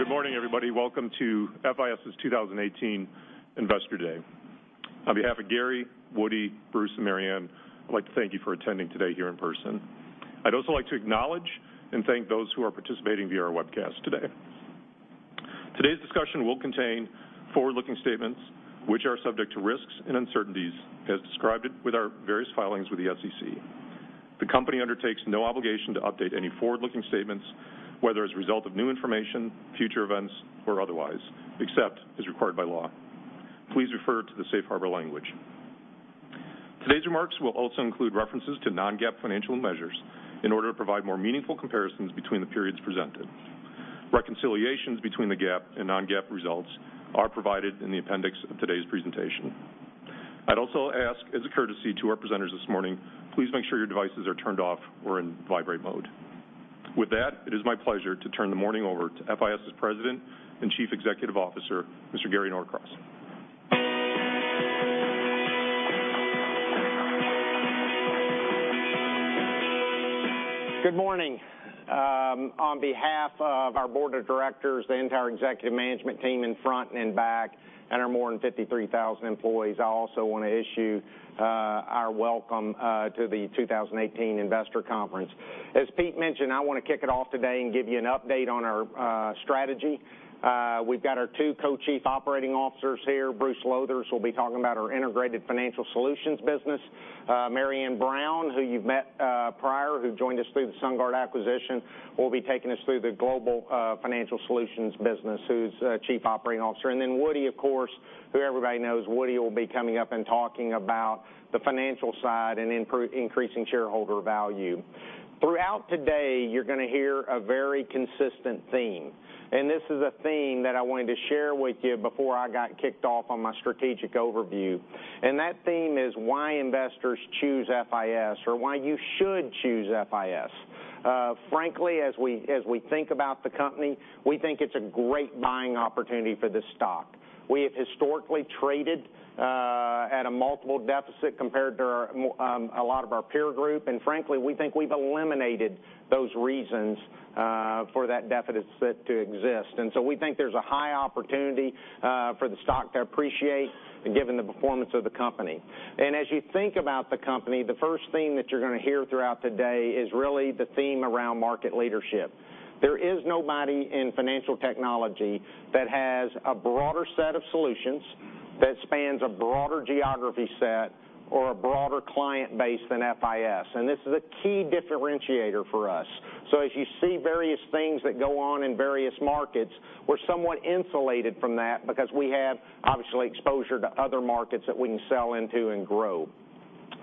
Well, good morning, everybody. Welcome to FIS's 2018 Investor Day. On behalf of Gary, Woody, Bruce, and Marianne, I'd like to thank you for attending today here in person. I'd also like to acknowledge and thank those who are participating via our webcast today. Today's discussion will contain forward-looking statements which are subject to risks and uncertainties as described with our various filings with the SEC. The company undertakes no obligation to update any forward-looking statements, whether as a result of new information, future events, or otherwise, except as required by law. Please refer to the safe harbor language. Today's remarks will also include references to non-GAAP financial measures in order to provide more meaningful comparisons between the periods presented. Reconciliations between the GAAP and non-GAAP results are provided in the appendix of today's presentation. I'd also ask, as a courtesy to our presenters this morning, please make sure your devices are turned off or in vibrate mode. With that, it is my pleasure to turn the morning over to FIS's President and Chief Executive Officer, Mr. Gary Norcross. Good morning. On behalf of our board of directors, the entire executive management team in front and in back, and our more than 53,000 employees, I also want to issue our welcome to the 2018 Investor Conference. As Pete mentioned, I want to kick it off today and give you an update on our strategy. We've got our two Co-Chief Operating Officers here. Bruce Lowthers will be talking about our Integrated Financial Solutions business. Marianne Brown, who you've met prior, who joined us through the SunGard acquisition, will be taking us through the Global Financial Solutions business, who's Chief Operating Officer. And then Woody, of course, who everybody knows. Woody will be coming up and talking about the financial side and increasing shareholder value. Throughout today, you're going to hear a very consistent theme, and this is a theme that I wanted to share with you before I got kicked off on my strategic overview. That theme is why investors choose FIS or why you should choose FIS. Frankly, as we think about the company, we think it's a great buying opportunity for this stock. We have historically traded at a multiple deficit compared to a lot of our peer group, and frankly, we think we've eliminated those reasons for that deficit to exist. So we think there's a high opportunity for the stock to appreciate given the performance of the company. As you think about the company, the first theme that you're going to hear throughout today is really the theme around market leadership. There is nobody in financial technology that has a broader set of solutions that spans a broader geography set or a broader client base than FIS, and this is a key differentiator for us. As you see various things that go on in various markets, we're somewhat insulated from that because we have, obviously, exposure to other markets that we can sell into and grow.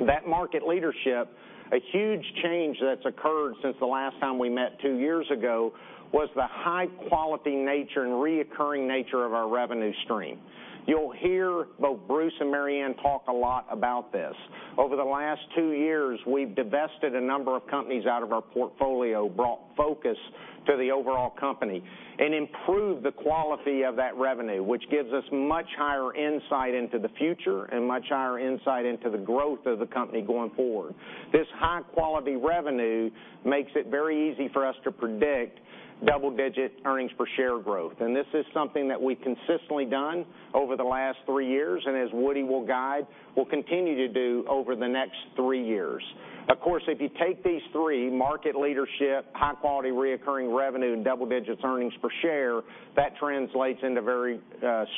That market leadership, a huge change that's occurred since the last time we met two years ago, was the high-quality nature and recurring nature of our revenue stream. You'll hear both Bruce and Marianne talk a lot about this. Over the last two years, we've divested a number of companies out of our portfolio, brought focus to the overall company, and improved the quality of that revenue, which gives us much higher insight into the future and much higher insight into the growth of the company going forward. This high-quality revenue makes it very easy for us to predict double-digit earnings per share growth. This is something that we've consistently done over the last three years, and as Woody will guide, we'll continue to do over the next three years. Of course, if you take these three, market leadership, high-quality recurring revenue, and double-digit earnings per share, that translates into very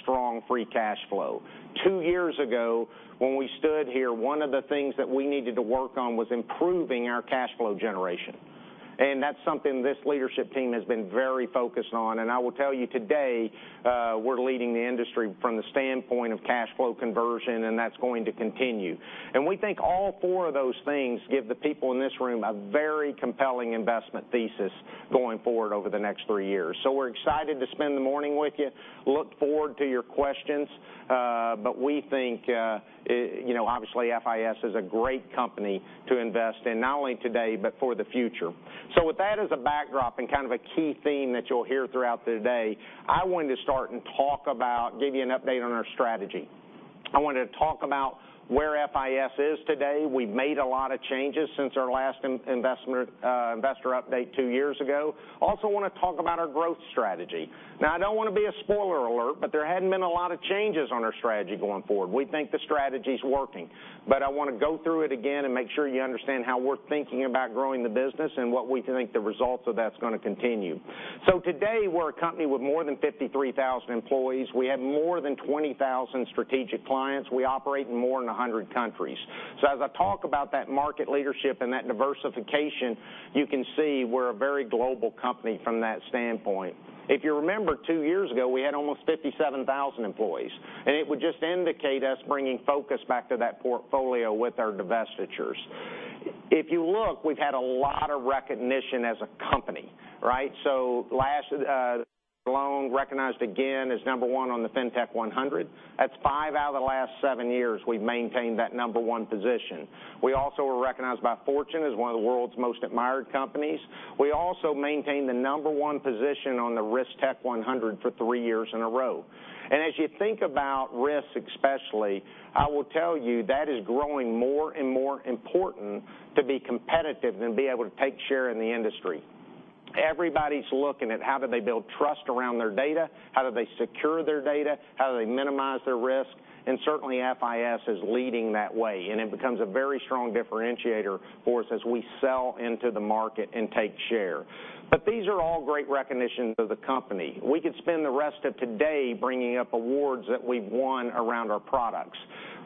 strong free cash flow. Two years ago, when we stood here, one of the things that we needed to work on was improving our cash flow generation. That's something this leadership team has been very focused on. I will tell you today, we're leading the industry from the standpoint of cash flow conversion, and that's going to continue. We think all four of those things give the people in this room a very compelling investment thesis going forward over the next three years. We're excited to spend the morning with you, look forward to your questions. We think, obviously, FIS is a great company to invest in, not only today but for the future. With that as a backdrop and a key theme that you'll hear throughout the day, I wanted to start and talk about, give you an update on our strategy. I wanted to talk about where FIS is today. We've made a lot of changes since our last investor update two years ago. Also want to talk about our growth strategy. Now, I don't want to be a spoiler alert, there hadn't been a lot of changes on our strategy going forward. We think the strategy's working. I want to go through it again and make sure you understand how we're thinking about growing the business and what we think the results of that's going to continue. Today, we're a company with more than 53,000 employees. We have more than 20,000 strategic clients. We operate in more than 100 countries. As I talk about that market leadership and that diversification, you can see we're a very global company from that standpoint. If you remember, two years ago, we had almost 57,000 employees, and it would just indicate us bringing focus back to that portfolio with our divestitures. If you look, we've had a lot of recognition as a company. last alone, recognized again as number one on the Fintech 100. That's five out of the last seven years we've maintained that number one position. We also were recognized by Fortune as one of the world's most admired companies. We also maintain the number one position on the RiskTech100 for three years in a row. As you think about risk especially, I will tell you that is growing more and more important to be competitive and be able to take share in the industry. Everybody's looking at how do they build trust around their data, how do they secure their data, how do they minimize their risk, and certainly FIS is leading that way, and it becomes a very strong differentiator for us as we sell into the market and take share. These are all great recognitions of the company. We could spend the rest of today bringing up awards that we've won around our products.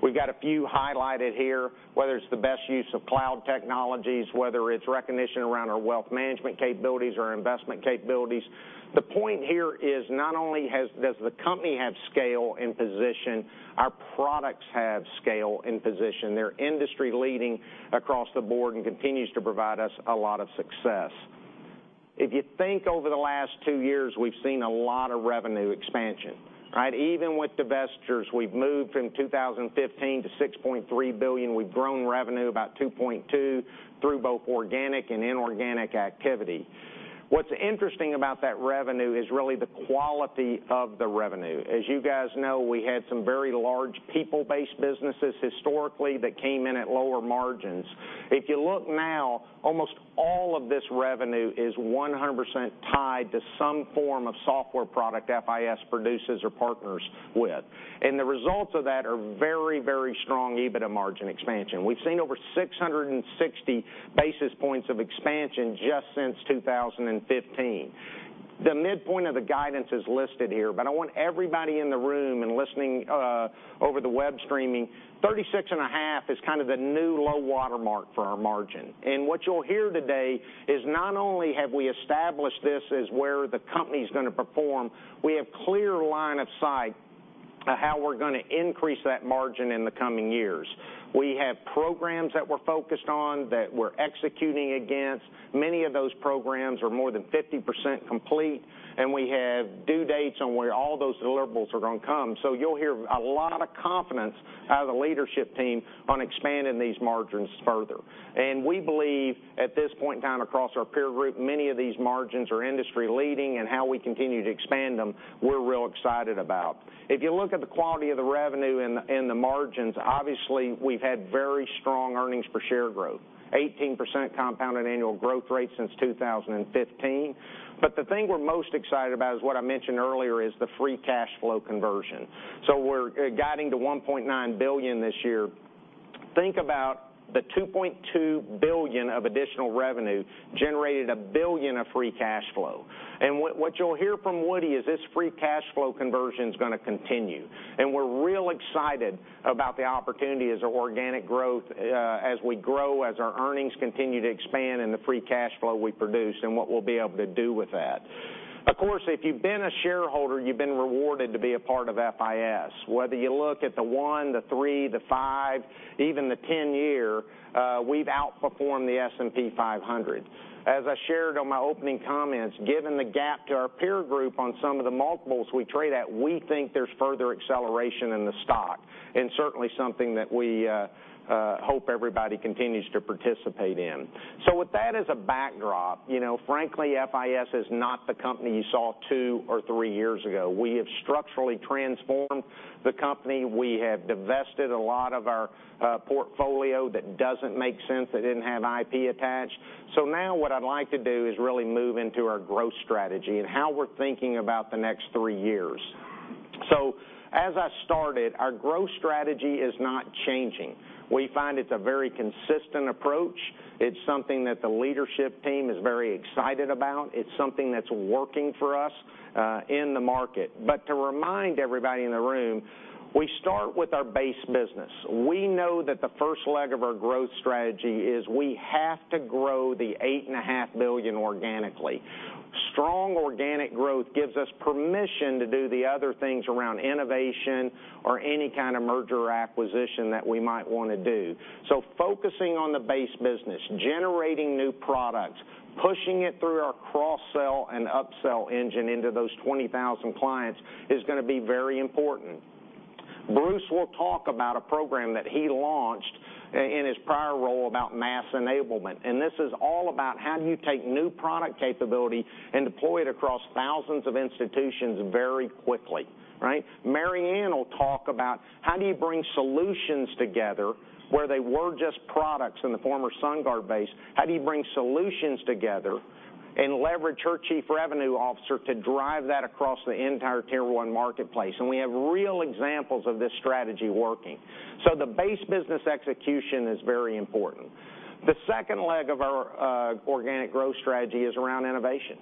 We've got a few highlighted here, whether it's the best use of cloud technologies, whether it's recognition around our wealth management capabilities or investment capabilities. The point here is not only does the company have scale and position, our products have scale and position. They're industry-leading across the board and continues to provide us a lot of success. If you think over the last two years, we've seen a lot of revenue expansion. Even with divestitures, we've moved from 2015 to $6.3 billion. We've grown revenue about $2.2 through both organic and inorganic activity. What's interesting about that revenue is really the quality of the revenue. As you guys know, we had some very large people-based businesses historically that came in at lower margins. If you look now, almost all of this revenue is 100% tied to some form of software product FIS produces or partners with. The results of that are very, very strong EBITDA margin expansion. We've seen over 660 basis points of expansion just since 2015. The midpoint of the guidance is listed here, I want everybody in the room and listening over the web streaming, 36.5% is the new low water mark for our margin. What you'll hear today is not only have we established this as where the company's going to perform, we have clear line of sight of how we're going to increase that margin in the coming years. We have programs that we're focused on, that we're executing against. Many of those programs are more than 50% complete, we have due dates on where all those deliverables are going to come. You'll hear a lot of confidence out of the leadership team on expanding these margins further. We believe at this point in time across our peer group, many of these margins are industry-leading and how we continue to expand them, we're real excited about. If you look at the quality of the revenue and the margins, obviously, we've had very strong earnings per share growth, 18% compounded annual growth rate since 2015. The thing we're most excited about is what I mentioned earlier is the free cash flow conversion. We're guiding to $1.9 billion this year. Think about the $2.2 billion of additional revenue generated $1 billion of free cash flow. What you'll hear from Woody is this free cash flow conversion is going to continue. We're real excited about the opportunity as our organic growth, as we grow, as our earnings continue to expand and the free cash flow we produce and what we'll be able to do with that. Of course, if you've been a shareholder, you've been rewarded to be a part of FIS. Whether you look at the one, the three, the five, even the 10-year, we've outperformed the S&P 500. As I shared on my opening comments, given the gap to our peer group on some of the multiples we trade at, we think there's further acceleration in the stock, and certainly something that we hope everybody continues to participate in. With that as a backdrop, frankly, FIS is not the company you saw two or three years ago. We have structurally transformed the company. We have divested a lot of our portfolio that doesn't make sense, that didn't have IP attached. Now what I'd like to do is really move into our growth strategy and how we're thinking about the next three years. As I started, our growth strategy is not changing. We find it's a very consistent approach. It's something that the leadership team is very excited about. It's something that's working for us in the market. To remind everybody in the room, we start with our base business. We know that the first leg of our growth strategy is we have to grow the $8.5 billion organically. Strong organic growth gives us permission to do the other things around innovation or any kind of merger acquisition that we might want to do. Focusing on the base business, generating new products, pushing it through our cross-sell and up-sell engine into those 20,000 clients is going to be very important. Bruce will talk about a program that he launched in his prior role about mass enablement. This is all about how do you take new product capability and deploy it across thousands of institutions very quickly. Marianne will talk about how do you bring solutions together where they were just products in the former SunGard base, how do you bring solutions together and leverage her chief revenue officer to drive that across the entire Tier 1 marketplace? We have real examples of this strategy working. The base business execution is very important. The second leg of our organic growth strategy is around innovation.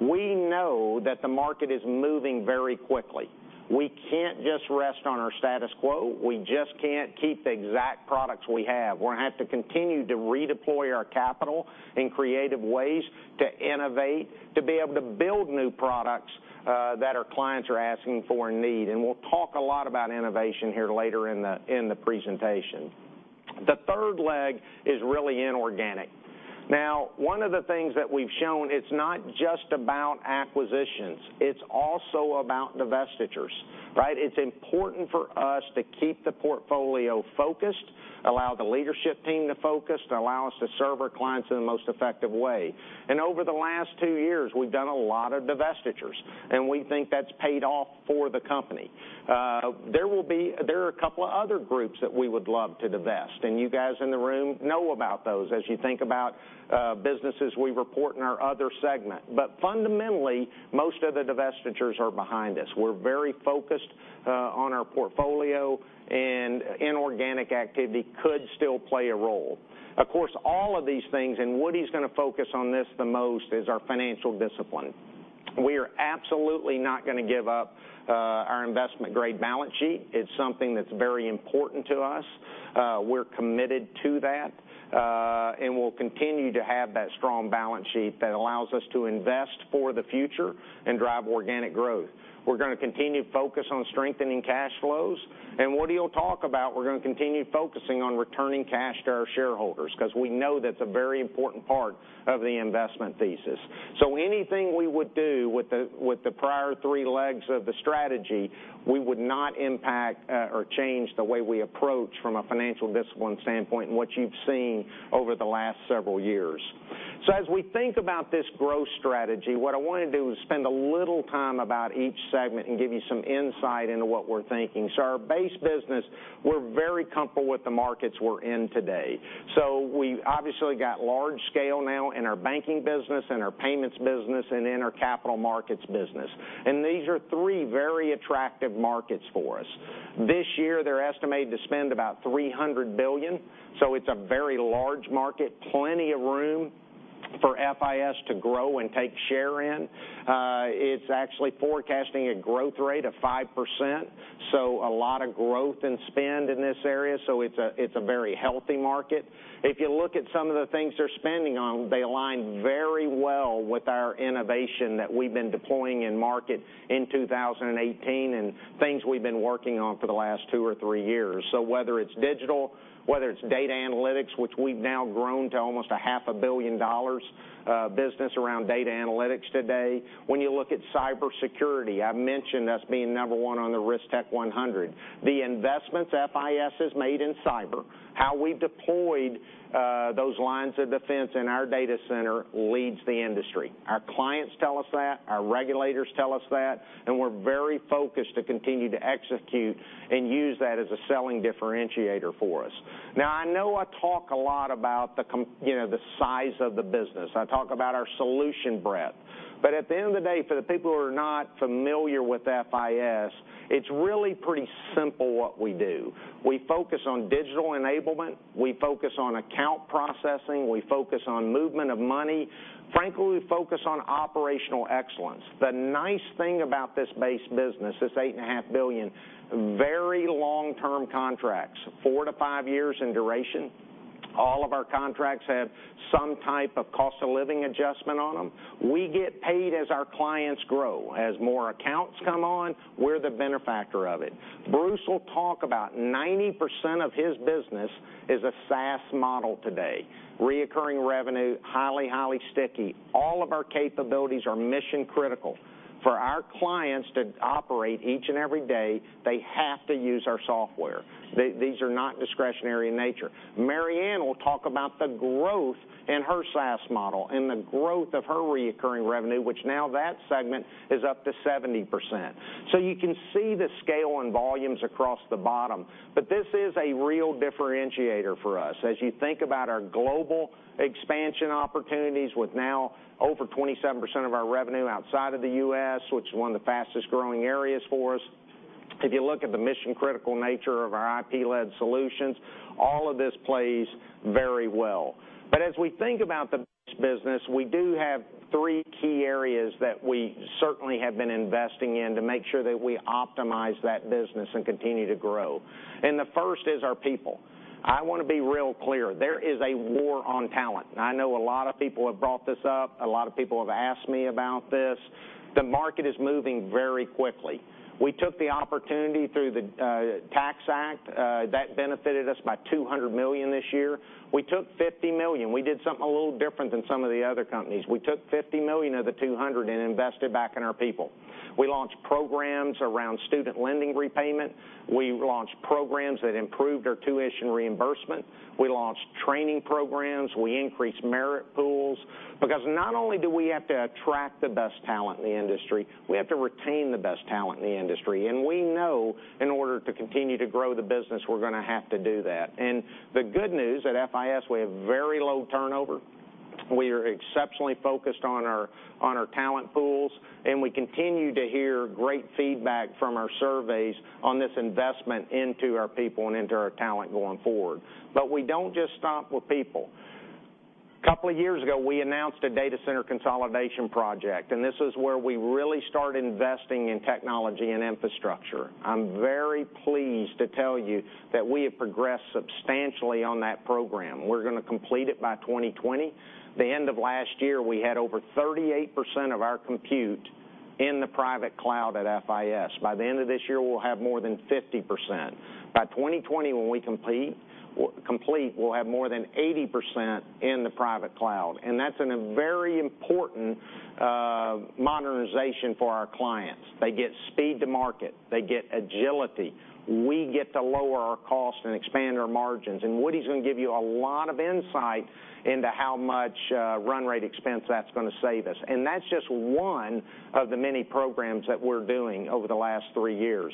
We know that the market is moving very quickly. We can't just rest on our status quo. We just can't keep the exact products we have. We're going to have to continue to redeploy our capital in creative ways to innovate, to be able to build new products that our clients are asking for and need. We'll talk a lot about innovation here later in the presentation. The third leg is really inorganic. One of the things that we've shown, it's not just about acquisitions, it's also about divestitures. It's important for us to keep the portfolio focused, allow the leadership team to focus, to allow us to serve our clients in the most effective way. Over the last two years, we've done a lot of divestitures, we think that's paid off for the company. There are a couple of other groups that we would love to divest. You guys in the room know about those as you think about businesses we report in our other segment. Fundamentally, most of the divestitures are behind us. We're very focused on our portfolio, inorganic activity could still play a role. All of these things, Woody's going to focus on this the most is our financial discipline. We are absolutely not going to give up our investment-grade balance sheet. It's something that's very important to us. We're committed to that, we'll continue to have that strong balance sheet that allows us to invest for the future and drive organic growth. We're going to continue to focus on strengthening cash flows. Woody will talk about we're going to continue focusing on returning cash to our shareholders because we know that's a very important part of the investment thesis. Anything we would do with the prior three legs of the strategy, we would not impact or change the way we approach from a financial discipline standpoint and what you've seen over the last several years. As we think about this growth strategy, what I want to do is spend a little time about each segment and give you some insight into what we're thinking. Our base business, we're very comfortable with the markets we're in today. We obviously got large scale now in our banking business and our payments business and in our capital markets business. These are three very attractive markets for us. This year, they're estimated to spend about $300 billion. It's a very large market, plenty of room for FIS to grow and take share in. It's actually forecasting a growth rate of 5%. A lot of growth and spend in this area. It's a very healthy market. If you look at some of the things they're spending on, they align very well with our innovation that we've been deploying in market in 2018 and things we've been working on for the last two or three years. Whether it's digital, whether it's data analytics, which we've now grown to almost a half a billion dollars business around data analytics today. When you look at cybersecurity, I mentioned us being number one on the RiskTech100. The investments FIS has made in cyber, how we deployed those lines of defense in our data center leads the industry. Our clients tell us that, our regulators tell us that, we're very focused to continue to execute and use that as a selling differentiator for us. I know I talk a lot about the size of the business. I talk about our solution breadth. At the end of the day, for the people who are not familiar with FIS, it's really pretty simple what we do. We focus on digital enablement. We focus on account processing. We focus on movement of money. Frankly, we focus on operational excellence. The nice thing about this base business, this $8.5 billion, very long-term contracts, four to five years in duration. All of our contracts have some type of cost of living adjustment on them. We get paid as our clients grow. As more accounts come on, we're the benefactor of it. Bruce will talk about 90% of his business is a SaaS model today. Recurring revenue, highly sticky. All of our capabilities are mission-critical. For our clients to operate each and every day, they have to use our software. These are not discretionary in nature. Marianne will talk about the growth in her SaaS model and the growth of her recurring revenue, which now that segment is up to 70%. You can see the scale and volumes across the bottom. This is a real differentiator for us. As you think about our global expansion opportunities with now over 27% of our revenue outside of the U.S., which is one of the fastest-growing areas for us. If you look at the mission-critical nature of our IP-led solutions, all of this plays very well. As we think about the business, we do have three key areas that we certainly have been investing in to make sure that we optimize that business and continue to grow. The first is our people. I want to be real clear. There is a war on talent. I know a lot of people have brought this up. A lot of people have asked me about this. The market is moving very quickly. We took the opportunity through the Tax Act. That benefited us by $200 million this year. We took $50 million. We did something a little different than some of the other companies. We took $50 million of the $200 and invested back in our people. We launched programs around student lending repayment. We launched programs that improved our tuition reimbursement. We launched training programs. We increased merit pools. Not only do we have to attract the best talent in the industry, we have to retain the best talent in the industry. We know in order to continue to grow the business, we're going to have to do that. The good news at FIS, we have very low turnover. We are exceptionally focused on our talent pools, and we continue to hear great feedback from our surveys on this investment into our people and into our talent going forward. We don't just stop with people. A couple of years ago, we announced a data center consolidation project, and this is where we really started investing in technology and infrastructure. I'm very pleased to tell you that we have progressed substantially on that program. We're going to complete it by 2020. The end of last year, we had over 38% of our compute in the private cloud at FIS. By the end of this year, we'll have more than 50%. By 2020, when we complete, we'll have more than 80% in the private cloud, and that's a very important modernization for our clients. They get speed to market. They get agility. We get to lower our cost and expand our margins. Woody's going to give you a lot of insight into how much run rate expense that's going to save us. That's just one of the many programs that we're doing over the last three years.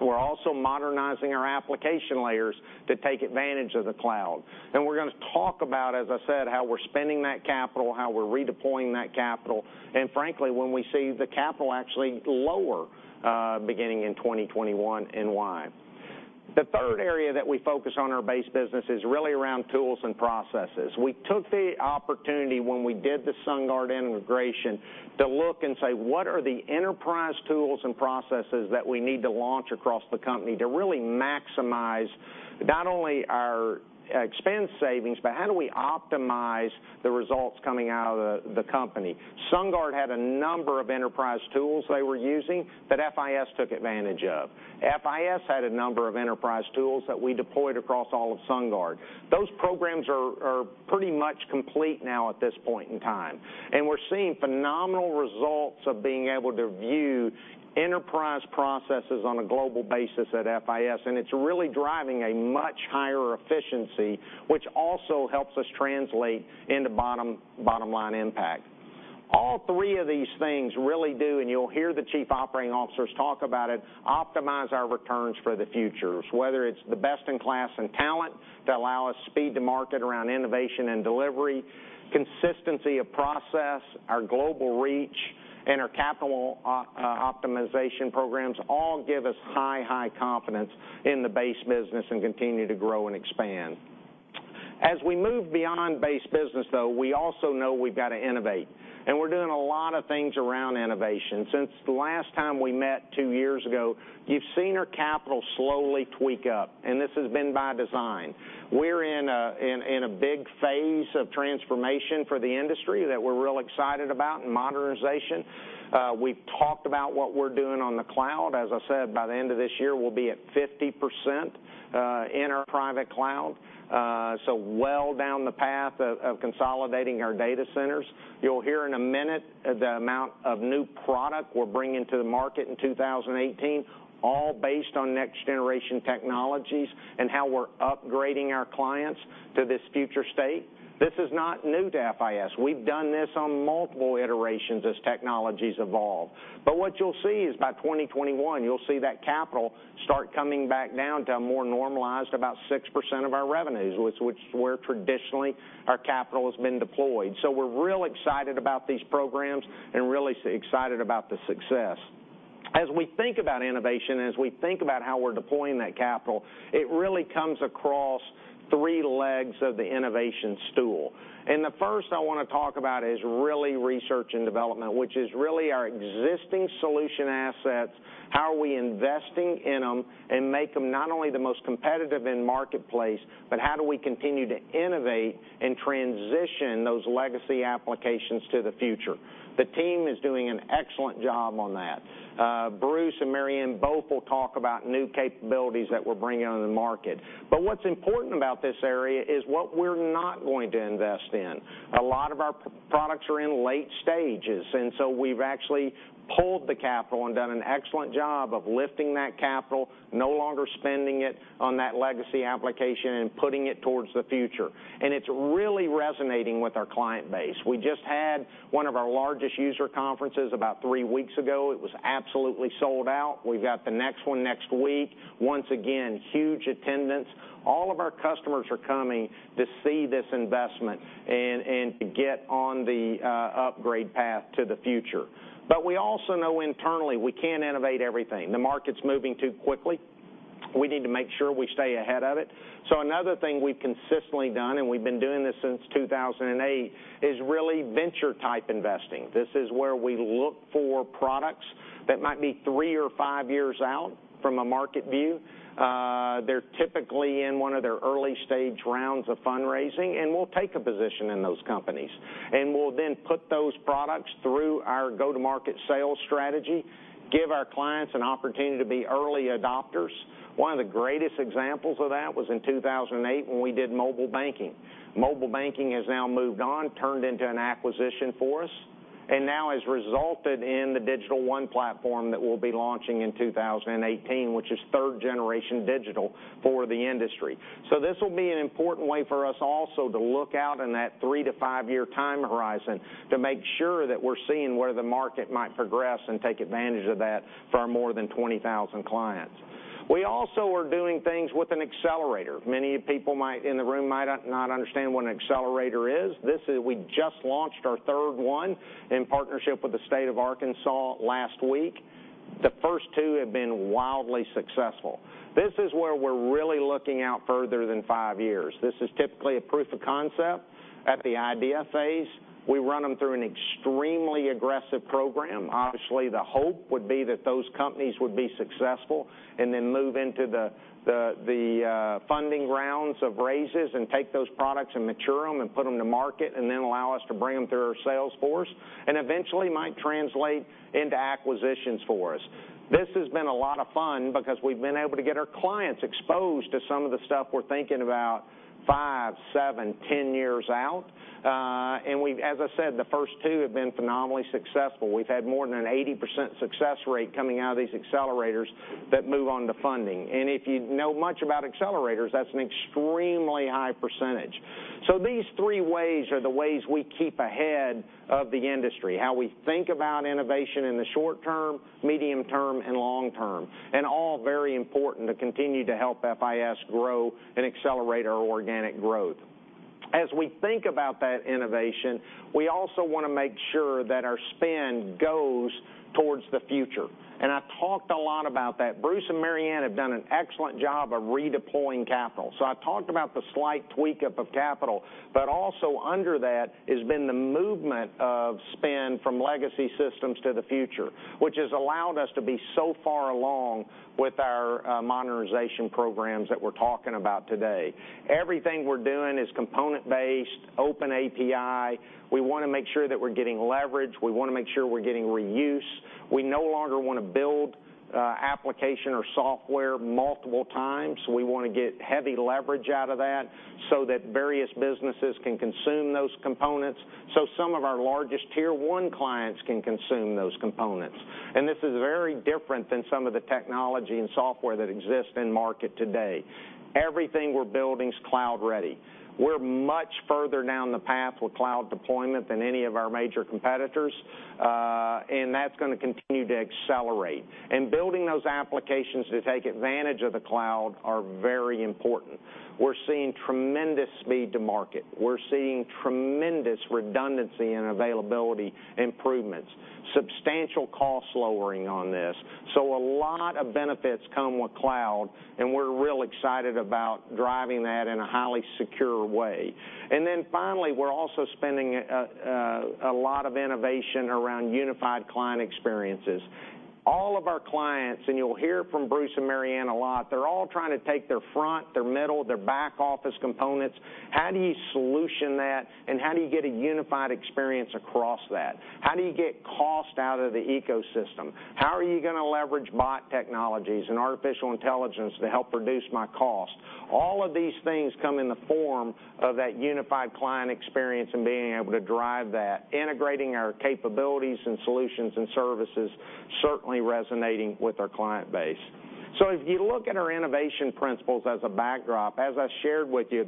We're also modernizing our application layers to take advantage of the cloud. We're going to talk about, as I said, how we're spending that capital, how we're redeploying that capital, and frankly, when we see the capital actually lower, beginning in 2021 and why. The third area that we focus on our base business is really around tools and processes. We took the opportunity when we did the SunGard integration to look and say, what are the enterprise tools and processes that we need to launch across the company to really maximize not only our expense savings, but how do we optimize the results coming out of the company? SunGard had a number of enterprise tools they were using that FIS took advantage of. FIS had a number of enterprise tools that we deployed across all of SunGard. Those programs are pretty much complete now at this point in time, and we're seeing phenomenal results of being able to view enterprise processes on a global basis at FIS, and it's really driving a much higher efficiency, which also helps us translate into bottom-line impact. All three of these things really do, and you'll hear the chief operating officers talk about it, optimize our returns for the future, whether it's the best in class and talent that allow us speed to market around innovation and delivery, consistency of process, our global reach, and our capital optimization programs all give us high confidence in the base business and continue to grow and expand. We move beyond base business, though, we also know we've got to innovate, and we're doing a lot of things around innovation. Since the last time we met two years ago, you've seen our capital slowly tweak up, and this has been by design. We're in a big phase of transformation for the industry that we're real excited about and modernization. We've talked about what we're doing on the cloud. As I said, by the end of this year, we'll be at 50% in our private cloud. Well down the path of consolidating our data centers. You'll hear in a minute the amount of new product we're bringing to the market in 2018, all based on next-generation technologies and how we're upgrading our clients to this future state. This is not new to FIS. We've done this on multiple iterations as technologies evolve. What you'll see is by 2021, you'll see that capital start coming back down to a more normalized about 6% of our revenues, which is where traditionally our capital has been deployed. We're real excited about these programs and really excited about the success. We think about innovation, as we think about how we're deploying that capital, it really comes across three legs of the innovation stool. The first I want to talk about is really research and development, which is really our existing solution assets, how are we investing in them and make them not only the most competitive in marketplace, but how do we continue to innovate and transition those legacy applications to the future? The team is doing an excellent job on that. Bruce and Marianne both will talk about new capabilities that we're bringing on the market. What's important about this area is what we're not going to invest in. A lot of our products are in late stages, we've actually pulled the capital and done an excellent job of lifting that capital, no longer spending it on that legacy application and putting it towards the future. It's really resonating with our client base. We just had one of our largest user conferences about three weeks ago. It was absolutely sold out. We've got the next one next week. Once again, huge attendance. All of our customers are coming to see this investment and to get on the upgrade path to the future. We also know internally we can't innovate everything. The market's moving too quickly. We need to make sure we stay ahead of it. Another thing we've consistently done, and we've been doing this since 2008, is really venture-type investing. This is where we look for products that might be three or five years out from a market view. They're typically in one of their early-stage rounds of fundraising, we'll take a position in those companies, we'll then put those products through our go-to-market sales strategy, give our clients an opportunity to be early adopters. One of the greatest examples of that was in 2008 when we did mobile banking. Mobile banking has now moved on, turned into an acquisition for us, and now has resulted in the Digital One platform that we'll be launching in 2018, which is third-generation digital for the industry. This will be an important way for us also to look out in that three to five-year time horizon to make sure that we're seeing where the market might progress and take advantage of that for our more than 20,000 clients. We also are doing things with an accelerator. Many people in the room might not understand what an accelerator is. We just launched our third one in partnership with the state of Arkansas last week. The first two have been wildly successful. This is where we're really looking out further than five years. This is typically a proof of concept at the idea phase. We run them through an extremely aggressive program. Obviously, the hope would be that those companies would be successful, move into the funding rounds of raises and take those products and mature them and put them to market, allow us to bring them through our sales force, eventually might translate into acquisitions for us. This has been a lot of fun because we've been able to get our clients exposed to some of the stuff we're thinking about five, seven, 10 years out. As I said, the first two have been phenomenally successful. We've had more than an 80% success rate coming out of these accelerators that move on to funding. If you know much about accelerators, that's an extremely high percentage. These three ways are the ways we keep ahead of the industry, how we think about innovation in the short term, medium term, and long term, and all very important to continue to help FIS grow and accelerate our organic growth. As we think about that innovation, we also want to make sure that our spend goes towards the future. I talked a lot about that. Bruce and Marianne have done an excellent job of redeploying capital. I talked about the slight tweak-up of capital, but also under that has been the movement of spend from legacy systems to the future, which has allowed us to be so far along with our modernization programs that we're talking about today. Everything we're doing is component-based, open API. We want to make sure that we're getting leverage. We want to make sure we're getting reuse. We no longer want to build application or software multiple times. We want to get heavy leverage out of that so that various businesses can consume those components, so some of our largest tier 1 clients can consume those components. This is very different than some of the technology and software that exists in market today. Everything we're building is cloud ready. We're much further down the path with cloud deployment than any of our major competitors, and that's going to continue to accelerate. Building those applications to take advantage of the cloud are very important. We're seeing tremendous speed to market. We're seeing tremendous redundancy and availability improvements, substantial cost lowering on this. A lot of benefits come with cloud, and we're real excited about driving that in a highly secure way. Finally, we're also spending a lot of innovation around unified client experiences. All of our clients, you'll hear from Bruce and Marianne a lot, they're all trying to take their front, their middle, their back office components. How do you solution that, and how do you get a unified experience across that? How do you get cost out of the ecosystem? How are you going to leverage bot technologies and artificial intelligence to help reduce my cost? All of these things come in the form of that unified client experience and being able to drive that, integrating our capabilities and solutions and services certainly resonating with our client base. If you look at our innovation principles as a backdrop, as I shared with you,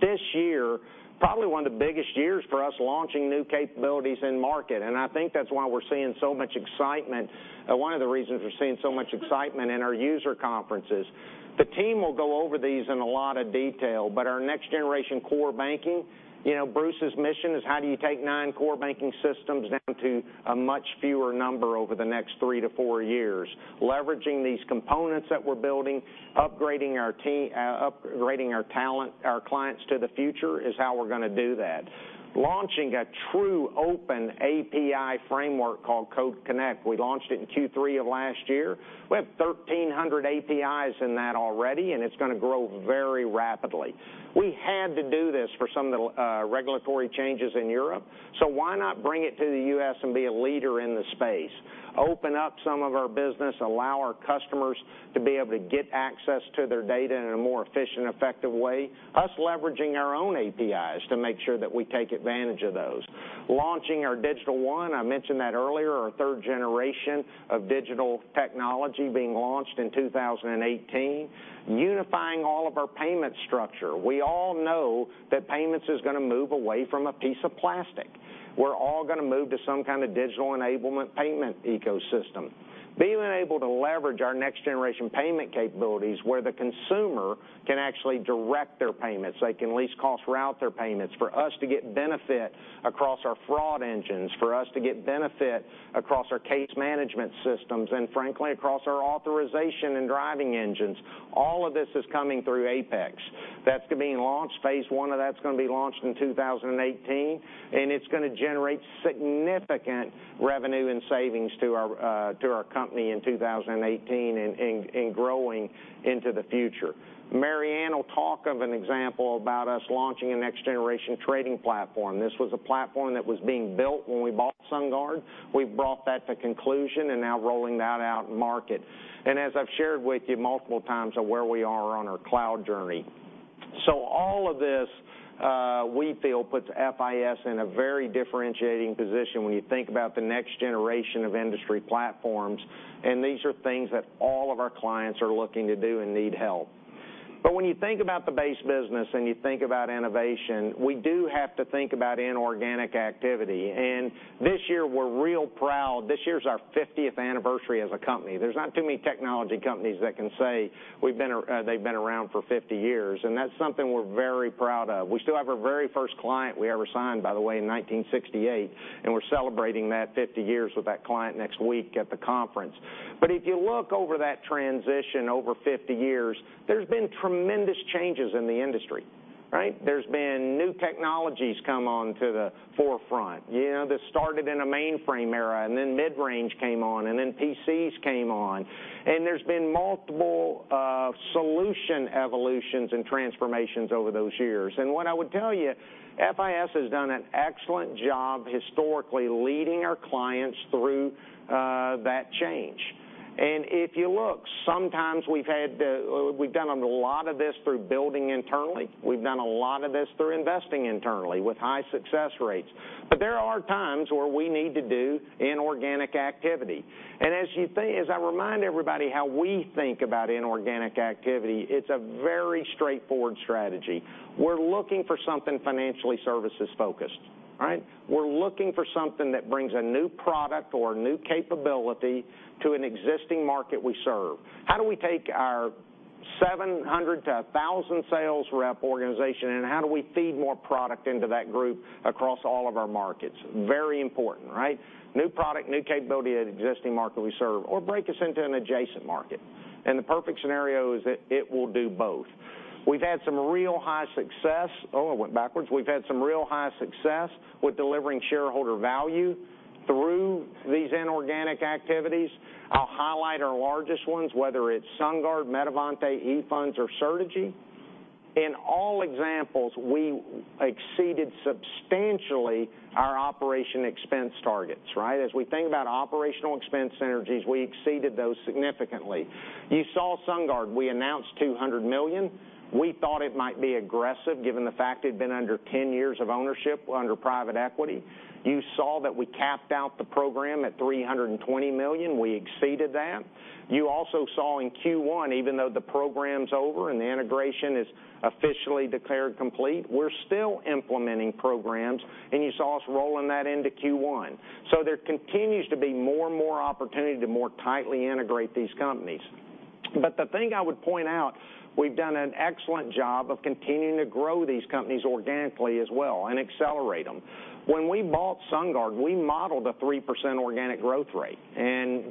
this year, probably one of the biggest years for us launching new capabilities in market, I think that's why we're seeing so much excitement, one of the reasons we're seeing so much excitement in our user conferences. The team will go over these in a lot of detail, our next generation core banking. Bruce's mission is how do you take nine core banking systems down to a much fewer number over the next three to four years. Leveraging these components that we're building, upgrading our talent, our clients to the future is how we're going to do that. Launching a true open API framework called Code Connect. We launched it in Q3 of last year. We have 1,300 APIs in that already, and it's going to grow very rapidly. We had to do this for some of the regulatory changes in Europe. Why not bring it to the U.S. and be a leader in the space? Open up some of our business, allow our customers to be able to get access to their data in a more efficient, effective way, us leveraging our own APIs to make sure that we take advantage of those. Launching our Digital One, I mentioned that earlier, our third generation of digital technology being launched in 2018. Unifying all of our payment structure. We all know that payments is going to move away from a piece of plastic. We're all going to move to some kind of digital enablement payment ecosystem. Being able to leverage our next generation payment capabilities where the consumer can actually direct their payments, they can at least cost route their payments for us to get benefit across our fraud engines, for us to get benefit across our case management systems, and frankly, across our authorization and driving engines. All of this is coming through Apex. That's being launched. Phase one of that's going to be launched in 2018, and it's going to generate significant revenue and savings to our company in 2018 and growing into the future. Marianne will talk of an example about us launching a next generation trading platform. This was a platform that was being built when we bought SunGard. We've brought that to conclusion and now rolling that out market. As I've shared with you multiple times of where we are on our cloud journey. All of this, we feel puts FIS in a very differentiating position when you think about the next generation of industry platforms, and these are things that all of our clients are looking to do and need help. When you think about the base business and you think about innovation, we do have to think about inorganic activity. This year we're real proud. This year's our 50th anniversary as a company. There's not too many technology companies that can say they've been around for 50 years, and that's something we're very proud of. We still have our very first client we ever signed, by the way, in 1968, and we're celebrating that 50 years with that client next week at the conference. If you look over that transition over 50 years, there's been tremendous changes in the industry. There's been new technologies come on to the forefront. This started in a mainframe era, then mid-range came on, then PCs came on. There's been multiple solution evolutions and transformations over those years. What I would tell you, FIS has done an excellent job historically leading our clients through that change. If you look, sometimes we've done a lot of this through building internally. We've done a lot of this through investing internally with high success rates. There are times where we need to do inorganic activity. As I remind everybody how we think about inorganic activity, it's a very straightforward strategy. We're looking for something financial services-focused. We're looking for something that brings a new product or a new capability to an existing market we serve. How do we take our 700 to 1,000 sales rep organization, how do we feed more product into that group across all of our markets? Very important. New product, new capability at an existing market we serve, or break us into an adjacent market. The perfect scenario is that it will do both. We've had some real high success. Oh, it went backwards. We've had some real high success with delivering shareholder value through these inorganic activities. I'll highlight our largest ones, whether it's SunGard, Metavante, eFunds, or Certegy. In all examples, we exceeded substantially our operation expense targets. As we think about operational expense synergies, we exceeded those significantly. You saw SunGard. We announced $200 million. We thought it might be aggressive given the fact it'd been under 10 years of ownership under private equity. You saw that we capped out the program at $320 million. We exceeded that. You also saw in Q1, even though the program's over and the integration is officially declared complete, we're still implementing programs, and you saw us rolling that into Q1. There continues to be more and more opportunity to more tightly integrate these companies. The thing I would point out, we've done an excellent job of continuing to grow these companies organically as well and accelerate them. When we bought SunGard, we modeled a 3% organic growth rate,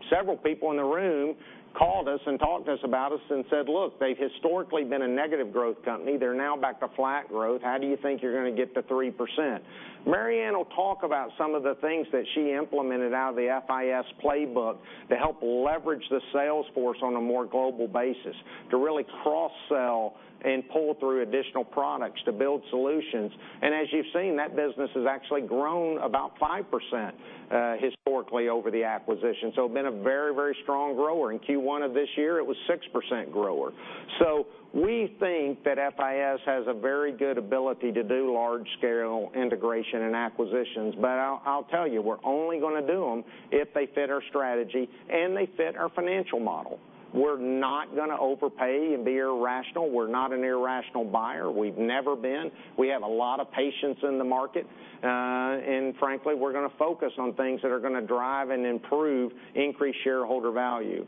several people in the room called us and talked to us about us and said, "Look, they've historically been a negative growth company. They're now back to flat growth. How do you think you're going to get to 3%?" Marianne Brown will talk about some of the things that she implemented out of the FIS playbook to help leverage the sales force on a more global basis, to really cross-sell and pull through additional products to build solutions. As you've seen, that business has actually grown about 5% historically over the acquisition. It's been a very strong grower. In Q1 of this year, it was 6% grower. We think that FIS has a very good ability to do large-scale integration and acquisitions. I'll tell you, we're only going to do them if they fit our strategy and they fit our financial model. We're not going to overpay and be irrational. We're not an irrational buyer. We've never been. We have a lot of patience in the market. Frankly, we're going to focus on things that are going to drive and improve increased shareholder value.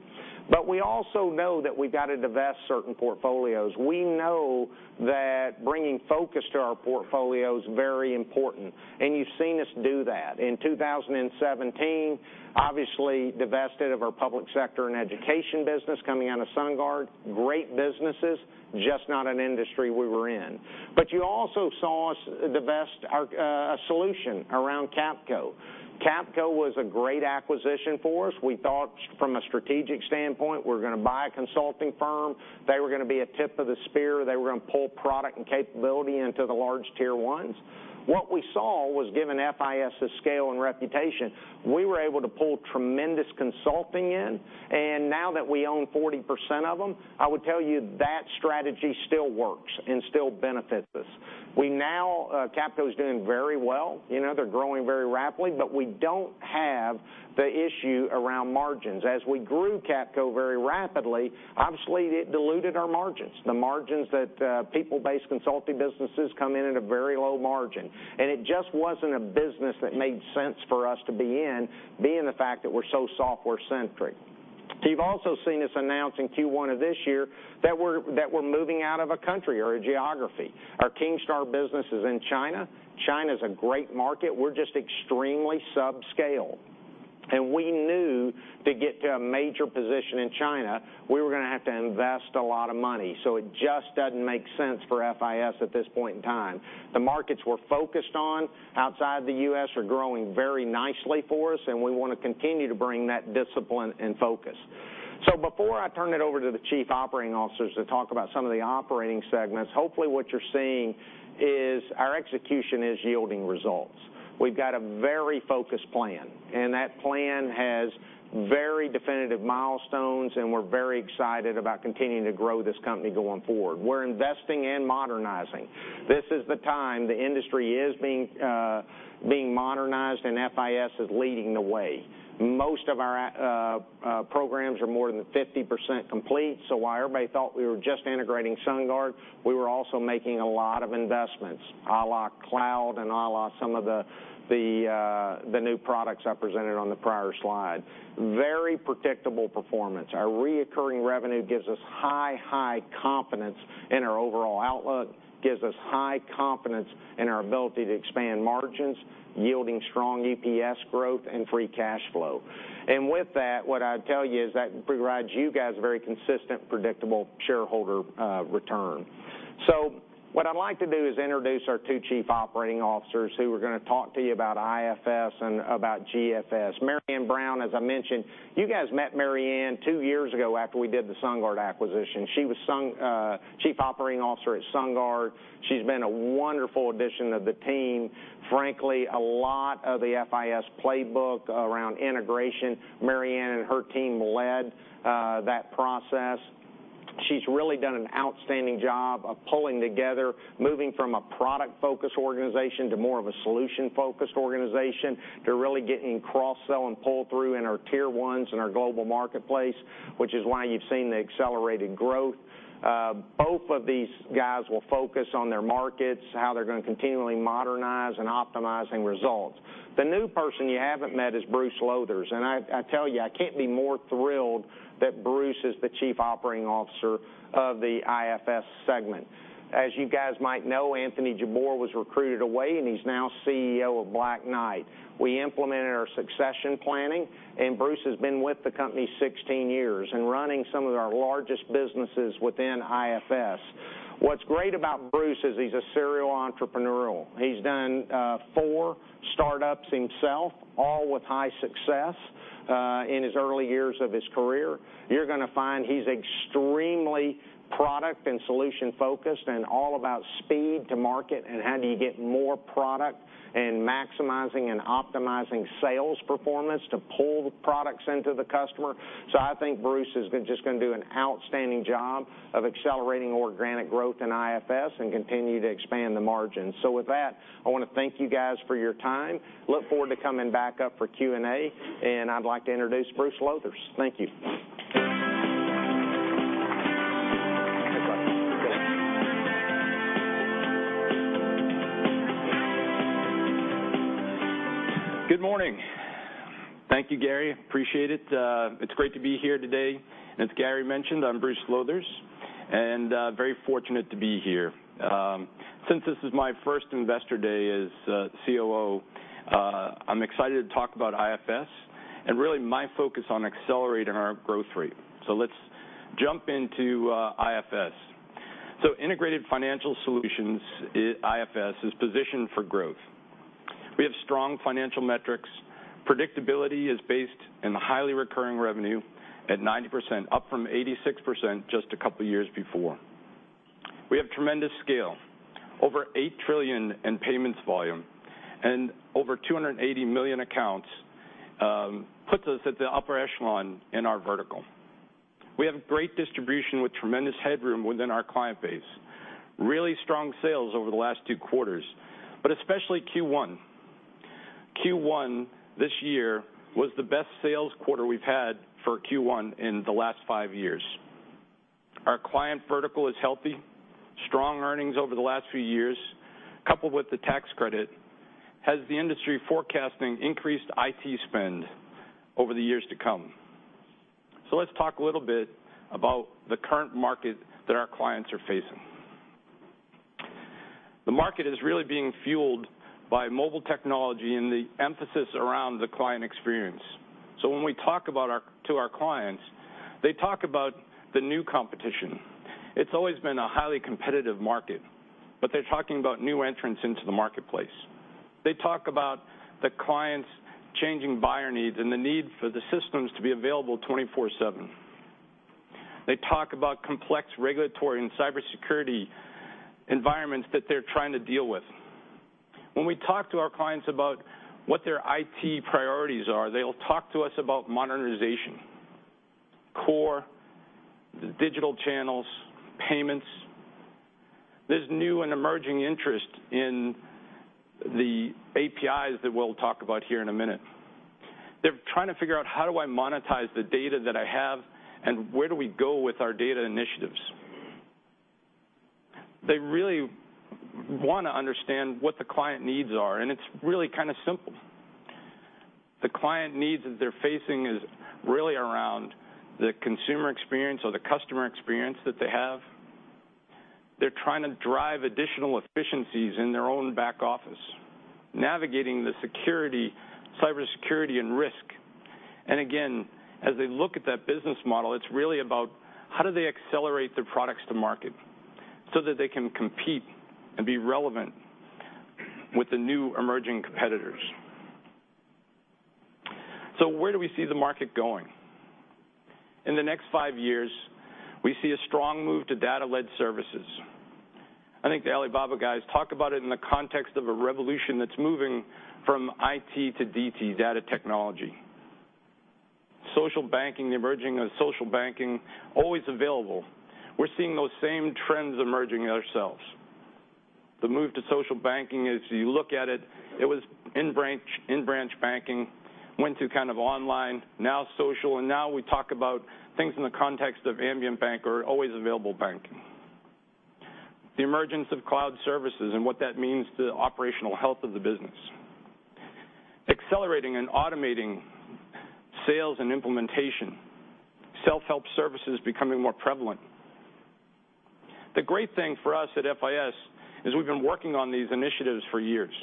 We also know that we've got to divest certain portfolios. We know that bringing focus to our portfolio is very important, and you've seen us do that. In 2017, obviously divested of our public sector and education business coming out of SunGard, great businesses, just not an industry we were in. You also saw us divest our solution around Capco. Capco was a great acquisition for us. We thought from a strategic standpoint, we're going to buy a consulting firm. They were going to be a tip of the spear. They were going to pull product and capability into the large tier 1s. What we saw was given FIS' scale and reputation, we were able to pull tremendous consulting in. Now that we own 40% of them, I would tell you that strategy still works and still benefits us. Capco is doing very well. They're growing very rapidly, but we don't have the issue around margins. As we grew Capco very rapidly, obviously, it diluted our margins. The margins that people-based consulting businesses come in at a very low margin, and it just wasn't a business that made sense for us to be in, being the fact that we're so software-centric. You've also seen us announce in Q1 of this year that we're moving out of a country or a geography. Our Kingstar business is in China. China's a great market. We're just extremely subscale. We knew to get to a major position in China, we were going to have to invest a lot of money. It just doesn't make sense for FIS at this point in time. The markets we're focused on outside the U.S. are growing very nicely for us. We want to continue to bring that discipline and focus. Before I turn it over to the Chief Operating Officers to talk about some of the operating segments, hopefully what you're seeing is our execution is yielding results. We've got a very focused plan. That plan has very definitive milestones. We're very excited about continuing to grow this company going forward. We're investing and modernizing. This is the time the industry is being modernized, and FIS is leading the way. Most of our programs are more than 50% complete. While everybody thought we were just integrating SunGard, we were also making a lot of investments, a la cloud and a la some of the new products I presented on the prior slide. Very predictable performance. Our recurring revenue gives us high confidence in our overall outlook, gives us high confidence in our ability to expand margins, yielding strong EPS growth and free cash flow. With that, what I'd tell you is that provides you guys very consistent, predictable shareholder return. What I'd like to do is introduce our two Chief Operating Officers who are going to talk to you about IFS and about GFS. Marianne Brown, as I mentioned, you guys met Marianne two years ago after we did the SunGard acquisition. She was Chief Operating Officer at SunGard. She's been a wonderful addition to the team. Frankly, a lot of the FIS playbook around integration, Marianne and her team led that process. She's really done an outstanding job of pulling together, moving from a product-focused organization to more of a solution-focused organization to really getting cross-sell and pull through in our tier 1s in our global marketplace, which is why you've seen the accelerated growth. Both of these guys will focus on their markets, how they're going to continually modernize and optimizing results. The new person you haven't met is Bruce Lowthers. I tell you, I can't be more thrilled that Bruce is the Chief Operating Officer of the IFS segment. As you guys might know, Anthony Jabbour was recruited away. He's now CEO of Black Knight. We implemented our succession planning. Bruce has been with the company 16 years and running some of our largest businesses within IFS. What's great about Bruce is he's a serial entrepreneurial. He's done four startups himself, all with high success in his early years of his career. You're going to find he's extremely product and solution-focused and all about speed to market and how do you get more product and maximizing and optimizing sales performance to pull the products into the customer. I think Bruce is just going to do an outstanding job of accelerating organic growth in IFS and continue to expand the margin. With that, I want to thank you guys for your time. Look forward to coming back up for Q&A, and I'd like to introduce Bruce Lowthers. Thank you. Good morning. Thank you, Gary. Appreciate it. It's great to be here today. As Gary mentioned, I'm Bruce Lowthers, and very fortunate to be here. Since this is my first Investor Day as COO, I'm excited to talk about IFS and really my focus on accelerating our growth rate. Let's jump into IFS. Integrated Financial Solutions, IFS, is positioned for growth. We have strong financial metrics. Predictability is based in the highly recurring revenue at 90%, up from 86% just a couple of years before. We have tremendous scale. Over 8 trillion in payments volume and over 280 million accounts puts us at the upper echelon in our vertical. We have great distribution with tremendous headroom within our client base. Really strong sales over the last two quarters, but especially Q1. Q1 this year was the best sales quarter we've had for Q1 in the last five years. Our client vertical is healthy. Strong earnings over the last few years, coupled with the tax credit, has the industry forecasting increased IT spend over the years to come. Let's talk a little bit about the current market that our clients are facing. The market is really being fueled by mobile technology and the emphasis around the client experience. When we talk to our clients, they talk about the new competition. It's always been a highly competitive market, but they're talking about new entrants into the marketplace. They talk about the clients changing buyer needs and the need for the systems to be available 24/7. They talk about complex regulatory and cybersecurity environments that they're trying to deal with. When we talk to our clients about what their IT priorities are, they'll talk to us about modernization, core, digital channels, payments. There's new and emerging interest in the APIs that we'll talk about here in a minute. They're trying to figure out how do I monetize the data that I have, and where do we go with our data initiatives? They really want to understand what the client needs are, and it's really kind of simple. The client needs that they're facing is really around the consumer experience or the customer experience that they have. They're trying to drive additional efficiencies in their own back office, navigating the cybersecurity and risk. Again, as they look at that business model, it's really about how do they accelerate their products to market so that they can compete and be relevant with the new emerging competitors. Where do we see the market going? In the next five years, we see a strong move to data-led services. I think the Alibaba guys talk about it in the context of a revolution that's moving from IT to DT, data technology. Social banking, the emerging of social banking, always available. We're seeing those same trends emerging ourselves. The move to social banking is, you look at it was in-branch banking, went to kind of online, now social, and now we talk about things in the context of ambient bank or always available banking. The emergence of cloud services and what that means to the operational health of the business. Accelerating and automating sales and implementation. Self-help services becoming more prevalent. The great thing for us at FIS is we've been working on these initiatives for years.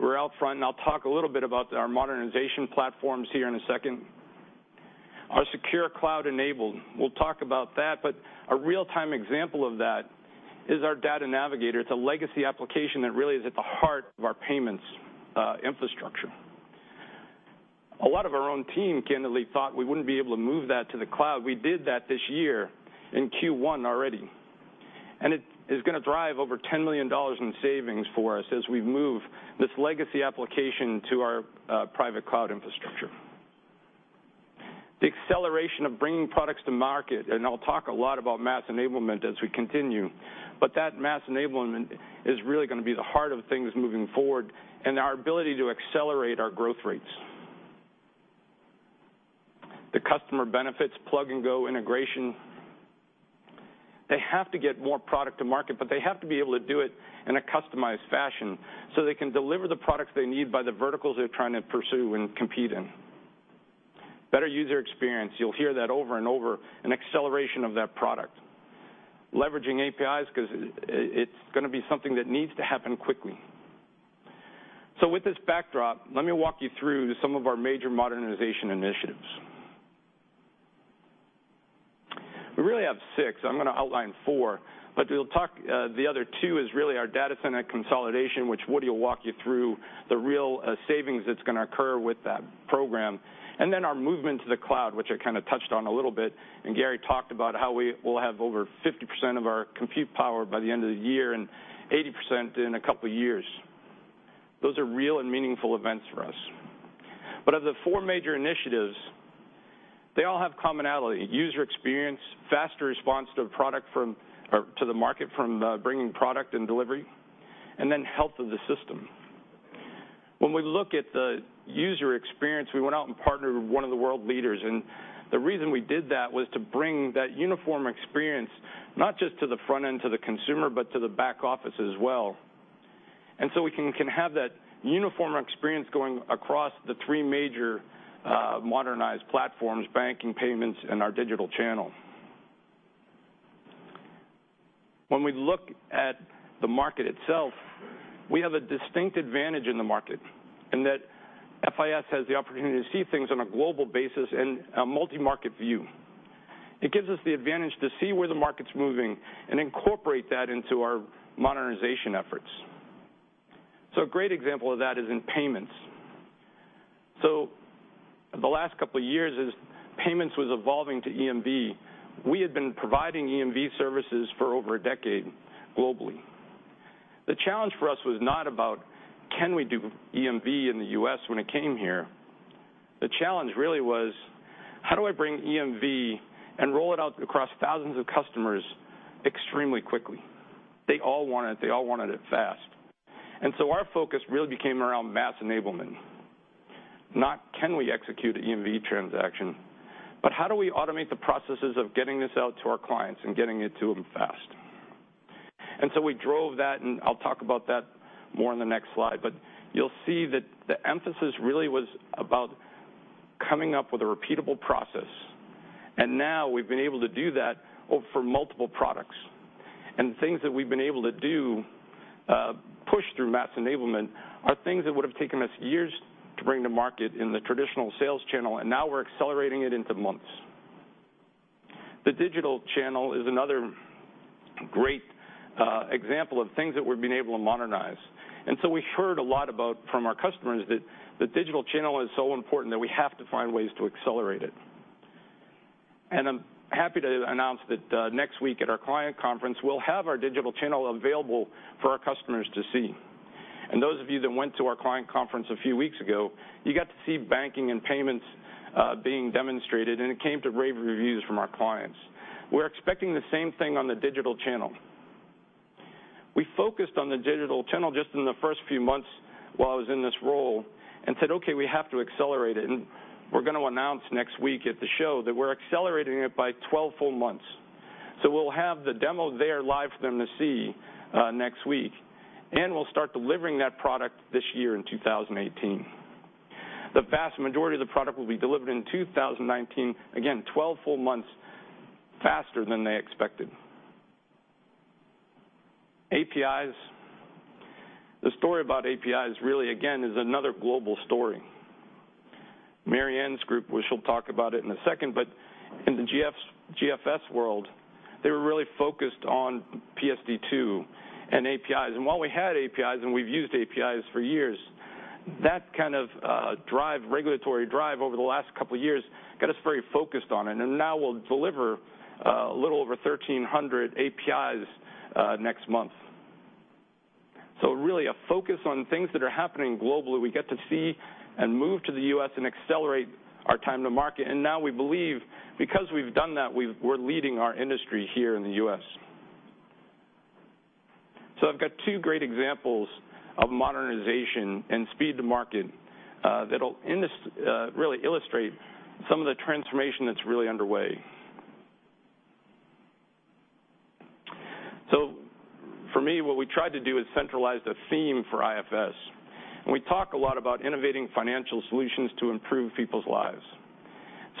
Upfront, I'll talk a little bit about our modernization platforms here in a second. Our secure cloud-enabled. We'll talk about that, but a real-time example of that is our Data Navigator. It's a legacy application that really is at the heart of our payments infrastructure. A lot of our own team candidly thought we wouldn't be able to move that to the cloud. We did that this year in Q1 already, it is going to drive over $10 million in savings for us as we move this legacy application to our private cloud infrastructure. The acceleration of bringing products to market, I'll talk a lot about mass enablement as we continue, that mass enablement is really going to be the heart of things moving forward in our ability to accelerate our growth rates. The customer benefits, plug and go integration. They have to get more product to market, but they have to be able to do it in a customized fashion so they can deliver the products they need by the verticals they're trying to pursue and compete in. Better user experience. You'll hear that over and over, an acceleration of that product. Leveraging APIs because it's going to be something that needs to happen quickly. With this backdrop, let me walk you through some of our major modernization initiatives. We really have six. I'm going to outline four, the other two is really our data center consolidation, which Woody will walk you through the real savings that's going to occur with that program. Our movement to the cloud, which I kind of touched on a little bit, Gary talked about how we will have over 50% of our compute power by the end of the year and 80% in a couple of years. Those are real and meaningful events for us. Of the four major initiatives, they all have commonality, user experience, faster response to the market from bringing product and delivery, and then health of the system. When we look at the user experience, we went out and partnered with one of the world leaders, the reason we did that was to bring that uniform experience, not just to the front end to the consumer, but to the back office as well. So we can have that uniform experience going across the three major modernized platforms, banking, payments, and our digital channel. When we look at the market itself, we have a distinct advantage in the market in that FIS has the opportunity to see things on a global basis and a multi-market view. It gives us the advantage to see where the market's moving and incorporate that into our modernization efforts. A great example of that is in payments. The last couple of years as payments was evolving to EMV, we had been providing EMV services for over a decade globally. The challenge for us was not about can we do EMV in the U.S. when it came here. The challenge really was how do I bring EMV and roll it out across thousands of customers extremely quickly? They all want it, they all wanted it fast. Our focus really became around mass enablement, not can we execute an EMV transaction, but how do we automate the processes of getting this out to our clients and getting it to them fast? We drove that, and I'll talk about that more in the next slide, but you'll see that the emphasis really was about coming up with a repeatable process. Now we've been able to do that for multiple products. Things that we've been able to do, push through mass enablement, are things that would have taken us years to bring to market in the traditional sales channel, and now we're accelerating it into months. The digital channel is another great example of things that we've been able to modernize. We heard a lot about from our customers that the digital channel is so important that we have to find ways to accelerate it. I'm happy to announce that next week at our client conference, we'll have our digital channel available for our customers to see. Those of you that went to our client conference a few weeks ago, you got to see banking and payments being demonstrated, and it came to rave reviews from our clients. We're expecting the same thing on the digital channel. We focused on the digital channel just in the first few months while I was in this role and said, "Okay, we have to accelerate it," and we're going to announce next week at the show that we're accelerating it by 12 full months. We'll have the demo there live for them to see next week, and we'll start delivering that product this year in 2018. The vast majority of the product will be delivered in 2019. Again, 12 full months faster than they expected. APIs. The story about APIs really, again, is another global story. Marianne's group, which she'll talk about it in a second, but in the GFS world, they were really focused on PSD2 and APIs. While we had APIs and we've used APIs for years, that kind of regulatory drive over the last couple of years got us very focused on it, and now we'll deliver a little over 1,300 APIs next month. Really a focus on things that are happening globally. We get to see and move to the U.S. and accelerate our time to market. We believe because we've done that, we're leading our industry here in the U.S. I've got two great examples of modernization and speed to market that'll really illustrate some of the transformation that's really underway. For me, what we tried to do is centralize the theme for Integrated Financial Solutions. We talk a lot about innovating financial solutions to improve people's lives.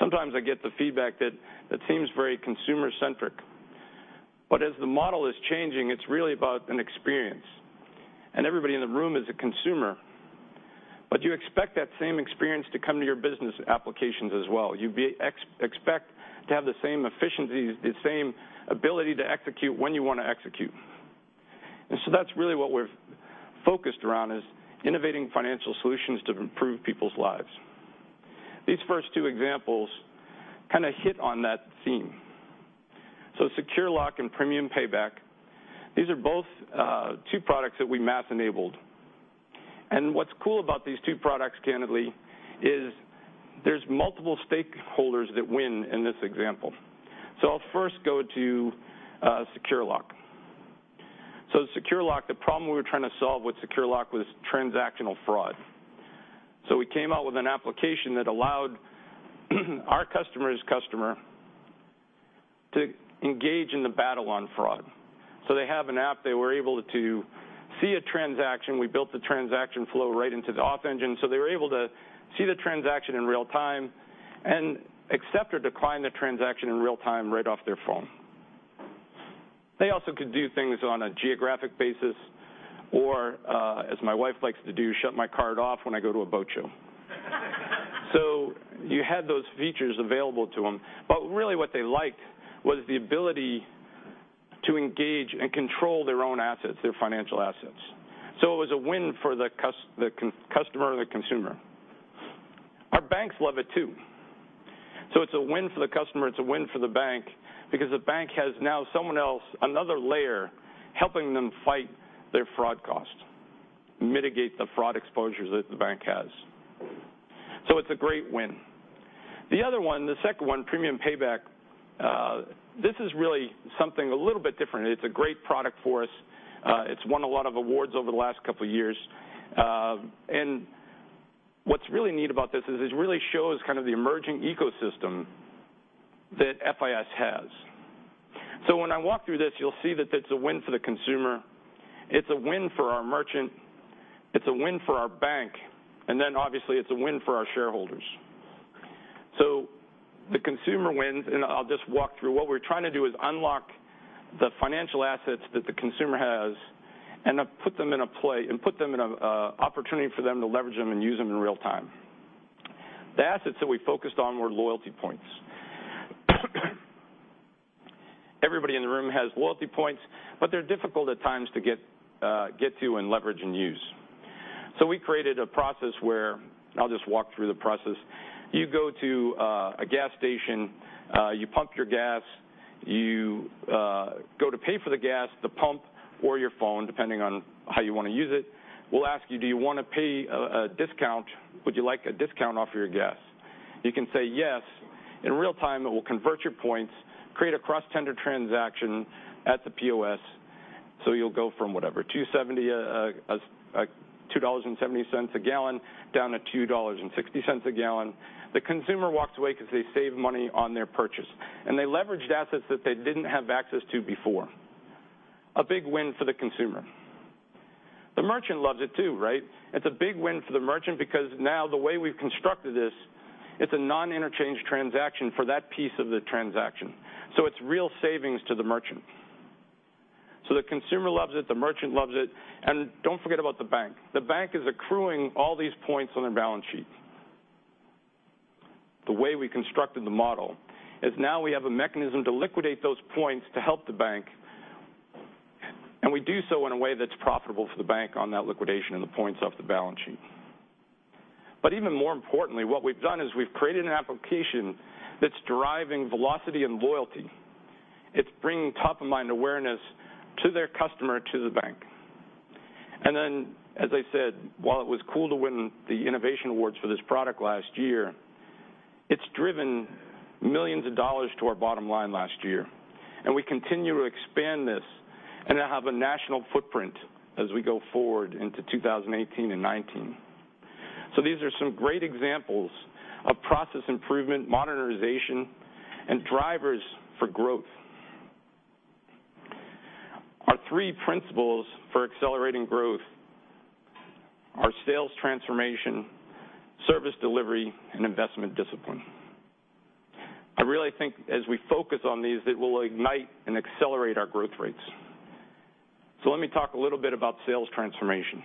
Sometimes I get the feedback that that seems very consumer-centric. As the model is changing, it's really about an experience. Everybody in the room is a consumer, but you expect that same experience to come to your business applications as well. You expect to have the same efficiencies, the same ability to execute when you want to execute. That's really what we're focused around is innovating financial solutions to improve people's lives. These first two examples kind of hit on that theme. SecureLock and Premium Payback, these are both two products that we mass-enabled. What's cool about these two products, candidly, is there's multiple stakeholders that win in this example. I'll first go to SecureLock. SecureLock, the problem we were trying to solve with SecureLock was transactional fraud. We came out with an application that allowed our customer's customer to engage in the battle on fraud. They have an app. They were able to see a transaction. We built the transaction flow right into the auth engine, so they were able to see the transaction in real-time and accept or decline the transaction in real-time right off their phone. They also could do things on a geographic basis or, as my wife likes to do, shut my card off when I go to a boat show. You had those features available to them. Really what they liked was the ability to engage and control their own assets, their financial assets. It was a win for the customer and the consumer. Our banks love it too. It's a win for the customer, it's a win for the bank because the bank has now someone else, another layer, helping them fight their fraud cost, mitigate the fraud exposures that the bank has. It's a great win. The other one, the second one, Premium Payback, this is really something a little bit different. It's a great product for us. It's won a lot of awards over the last couple of years. What's really neat about this is it really shows kind of the emerging ecosystem that FIS has. When I walk through this, you'll see that it's a win for the consumer, it's a win for our merchant, it's a win for our bank, and then obviously it's a win for our shareholders. The consumer wins, and I'll just walk through. What we're trying to do is unlock the financial assets that the consumer has and put them in an opportunity for them to leverage them and use them in real-time. The assets that we focused on were loyalty points. Everybody in the room has loyalty points, but they're difficult at times to get to and leverage and use. We created a process where, I'll just walk through the process, you go to a gas station, you pump your gas, you go to pay for the gas, the pump or your phone, depending on how you want to use it, will ask you, "Do you want to pay a discount? Would you like a discount off your gas?" You can say yes. In real-time, it will convert your points, create a cross-tender transaction at the POS. You'll go from whatever, $2.70 a gallon down to $2.60 a gallon. The consumer walks away because they saved money on their purchase, and they leveraged assets that they didn't have access to before. A big win for the consumer. The merchant loves it too, right? It's a big win for the merchant because now the way we've constructed this, it's a non-interchange transaction for that piece of the transaction. It's real savings to the merchant. The consumer loves it, the merchant loves it, and don't forget about the bank. The bank is accruing all these points on their balance sheet. The way we constructed the model is now we have a mechanism to liquidate those points to help the bank, and we do so in a way that's profitable for the bank on that liquidation and the points off the balance sheet. Even more importantly, what we've done is we've created an application that's driving velocity and loyalty. It's bringing top-of-mind awareness to their customer, to the bank. As I said, while it was cool to win the innovation awards for this product last year, it's driven millions of dollars to our bottom line last year. We continue to expand this and have a national footprint as we go forward into 2018 and 2019. These are some great examples of process improvement, modernization, and drivers for growth. Our three principles for accelerating growth are sales transformation, service delivery, and investment discipline. I really think as we focus on these, it will ignite and accelerate our growth rates. Let me talk a little bit about sales transformation.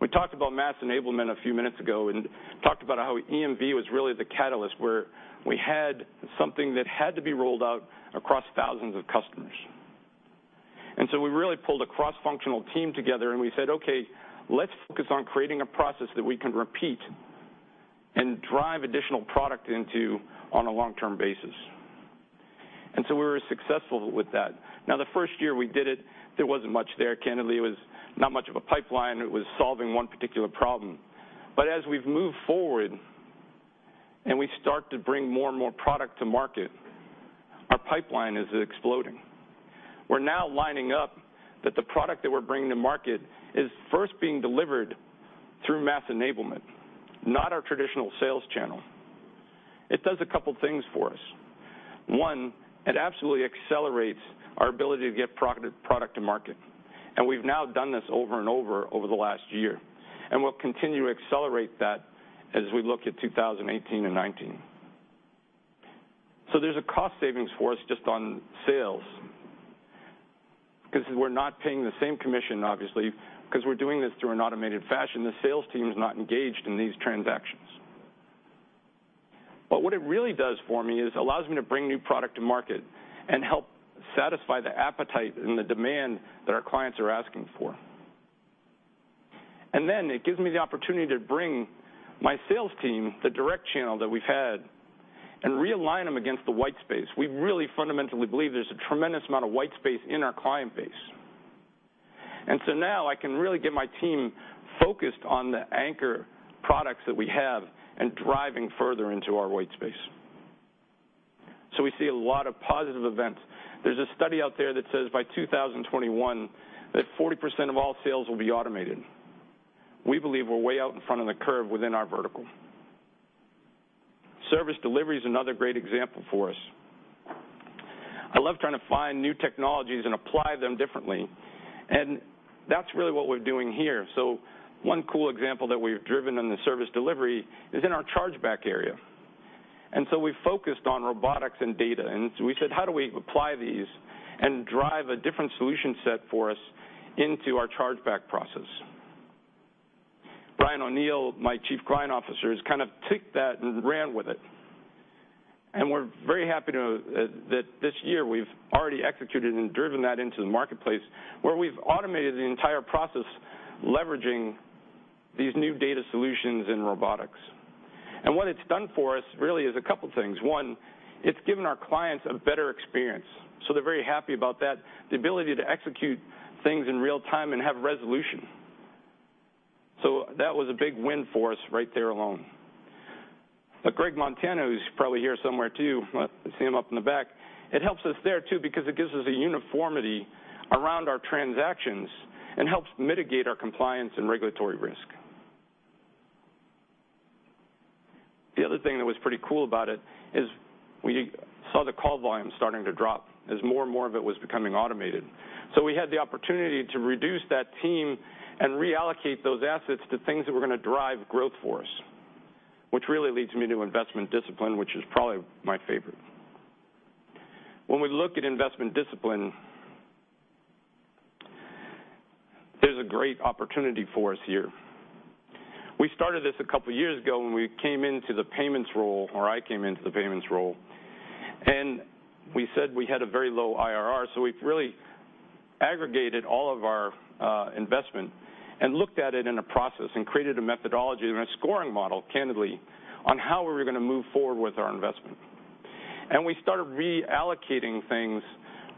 We talked about mass enablement a few minutes ago and talked about how EMV was really the catalyst where we had something that had to be rolled out across thousands of customers. We really pulled a cross-functional team together and we said, "Okay, let's focus on creating a process that we can repeat and drive additional product into on a long-term basis." We were successful with that. Now, the first year we did it, there wasn't much there, candidly. It was not much of a pipeline. It was solving one particular problem. As we've moved forward and we start to bring more and more product to market, our pipeline is exploding. We're now lining up that the product that we're bringing to market is first being delivered through mass enablement, not our traditional sales channel. It does a couple things for us. One, it absolutely accelerates our ability to get product to market, and we've now done this over and over over the last year. We'll continue to accelerate that as we look at 2018 and 2019. There's a cost savings for us just on sales because we're not paying the same commission, obviously, because we're doing this through an automated fashion. The sales team is not engaged in these transactions. What it really does for me is allows me to bring new product to market and help satisfy the appetite and the demand that our clients are asking for. It gives me the opportunity to bring my sales team, the direct channel that we've had, and realign them against the white space. We really fundamentally believe there's a tremendous amount of white space in our client base. Now I can really get my team focused on the anchor products that we have and driving further into our white space. We see a lot of positive events. There's a study out there that says by 2021, that 40% of all sales will be automated. We believe we're way out in front of the curve within our vertical. Service delivery is another great example for us. I love trying to find new technologies and apply them differently, and that's really what we're doing here. One cool example that we've driven in the service delivery is in our chargeback area. We focused on robotics and data, and we said, "How do we apply these and drive a different solution set for us into our chargeback process?" Brian O'Neill, my Chief Client Officer, has kind of took that and ran with it. We're very happy to know that this year we've already executed and driven that into the marketplace, where we've automated the entire process leveraging these new data solutions in robotics. What it's done for us really is a couple things. One, it's given our clients a better experience, so they're very happy about that, the ability to execute things in real time and have resolution. That was a big win for us right there alone. Greg Montana, who's probably here somewhere too, I see him up in the back, it helps us there too because it gives us a uniformity around our transactions and helps mitigate our compliance and regulatory risk. The other thing that was pretty cool about it is we saw the call volume starting to drop as more and more of it was becoming automated. We had the opportunity to reduce that team and reallocate those assets to things that were going to drive growth for us, which really leads me to investment discipline, which is probably my favorite. When we look at investment discipline, there's a great opportunity for us here. We started this a couple years ago when we came into the payments role, or I came into the payments role, we said we had a very low IRR, we've really aggregated all of our investment and looked at it in a process and created a methodology and a scoring model, candidly, on how we were going to move forward with our investment. We started reallocating things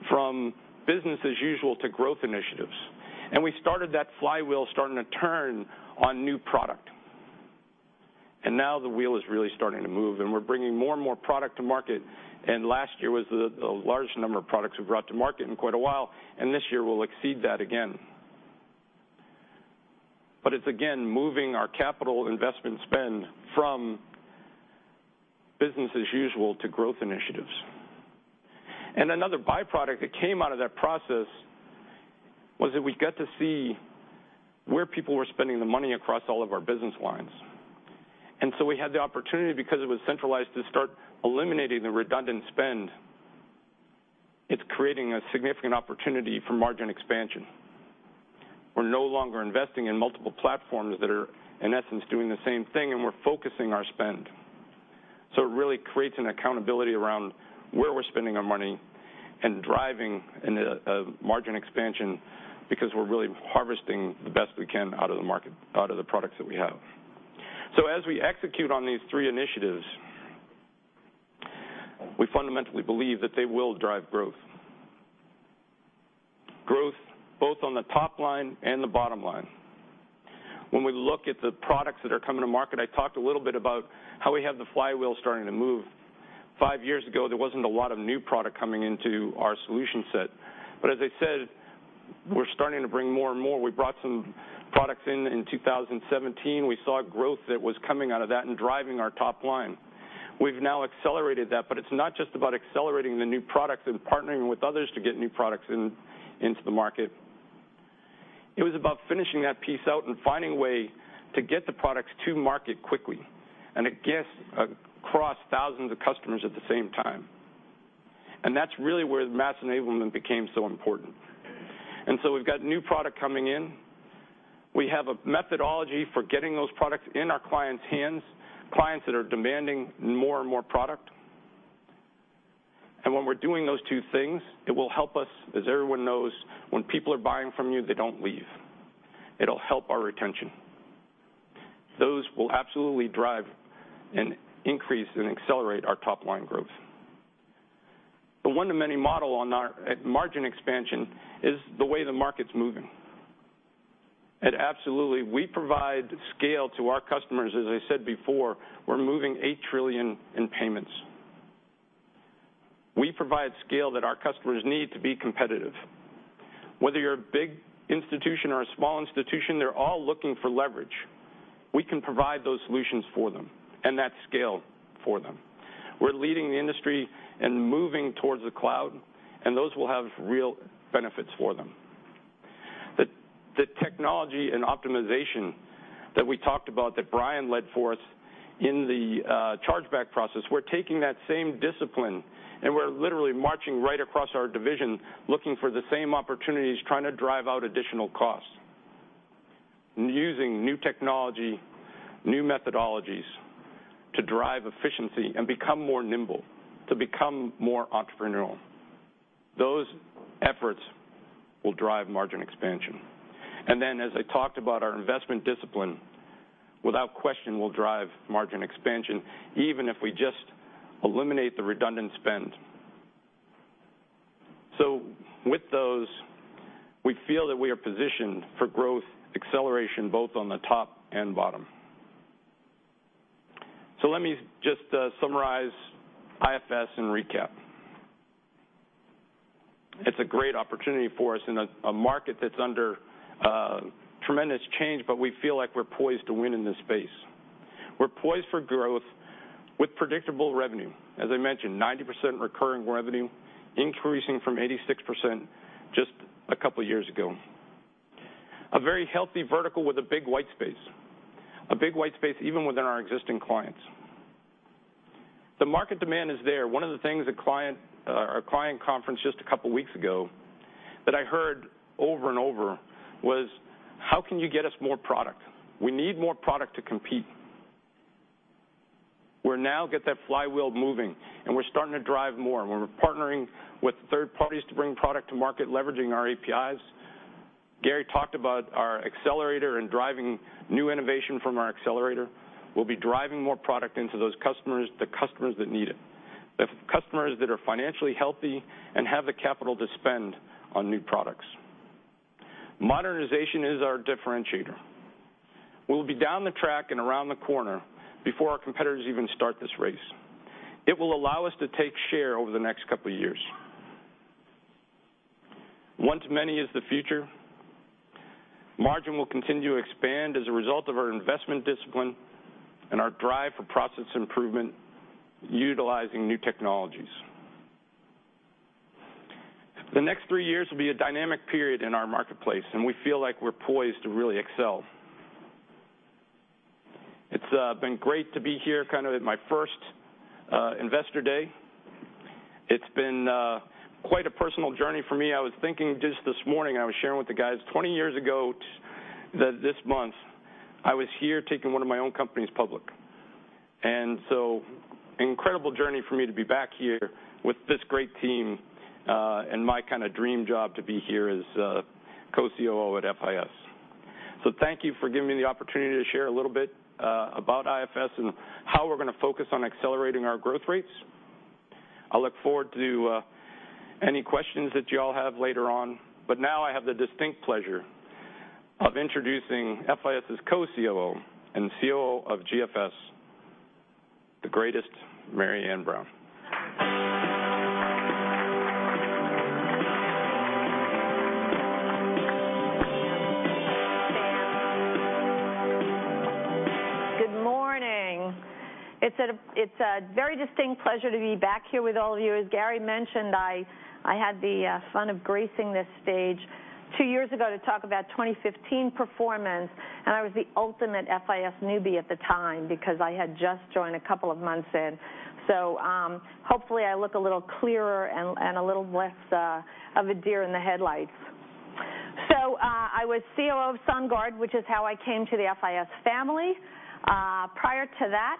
from business as usual to growth initiatives. We started that flywheel starting to turn on new product. Now the wheel is really starting to move, and we're bringing more and more product to market, and last year was the largest number of products we've brought to market in quite a while, and this year we'll exceed that again. It's, again, moving our capital investment spend from business as usual to growth initiatives. Another byproduct that came out of that process was that we got to see where people were spending the money across all of our business lines. We had the opportunity, because it was centralized, to start eliminating the redundant spend. It's creating a significant opportunity for margin expansion. We're no longer investing in multiple platforms that are, in essence, doing the same thing, and we're focusing our spend. It really creates an accountability around where we're spending our money and driving a margin expansion because we're really harvesting the best we can out of the market, out of the products that we have. As we execute on these three initiatives, we fundamentally believe that they will drive growth. Growth both on the top line and the bottom line. When we look at the products that are coming to market, I talked a little bit about how we have the flywheel starting to move. Five years ago, there wasn't a lot of new product coming into our solution set. As I said, we're starting to bring more and more. We brought some products in in 2017. We saw growth that was coming out of that and driving our top line. We've now accelerated that, but it's not just about accelerating the new products and partnering with others to get new products into the market. It was about finishing that piece out and finding a way to get the products to market quickly, and it gets across thousands of customers at the same time. That's really where mass enablement became so important. We've got new product coming in. We have a methodology for getting those products in our clients' hands, clients that are demanding more and more product. When we're doing those two things, it will help us, as everyone knows, when people are buying from you, they don't leave. It'll help our retention. Those will absolutely drive and increase and accelerate our top-line growth. The one to many model on our margin expansion is the way the market's moving. Absolutely, we provide scale to our customers, as I said before, we're moving $8 trillion in payments. We provide scale that our customers need to be competitive. Whether you're a big institution or a small institution, they're all looking for leverage. We can provide those solutions for them and that scale for them. We're leading the industry and moving towards the cloud, and those will have real benefits for them. The technology and optimization that we talked about that Brian led for us in the chargeback process, we're taking that same discipline, we're literally marching right across our division, looking for the same opportunities, trying to drive out additional costs. Using new technology, new methodologies to drive efficiency and become more nimble, to become more entrepreneurial. Those efforts will drive margin expansion. Then, as I talked about our investment discipline, without question, will drive margin expansion even if we just eliminate the redundant spend. With those, we feel that we are positioned for growth acceleration both on the top and bottom. Let me just summarize IFS and recap. It's a great opportunity for us in a market that's under tremendous change, but we feel like we're poised to win in this space. We're poised for growth with predictable revenue. As I mentioned, 90% recurring revenue, increasing from 86% just a couple of years ago. A very healthy vertical with a big white space. A big white space even within our existing clients. The market demand is there. One of the things our client conference just a couple of weeks ago that I heard over and over was, "How can you get us more product? We need more product to compete." We'll now get that flywheel moving, and we're starting to drive more, and we're partnering with third parties to bring product to market, leveraging our APIs. Gary talked about our accelerator and driving new innovation from our accelerator. We'll be driving more product into those customers, the customers that need it, the customers that are financially healthy and have the capital to spend on new products. Modernization is our differentiator. We'll be down the track and around the corner before our competitors even start this race. It will allow us to take share over the next couple of years. One to many is the future. Margin will continue to expand as a result of our investment discipline and our drive for process improvement utilizing new technologies. The next three years will be a dynamic period in our marketplace, and we feel like we're poised to really excel. It's been great to be here at my first Investor Day. It's been quite a personal journey for me. I was thinking just this morning, I was sharing with the guys, 20 years ago this month, I was here taking one of my own companies public. An incredible journey for me to be back here with this great team, and my dream job to be here as Co-COO at FIS. Thank you for giving me the opportunity to share a little bit about IFS and how we're going to focus on accelerating our growth rates. I look forward to any questions that you all have later on, but now I have the distinct pleasure of introducing FIS's Co-COO and COO of GFS, the greatest Marianne Brown. Good morning. It's a very distinct pleasure to be back here with all of you. As Gary mentioned, I had the fun of gracing this stage two years ago to talk about 2015 performance, and I was the ultimate FIS newbie at the time because I had just joined a couple of months in. Hopefully, I look a little clearer and a little less of a deer in the headlights. I was COO of SunGard, which is how I came to the FIS family. Prior to that,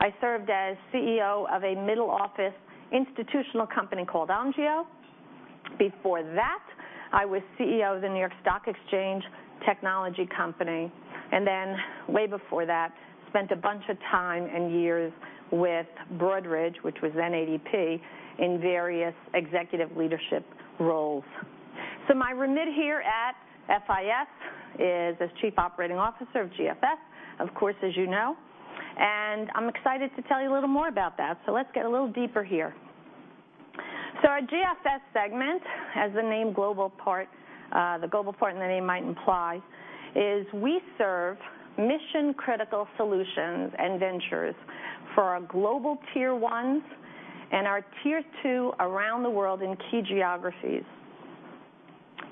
I served as CEO of a middle office institutional company called Omgeo. Before that, I was CEO of the New York Stock Exchange technology company. Way before that, spent a bunch of time and years with Broadridge, which was then ADP, in various executive leadership roles. My remit here at FIS is as Chief Operating Officer of GFS, of course, as you know. I'm excited to tell you a little more about that. Let's get a little deeper here. Our GFS segment has the name global part. The global part in the name might imply is we serve mission-critical solutions and ventures for our global tier 1s and our tier 2 around the world in key geographies.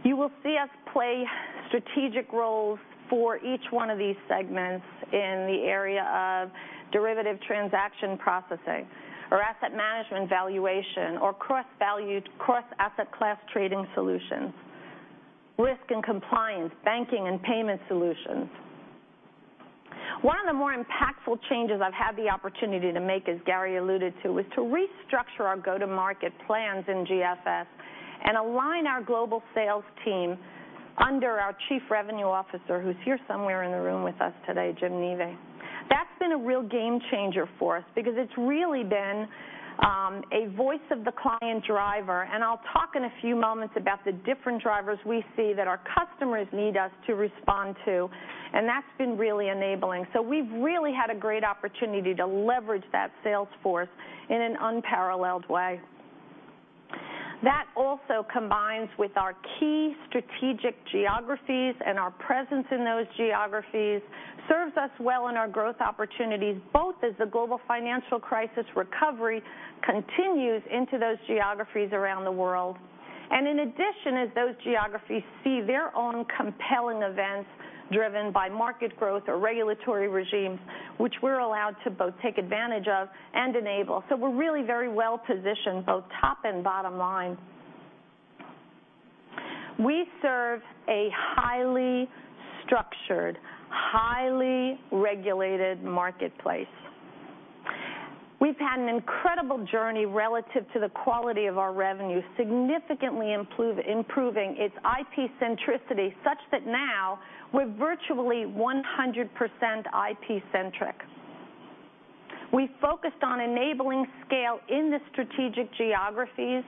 You will see us play strategic roles for each one of these segments in the area of derivative transaction processing or asset management valuation or cross-asset class trading solutions, risk and compliance, banking and payment solutions. One of the more impactful changes I've had the opportunity to make, as Gary alluded to, was to restructure our go-to-market plans in GFS and align our global sales team under our Chief Revenue Officer who's here somewhere in the room with us today, Jim Neve. That's been a real game changer for us because it's really been a voice of the client driver, and I'll talk in a few moments about the different drivers we see that our customers need us to respond to, and that's been really enabling. We've really had a great opportunity to leverage that sales force in an unparalleled way. That also combines with our key strategic geographies and our presence in those geographies serves us well in our growth opportunities, both as the global financial crisis recovery continues into those geographies around the world. In addition, as those geographies see their own compelling events driven by market growth or regulatory regimes, which we're allowed to both take advantage of and enable. We're really very well-positioned, both top and bottom line. We serve a highly structured, highly regulated marketplace. We've had an incredible journey relative to the quality of our revenue, significantly improving its IP centricity, such that now we're virtually 100% IP-centric. We focused on enabling scale in the strategic geographies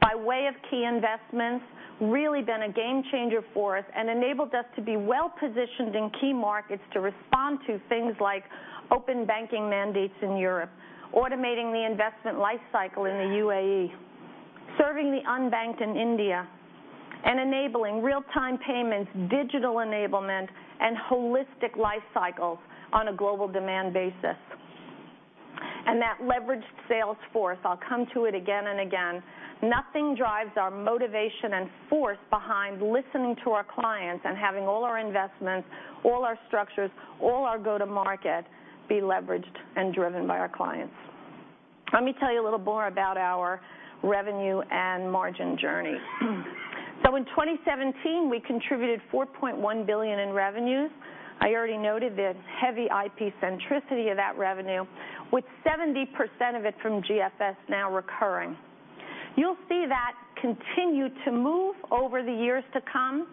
by way of key investments, really been a game-changer for us, and enabled us to be well-positioned in key markets to respond to things like open banking mandates in Europe, automating the investment life cycle in the U.A.E., serving the unbanked in India, and enabling real-time payments, digital enablement, and holistic life cycles on a global demand basis. That leveraged sales force, I'll come to it again and again. Nothing drives our motivation and force behind listening to our clients and having all our investments, all our structures, all our go-to-market be leveraged and driven by our clients. Let me tell you a little more about our revenue and margin journey. In 2017, we contributed $4.1 billion in revenues. I already noted the heavy IP centricity of that revenue, with 70% of it from GFS now recurring. You'll see that continue to move over the years to come,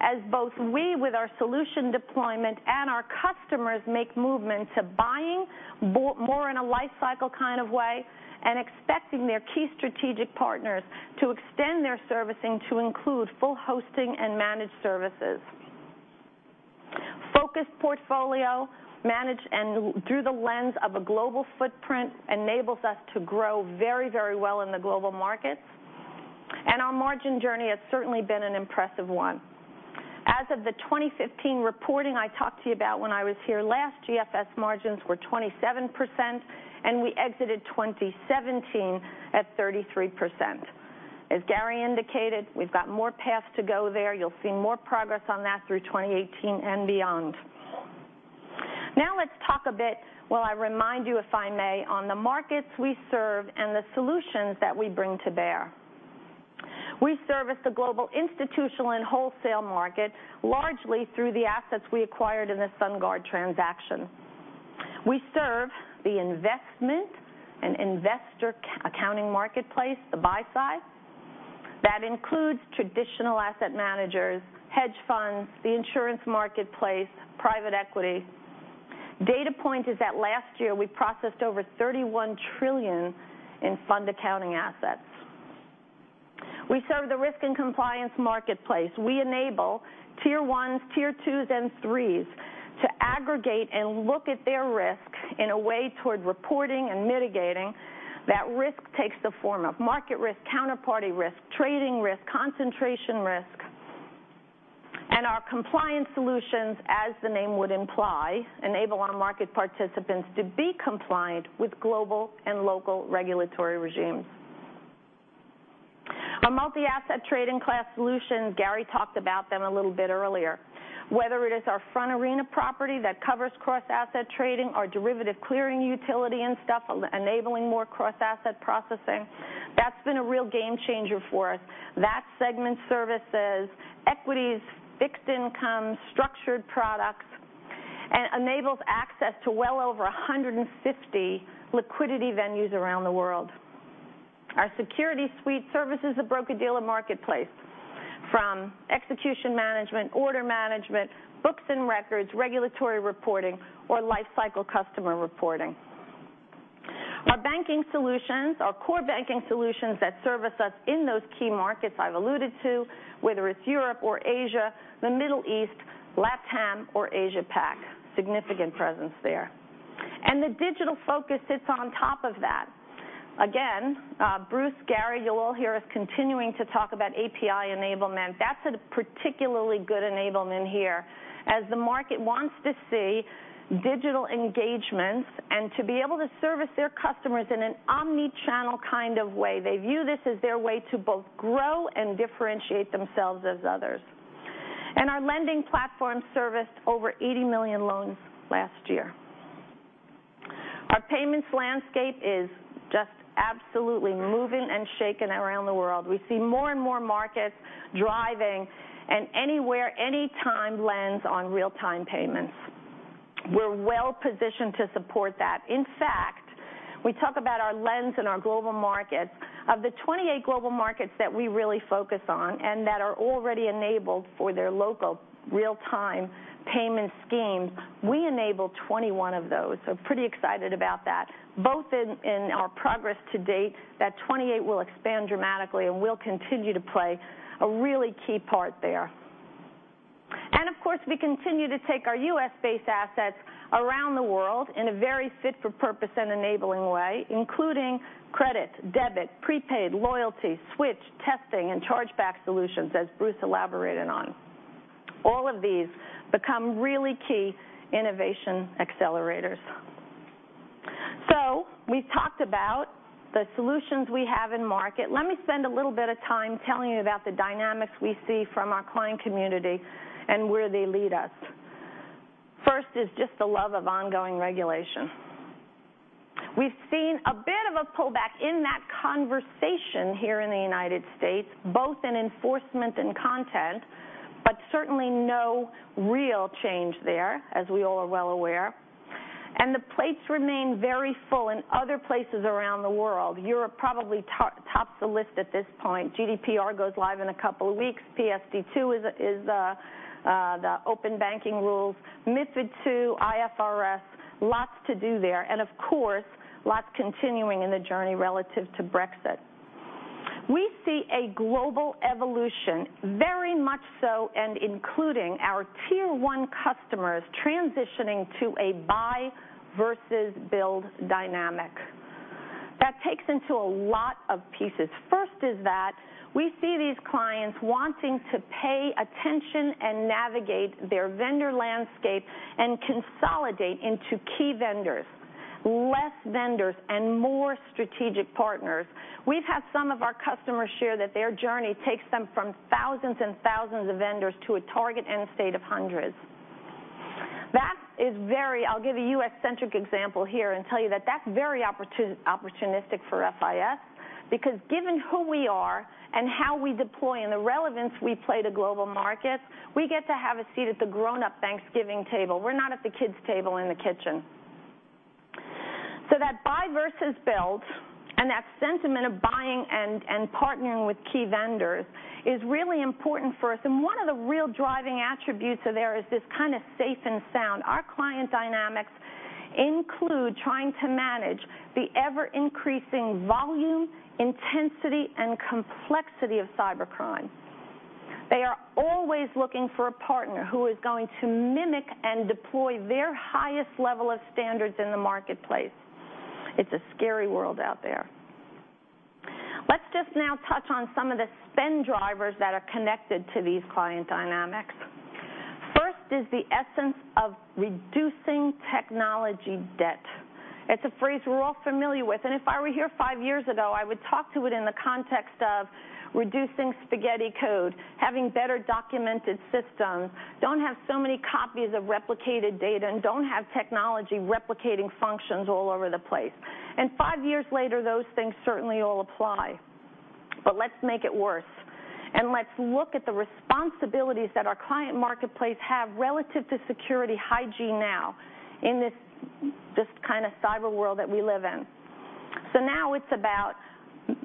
as both we, with our solution deployment, and our customers make movement to buying more in a life cycle kind of way and expecting their key strategic partners to extend their servicing to include full hosting and managed services. Focused portfolio, managed and through the lens of a global footprint enables us to grow very well in the global markets. Our margin journey has certainly been an impressive one. As of the 2015 reporting I talked to you about when I was here last, Global Financial Solutions margins were 27%, and we exited 2017 at 33%. As Gary indicated, we've got more paths to go there. You'll see more progress on that through 2018 and beyond. Let's talk a bit, while I remind you, if I may, on the markets we serve and the solutions that we bring to bear. We service the global institutional and wholesale market largely through the assets we acquired in the SunGard transaction. We serve the investment and investor accounting marketplace, the buy side. That includes traditional asset managers, hedge funds, the insurance marketplace, private equity. Data point is that last year we processed over $31 trillion in fund accounting assets. We serve the risk and compliance marketplace. We enable Tier 1s, Tier 2s, and Tier 3s to aggregate and look at their risk in a way toward reporting and mitigating. That risk takes the form of market risk, counterparty risk, trading risk, concentration risk. Our compliance solutions, as the name would imply, enable our market participants to be compliant with global and local regulatory regimes. Our multi-asset class solution, Gary talked about them a little bit earlier. Whether it is our Front Arena property that covers cross-asset trading or derivatives clearing utility and stuff, enabling more cross-asset processing, that's been a real game-changer for us. That segment services equities, fixed income, structured products, and enables access to well over 150 liquidity venues around the world. Our security suite services the broker-dealer marketplace from execution management, order management, books and records, regulatory reporting, or life cycle customer reporting. Our banking solutions are core banking solutions that service us in those key markets I've alluded to, whether it's Europe or Asia, the Middle East, LATAM or Asia Pac. Significant presence there. The digital focus sits on top of that. Again, Bruce, Gary, you'll all hear us continuing to talk about API enablement. That's a particularly good enablement here, as the market wants to see digital engagements and to be able to service their customers in an omnichannel kind of way. They view this as their way to both grow and differentiate themselves as others. Our lending platform serviced over 80 million loans last year. Our payments landscape is just absolutely moving and shaking around the world. We see more and more markets driving an anywhere, anytime lens on real-time payments. We're well-positioned to support that. In fact, we talk about our lens in our global markets. Of the 28 global markets that we really focus on and that are already enabled for their local real-time payment schemes, we enable 21 of those. Pretty excited about that, both in our progress to date. That 28 will expand dramatically, and we'll continue to play a really key part there. Of course, we continue to take our U.S.-based assets around the world in a very fit-for-purpose and enabling way, including credit, debit, prepaid, loyalty, switch, testing, and chargeback solutions, as Bruce elaborated on. All of these become really key innovation accelerators. We've talked about the solutions we have in market. Let me spend a little bit of time telling you about the dynamics we see from our client community and where they lead us. First is just the love of ongoing regulation. We've seen a bit of a pullback in that conversation here in the U.S., both in enforcement and content, but certainly no real change there, as we all are well aware. The plates remain very full in other places around the world. Europe probably tops the list at this point. GDPR goes live in a couple of weeks. PSD2 is the open banking rules. MiFID II, IFRS, lots to do there. Of course, lots continuing in the journey relative to Brexit. We see a global evolution very much so, including our tier 1 customers transitioning to a buy versus build dynamic. That takes into a lot of pieces. First is that we see these clients wanting to pay attention and navigate their vendor landscape and consolidate into key vendors, less vendors, and more strategic partners. We've had some of our customers share that their journey takes them from thousands and thousands of vendors to a target end state of hundreds. I'll give a U.S.-centric example here and tell you that that's very opportunistic for FIS because given who we are and how we deploy, and the relevance we play to global markets, we get to have a seat at the grown-up Thanksgiving table. We're not at the kids' table in the kitchen. That buy versus build and that sentiment of buying and partnering with key vendors is really important for us. One of the real driving attributes there is this kind of safe and sound. Our client dynamics include trying to manage the ever-increasing volume, intensity, and complexity of cybercrime. They are always looking for a partner who is going to mimic and deploy their highest level of standards in the marketplace. It's a scary world out there. Let's just now touch on some of the spend drivers that are connected to these client dynamics. First is the essence of reducing technology debt. It's a phrase we're all familiar with, and if I were here five years ago, I would talk to it in the context of reducing spaghetti code, having better-documented systems, don't have so many copies of replicated data, and don't have technology replicating functions all over the place. Five years later, those things certainly all apply. Let's make it worse, and let's look at the responsibilities that our client marketplace have relative to security hygiene now in this kind of cyber world that we live in. Now it's about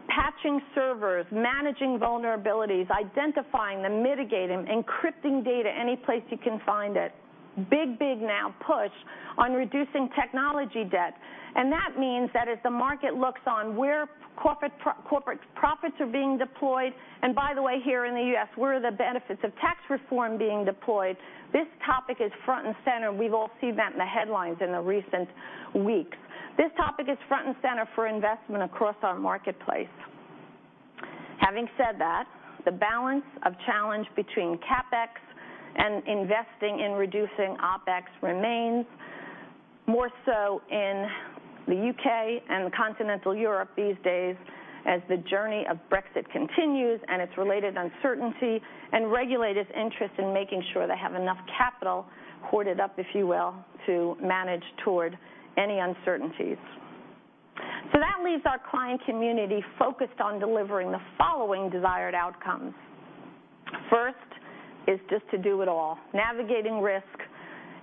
patching servers, managing vulnerabilities, identifying them, mitigating, encrypting data any place you can find it. Big now push on reducing technology debt. That means that as the market looks on where corporate profits are being deployed, and by the way, here in the U.S., where are the benefits of tax reform being deployed, this topic is front and center. We've all seen that in the headlines in the recent weeks. This topic is front and center for investment across our marketplace. Having said that, the balance of challenge between CapEx and investing in reducing OpEx remains more so in the U.K. and continental Europe these days as the journey of Brexit continues and its related uncertainty, and regulators' interest in making sure they have enough capital hoarded up, if you will, to manage toward any uncertainties. That leaves our client community focused on delivering the following desired outcomes. First is just to do it all, navigating risk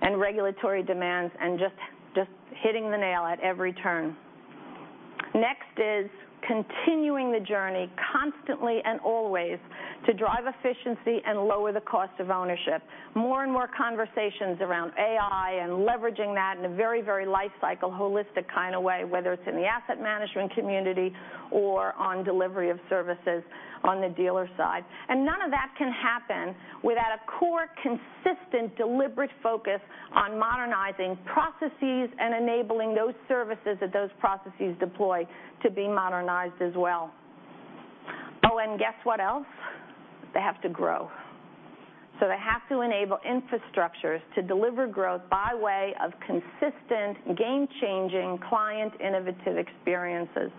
and regulatory demands, and just hitting the nail at every turn. Next is continuing the journey constantly and always to drive efficiency and lower the cost of ownership. More and more conversations around AI and leveraging that in a very lifecycle, holistic kind of way, whether it's in the asset management community or on delivery of services on the dealer side. None of that can happen without a core, consistent, deliberate focus on modernizing processes and enabling those services that those processes deploy to be modernized as well. Guess what else? They have to grow. They have to enable infrastructures to deliver growth by way of consistent game-changing client innovative experiences.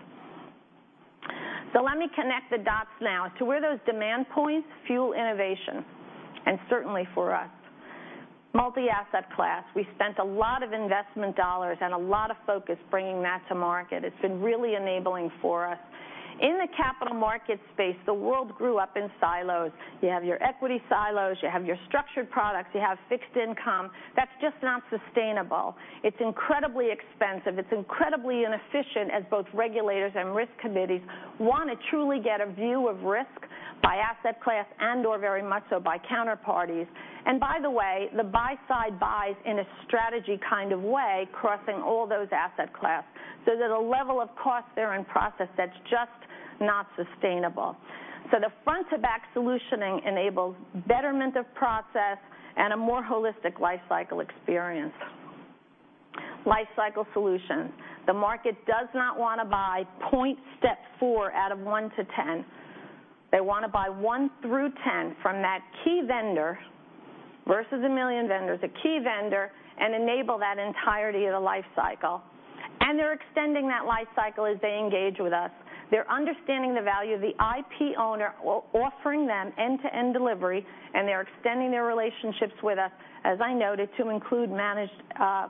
Let me connect the dots now to where those demand points fuel innovation, and certainly for us. Multi-asset class, we spent a lot of investment dollars and a lot of focus bringing that to market. It's been really enabling for us. In the capital market space, the world grew up in silos. You have your equity silos, you have your structured products, you have fixed income. That's just not sustainable. It's incredibly expensive. It's incredibly inefficient as both regulators and risk committees want to truly get a view of risk by asset class and/or very much so by counterparties. By the way, the buy side buys in a strategy kind of way crossing all those asset class. There's a level of cost there and process that's just not sustainable. The front to back solutioning enables betterment of process and a more holistic lifecycle experience. Life cycle solutions. The market does not want to buy point step four out of one to 10. They want to buy one through 10 from that key vendor, versus 1 million vendors, a key vendor, and enable that entirety of the life cycle. They're extending that life cycle as they engage with us. They're understanding the value of the IP owner offering them end-to-end delivery, and they're extending their relationships with us, as I noted, to include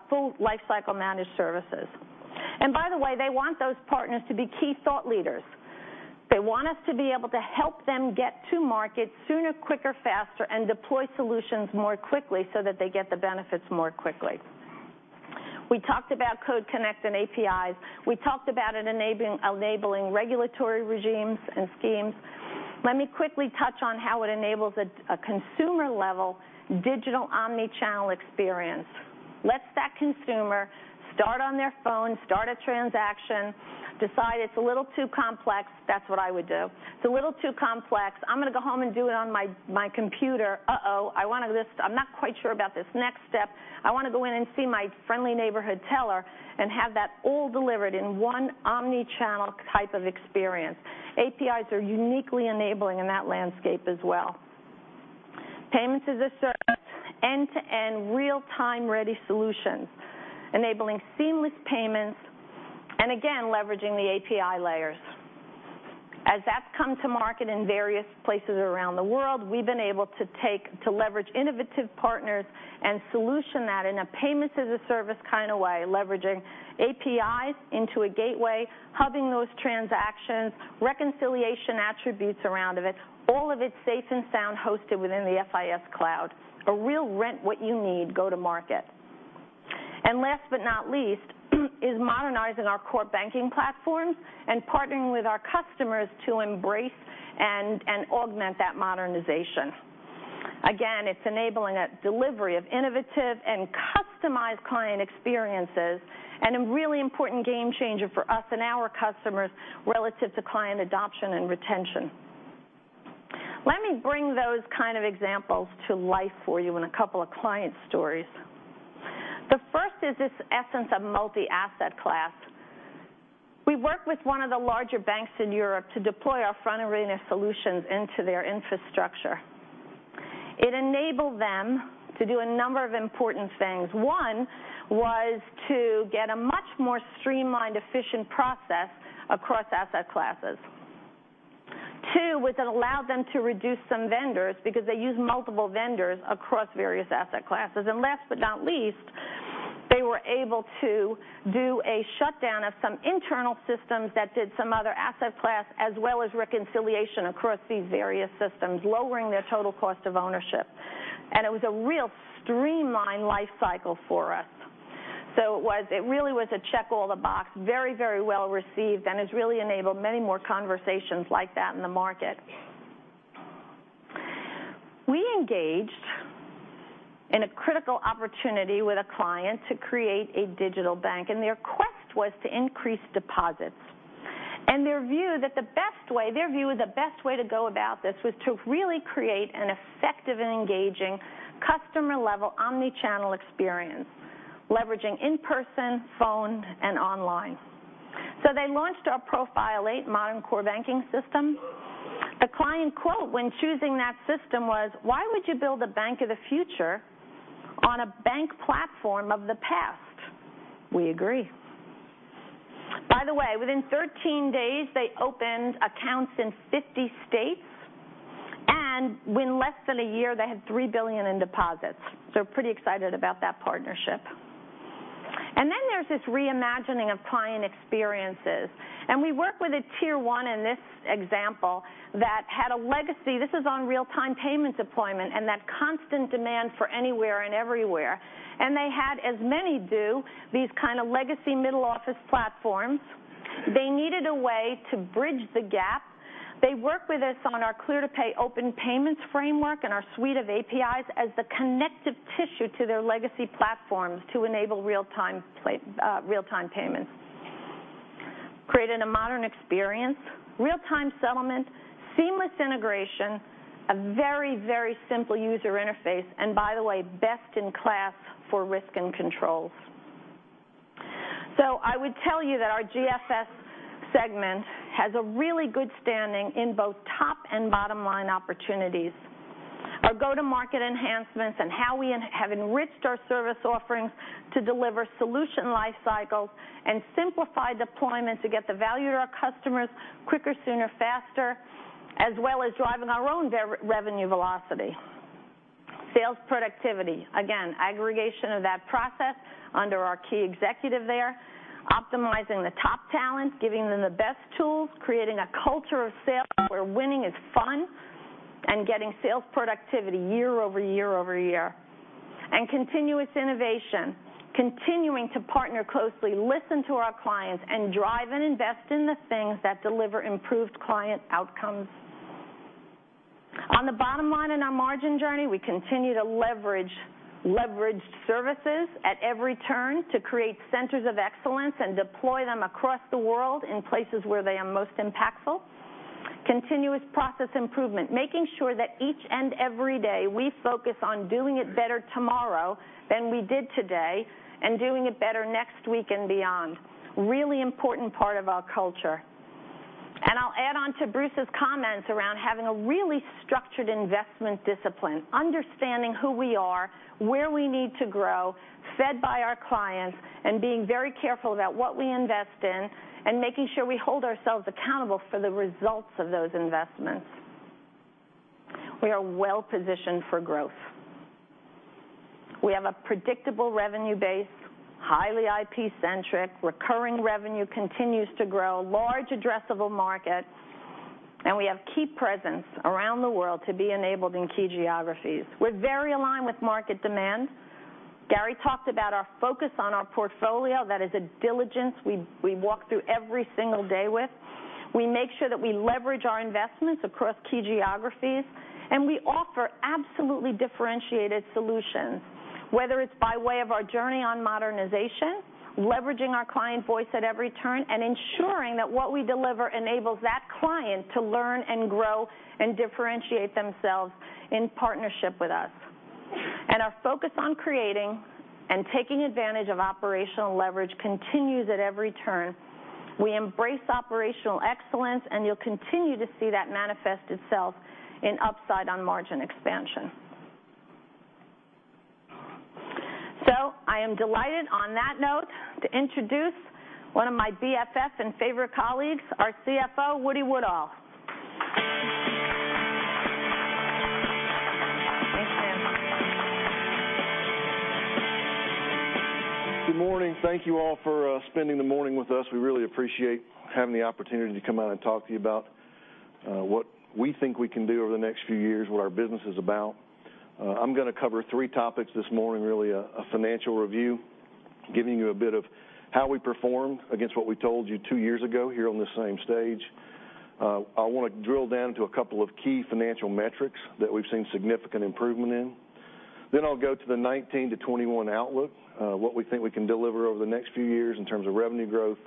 full life cycle managed services. By the way, they want those partners to be key thought leaders. They want us to be able to help them get to market sooner, quicker, faster, and deploy solutions more quickly so that they get the benefits more quickly. We talked about Code Connect and APIs. We talked about it enabling regulatory regimes and schemes. Let me quickly touch on how it enables a consumer-level digital omnichannel experience. Lets that consumer start on their phone, start a transaction, decide it's a little too complex. That's what I would do. It's a little too complex. I'm going to go home and do it on my computer. I'm not quite sure about this next step. I want to go in and see my friendly neighborhood teller and have that all delivered in one omnichannel type of experience. APIs are uniquely enabling in that landscape as well. Payments as a Service, end-to-end, real-time ready solutions, enabling seamless payments, and again, leveraging the API layers. As that's come to market in various places around the world, we've been able to leverage innovative partners and solution that in a Payments as a Service kind of way, leveraging APIs into a gateway, hubbing those transactions, reconciliation attributes around of it, all of it safe and sound hosted within the FIS cloud. A real rent-what-you-need go to market. Last but not least, is modernizing our core banking platforms and partnering with our customers to embrace and augment that modernization. It's enabling a delivery of innovative and customized client experiences, a really important game changer for us and our customers relative to client adoption and retention. Let me bring those kind of examples to life for you in a couple of client stories. The first is this essence of multi-asset class. We worked with one of the larger banks in Europe to deploy our Front Arena solutions into their infrastructure. It enabled them to do a number of important things. One was to get a much more streamlined, efficient process across asset classes. Two was it allowed them to reduce some vendors because they used multiple vendors across various asset classes. Last but not least, they were able to do a shutdown of some internal systems that did some other asset class, as well as reconciliation across these various systems, lowering their total cost of ownership. It was a real streamlined life cycle for us. It really was a check all the box. Very well received, and has really enabled many more conversations like that in the market. We engaged in a critical opportunity with a client to create a digital bank, their quest was to increase deposits. Their view is the best way to go about this was to really create an effective and engaging customer-level omnichannel experience, leveraging in-person, phone, and online. They launched our Profile 8 modern core banking system. The client quote when choosing that system was, "Why would you build a bank of the future on a bank platform of the past?" We agree. By the way, within 13 days, they opened accounts in 50 states, in less than a year, they had $3 billion in deposits. Pretty excited about that partnership. Then there's this reimagining of client experiences. We work with a tier 1 in this example that had a legacy. This is on real-time payment deployment and that constant demand for anywhere and everywhere. They had, as many do, these kind of legacy middle office platforms. They needed a way to bridge the gap. They worked with us on our Clear2Pay open payments framework and our suite of APIs as the connective tissue to their legacy platforms to enable real-time payments. Creating a modern experience, real-time settlement, seamless integration, a very simple user interface, and by the way, best-in-class for risk and controls. I would tell you that our GFS segment has a really good standing in both top and bottom line opportunities. Our go-to-market enhancements and how we have enriched our service offerings to deliver solution life cycles and simplify deployment to get the value to our customers quicker, sooner, faster, as well as driving our own revenue velocity. Sales productivity. Aggregation of that process under our key executive there. Optimizing the top talent, giving them the best tools, creating a culture of sales where winning is fun, and getting sales productivity year over year over year. Continuous innovation, continuing to partner closely, listen to our clients, and drive and invest in the things that deliver improved client outcomes. On the bottom line in our margin journey, we continue to leverage services at every turn to create centers of excellence and deploy them across the world in places where they are most impactful. Continuous process improvement, making sure that each and every day we focus on doing it better tomorrow than we did today, and doing it better next week and beyond. Really important part of our culture. I will add on to Bruce's comments around having a really structured investment discipline, understanding who we are, where we need to grow, fed by our clients, and being very careful about what we invest in, and making sure we hold ourselves accountable for the results of those investments. We are well-positioned for growth. We have a predictable revenue base, highly IP-centric. Recurring revenue continues to grow. Large addressable market. We have key presence around the world to be enabled in key geographies. We are very aligned with market demand. Gary talked about our focus on our portfolio. That is a diligence we walk through every single day with. We make sure that we leverage our investments across key geographies, and we offer absolutely differentiated solutions, whether it's by way of our journey on modernization, leveraging our client voice at every turn, and ensuring that what we deliver enables that client to learn and grow and differentiate themselves in partnership with us. Our focus on creating and taking advantage of operational leverage continues at every turn. We embrace operational excellence, and you'll continue to see that manifest itself in upside on margin expansion. I am delighted, on that note, to introduce one of my BFFs and favorite colleagues, our CFO, James Woodall. Thanks, Sam. Good morning. Thank you all for spending the morning with us. We really appreciate having the opportunity to come out and talk to you about what we think we can do over the next few years, what our business is about. I'm going to cover three topics this morning, really a financial review, giving you a bit of how we performed against what we told you two years ago here on this same stage. I want to drill down to a couple of key financial metrics that we've seen significant improvement in. I'll go to the 2019 to 2021 outlook, what we think we can deliver over the next few years in terms of revenue growth,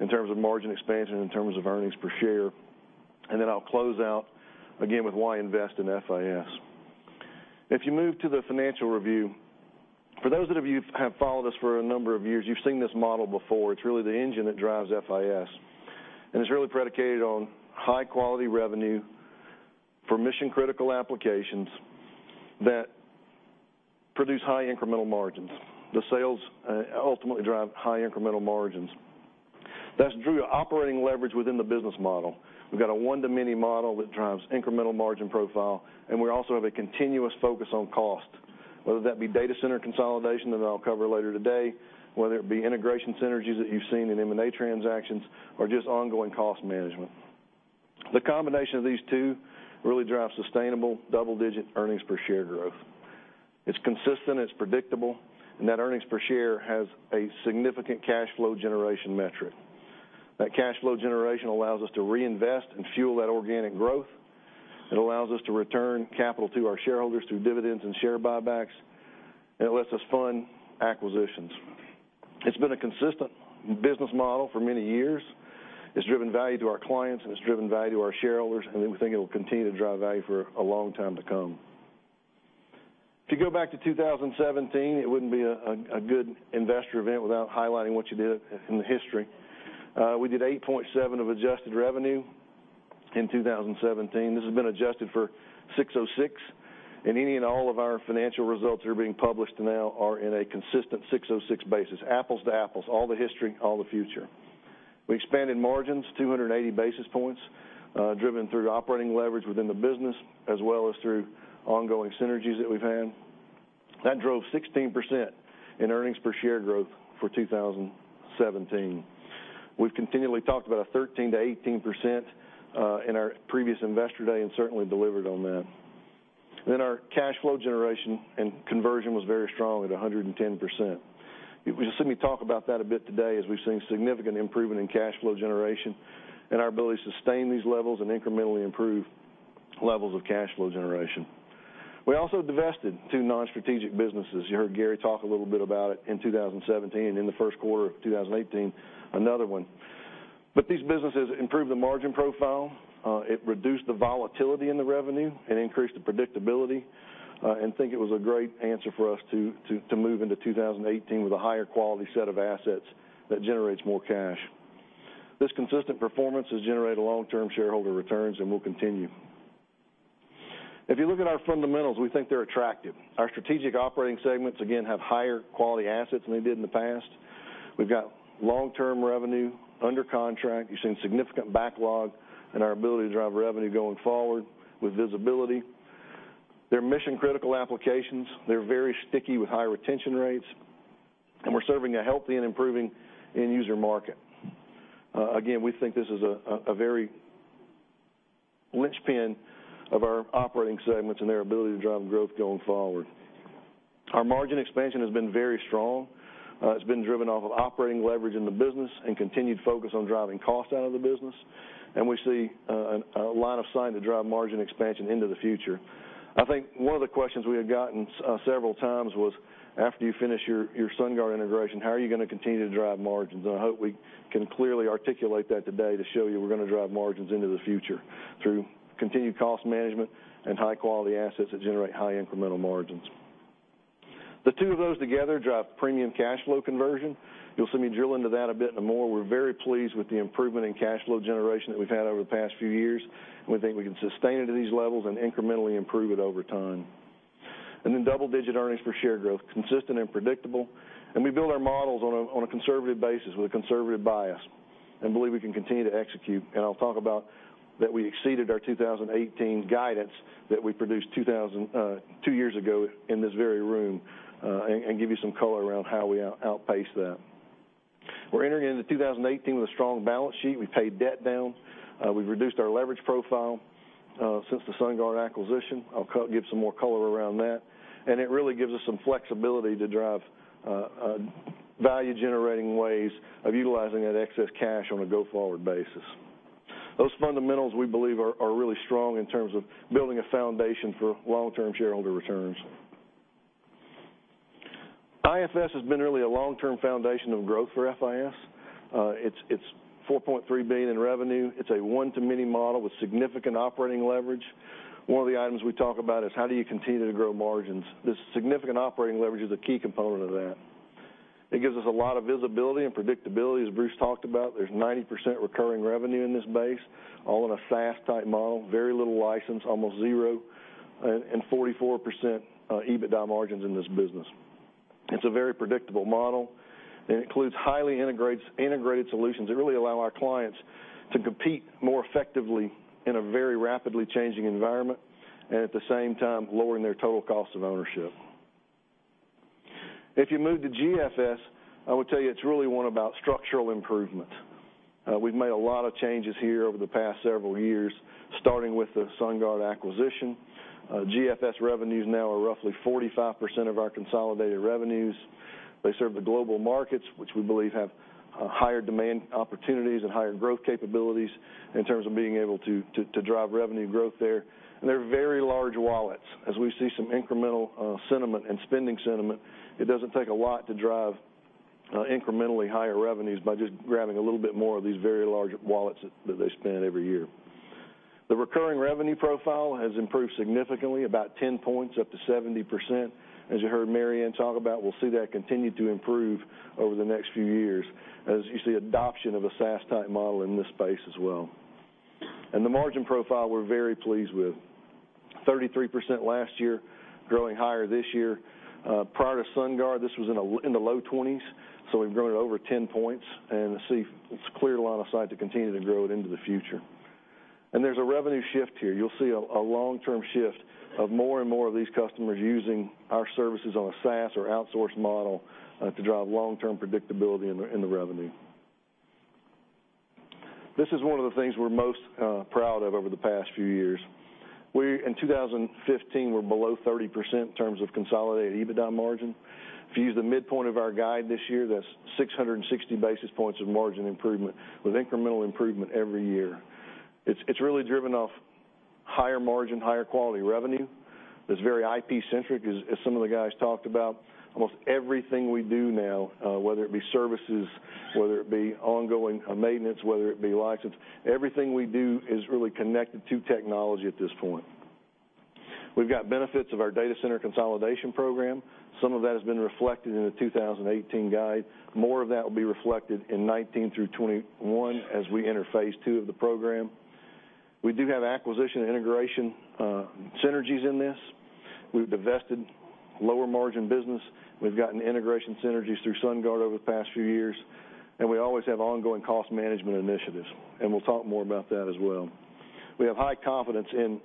in terms of margin expansion, in terms of earnings per share. I'll close out, again, with why invest in FIS. If you move to the financial review, for those that of you have followed us for a number of years, you've seen this model before. It's really the engine that drives FIS, and it's really predicated on high-quality revenue for mission-critical applications that produce high incremental margins. The sales ultimately drive high incremental margins. That's due to operating leverage within the business model. We've got a one-to-many model that drives incremental margin profile, and we also have a continuous focus on cost, whether that be data center consolidation that I'll cover later today, whether it be integration synergies that you've seen in M&A transactions, or just ongoing cost management. The combination of these two really drives sustainable double-digit earnings per share growth. It's consistent, it's predictable, and that earnings per share has a significant cash flow generation metric. That cash flow generation allows us to reinvest and fuel that organic growth. It allows us to return capital to our shareholders through dividends and share buybacks, and it lets us fund acquisitions. It's been a consistent business model for many years. It's driven value to our clients, and it's driven value to our shareholders, and we think it will continue to drive value for a long time to come. If you go back to 2017, it wouldn't be a good investor event without highlighting what you did in the history. We did 8.7% of adjusted revenue in 2017. This has been adjusted for ASC 606, and any and all of our financial results that are being published now are in a consistent ASC 606 basis, apples to apples, all the history, all the future. We expanded margins 280 basis points, driven through operating leverage within the business, as well as through ongoing synergies that we've had. That drove 16% in earnings per share growth for 2017. We've continually talked about a 13%-18% in our previous Investor Day and certainly delivered on that. Our cash flow generation and conversion was very strong at 110%. You'll be seeing me talk about that a bit today as we've seen significant improvement in cash flow generation and our ability to sustain these levels and incrementally improve levels of cash flow generation. We also divested 2 non-strategic businesses. You heard Gary talk a little bit about it in 2017, and in the first quarter of 2018, another one. These businesses improved the margin profile. It reduced the volatility in the revenue. It increased the predictability, and I think it was a great answer for us to move into 2018 with a higher quality set of assets that generates more cash. This consistent performance has generated long-term shareholder returns and will continue. If you look at our fundamentals, we think they're attractive. Our strategic operating segments, again, have higher quality assets than they did in the past. We've got long-term revenue under contract. You've seen significant backlog in our ability to drive revenue going forward with visibility. They're mission-critical applications. They're very sticky with high retention rates. We're serving a healthy and improving end user market. Again, we think this is a very linchpin of our operating segments and their ability to drive growth going forward. Our margin expansion has been very strong. It's been driven off of operating leverage in the business and continued focus on driving cost out of the business, and we see a line of sight to drive margin expansion into the future. I think one of the questions we had gotten several times was, after you finish your SunGard integration, how are you going to continue to drive margins? I hope we can clearly articulate that today to show you we're going to drive margins into the future through continued cost management and high-quality assets that generate high incremental margins. The 2 of those together drive premium cash flow conversion. You'll see me drill into that a bit more. We're very pleased with the improvement in cash flow generation that we've had over the past few years. We think we can sustain it at these levels and incrementally improve it over time. Double-digit earnings per share growth, consistent and predictable. We build our models on a conservative basis with a conservative bias and believe we can continue to execute. I'll talk about that we exceeded our 2018 guidance that we produced two years ago in this very room, and give you some color around how we outpaced that. We're entering into 2018 with a strong balance sheet. We've paid debt down. We've reduced our leverage profile since the SunGard acquisition. I'll give some more color around that. It really gives us some flexibility to drive value-generating ways of utilizing that excess cash on a go-forward basis. Those fundamentals, we believe, are really strong in terms of building a foundation for long-term shareholder returns. IFS has been really a long-term foundation of growth for FIS. It's $4.3 billion in revenue. It's a one-to-many model with significant operating leverage. One of the items we talk about is how do you continue to grow margins. This significant operating leverage is a key component of that. It gives us a lot of visibility and predictability. As Bruce talked about, there's 90% recurring revenue in this base, all in a SaaS-type model, very little license, almost zero, and 44% EBITDA margins in this business. It's a very predictable model, and it includes highly integrated solutions that really allow our clients to compete more effectively in a very rapidly changing environment, and at the same time, lowering their total cost of ownership. If you move to GFS, I would tell you it's really one about structural improvement. We've made a lot of changes here over the past several years, starting with the SunGard acquisition. GFS revenues now are roughly 45% of our consolidated revenues. They serve the global markets, which we believe have higher demand opportunities and higher growth capabilities in terms of being able to drive revenue growth there. They're very large wallets. As we see some incremental sentiment and spending sentiment, it doesn't take a lot to drive incrementally higher revenues by just grabbing a little bit more of these very large wallets that they spend every year. The recurring revenue profile has improved significantly, about 10 points up to 70%. As you heard Marianne talk about, we'll see that continue to improve over the next few years as you see adoption of a SaaS-type model in this space as well. The margin profile, we're very pleased with. 33% last year, growing higher this year. Prior to SunGard, this was in the low 20s, so we've grown it over 10 points, and see its clear line of sight to continue to grow it into the future. There's a revenue shift here. You'll see a long-term shift of more and more of these customers using our services on a SaaS or outsourced model to drive long-term predictability in the revenue. This is one of the things we're most proud of over the past few years. We, in 2015, were below 30% in terms of consolidated EBITDA margin. If you use the midpoint of our guide this year, that's 660 basis points of margin improvement with incremental improvement every year. It's really driven off higher margin, higher quality revenue that's very IP-centric, as some of the guys talked about. Almost everything we do now whether it be services, whether it be ongoing maintenance, whether it be license, everything we do is really connected to technology at this point. We've got benefits of our data center consolidation program. Some of that has been reflected in the 2018 guide. More of that will be reflected in 2019 through 2021 as we enter phase 2 of the program. We do have acquisition integration synergies in this. We've divested lower-margin business. We've gotten integration synergies through SunGard over the past few years, and we always have ongoing cost management initiatives, and we'll talk more about that as well. We have high confidence in,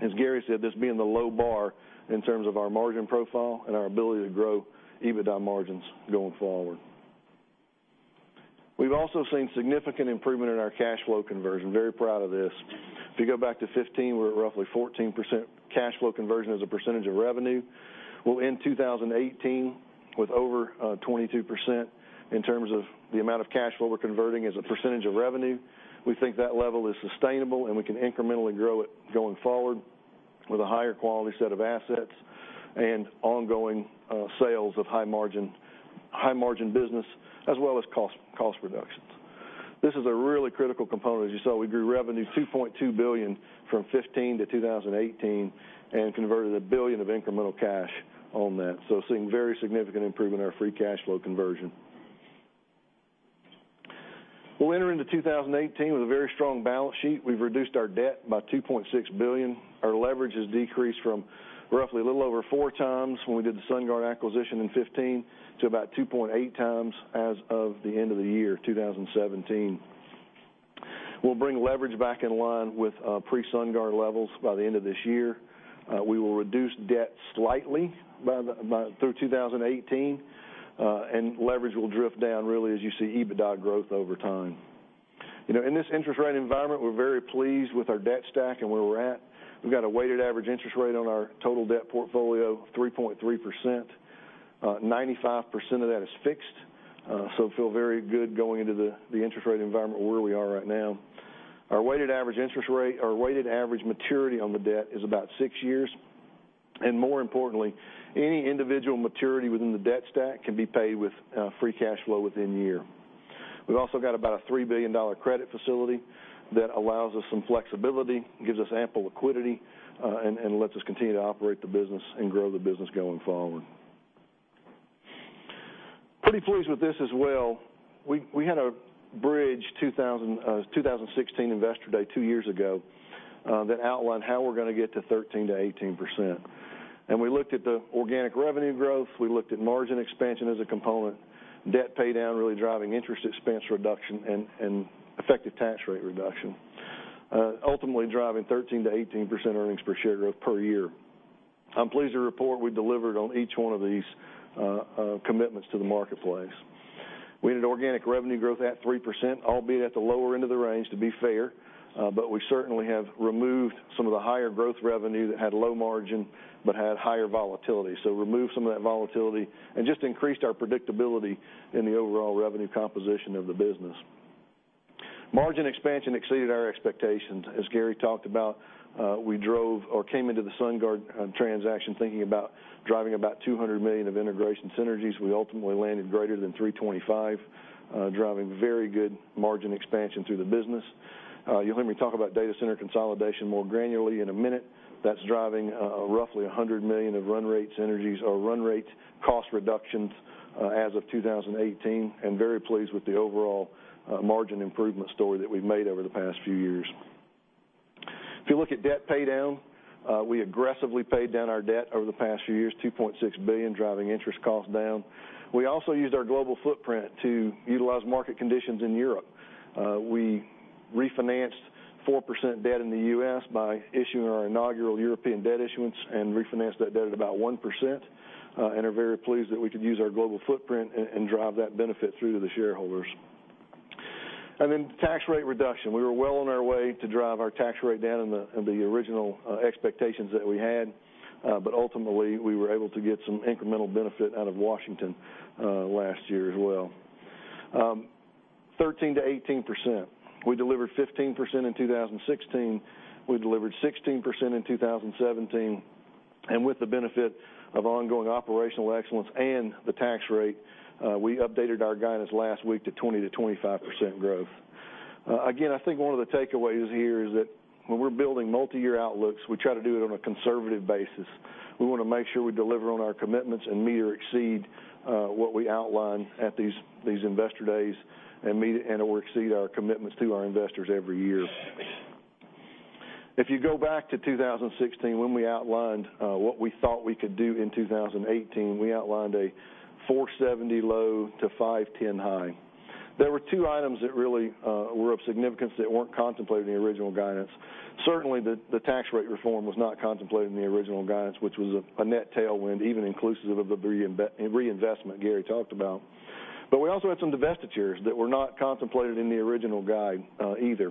as Gary said, this being the low bar in terms of our margin profile and our ability to grow EBITDA margins going forward. We've also seen significant improvement in our cash flow conversion. Very proud of this. If you go back to 2015, we're at roughly 14% cash flow conversion as a percentage of revenue. We'll end 2018 with over 22% in terms of the amount of cash flow we're converting as a percentage of revenue. We think that level is sustainable, and we can incrementally grow it going forward with a higher quality set of assets and ongoing sales of high margin business as well as cost reductions. This is a really critical component. As you saw, we grew revenue $2.2 billion from 2015 to 2018 and converted $1 billion of incremental cash on that. Seeing very significant improvement in our free cash flow conversion. We'll enter into 2018 with a very strong balance sheet. We've reduced our debt by $2.6 billion. Our leverage has decreased from roughly a little over four times when we did the SunGard acquisition in 2015 to about 2.8 times as of the end of the year 2017. We'll bring leverage back in line with pre-SunGard levels by the end of this year. We will reduce debt slightly through 2018, and leverage will drift down really as you see EBITDA growth over time. In this interest rate environment, we're very pleased with our debt stack and where we're at. We've got a weighted average interest rate on our total debt portfolio, 3.3%. 95% of that is fixed, so feel very good going into the interest rate environment where we are right now. Our weighted average maturity on the debt is about six years, and more importantly, any individual maturity within the debt stack can be paid with free cash flow within a year. We've also got about a $3 billion credit facility that allows us some flexibility, gives us ample liquidity, and lets us continue to operate the business and grow the business going forward. Pretty pleased with this as well. We had a bridge 2016 Investor Day two years ago that outlined how we're going to get to 13%-18%. We looked at the organic revenue growth, we looked at margin expansion as a component, debt paydown really driving interest expense reduction, and effective tax rate reduction. Ultimately driving 13%-18% earnings per share growth per year. I'm pleased to report we delivered on each one of these commitments to the marketplace. We had organic revenue growth at 3%, albeit at the lower end of the range, to be fair, we certainly have removed some of the higher growth revenue that had low margin but had higher volatility. Removed some of that volatility and just increased our predictability in the overall revenue composition of the business. Margin expansion exceeded our expectations. As Gary talked about, we came into the SunGard transaction thinking about driving about $200 million of integration synergies. We ultimately landed greater than $325 million, driving very good margin expansion through the business. You'll hear me talk about data center consolidation more granularly in a minute. That's driving roughly $100 million of run rate synergies or run rate cost reductions as of 2018, and very pleased with the overall margin improvement story that we've made over the past few years. If you look at debt paydown, we aggressively paid down our debt over the past few years, $2.6 billion, driving interest costs down. We also used our global footprint to utilize market conditions in Europe. We refinanced 4% debt in the U.S. by issuing our inaugural European debt issuance and refinanced that debt at about 1%, and are very pleased that we could use our global footprint and drive that benefit through to the shareholders. Tax rate reduction. We were well on our way to drive our tax rate down in the original expectations that we had, but ultimately, we were able to get some incremental benefit out of Washington last year as well. 13%-18%. We delivered 15% in 2016, we delivered 16% in 2017, and with the benefit of ongoing operational excellence and the tax rate, we updated our guidance last week to 20%-25% growth. I think one of the takeaways here is that when we're building multi-year outlooks, we try to do it on a conservative basis. We want to make sure we deliver on our commitments and meet or exceed what we outline at these investor days and meet or exceed our commitments to our investors every year. If you go back to 2016, when we outlined what we thought we could do in 2018, we outlined a $470 million low to $510 million high. There were two items that really were of significance that weren't contemplated in the original guidance. Certainly, the tax rate reform was not contemplated in the original guidance, which was a net tailwind, even inclusive of the reinvestment Gary talked about. We also had some divestitures that were not contemplated in the original guide either.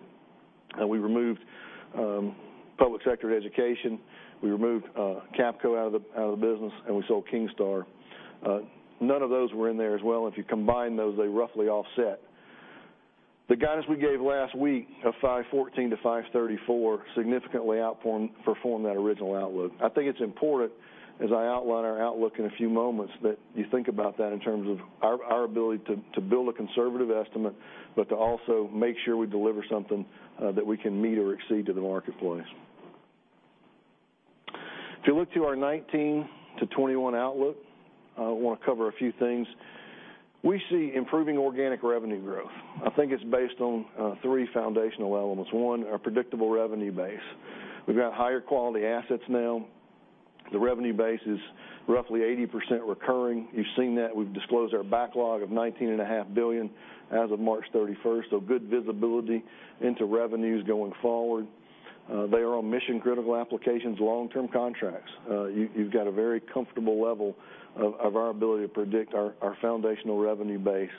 We removed public sector education, we removed Capco out of the business, and we sold Kingstar. None of those were in there as well, and if you combine those, they roughly offset. The guidance we gave last week of $514 million to $534 million significantly outperformed that original outlook. I think it's important as I outline our outlook in a few moments that you think about that in terms of our ability to build a conservative estimate, but to also make sure we deliver something that we can meet or exceed to the marketplace. If you look to our 2019-2021 outlook, I want to cover a few things. We see improving organic revenue growth. I think it's based on three foundational elements. One, our predictable revenue base. We've got higher quality assets now. The revenue base is roughly 80% recurring. You've seen that we've disclosed our backlog of $19.5 billion as of March 31st. Good visibility into revenues going forward. They are on mission-critical applications, long-term contracts. You've got a very comfortable level of our ability to predict our foundational revenue base.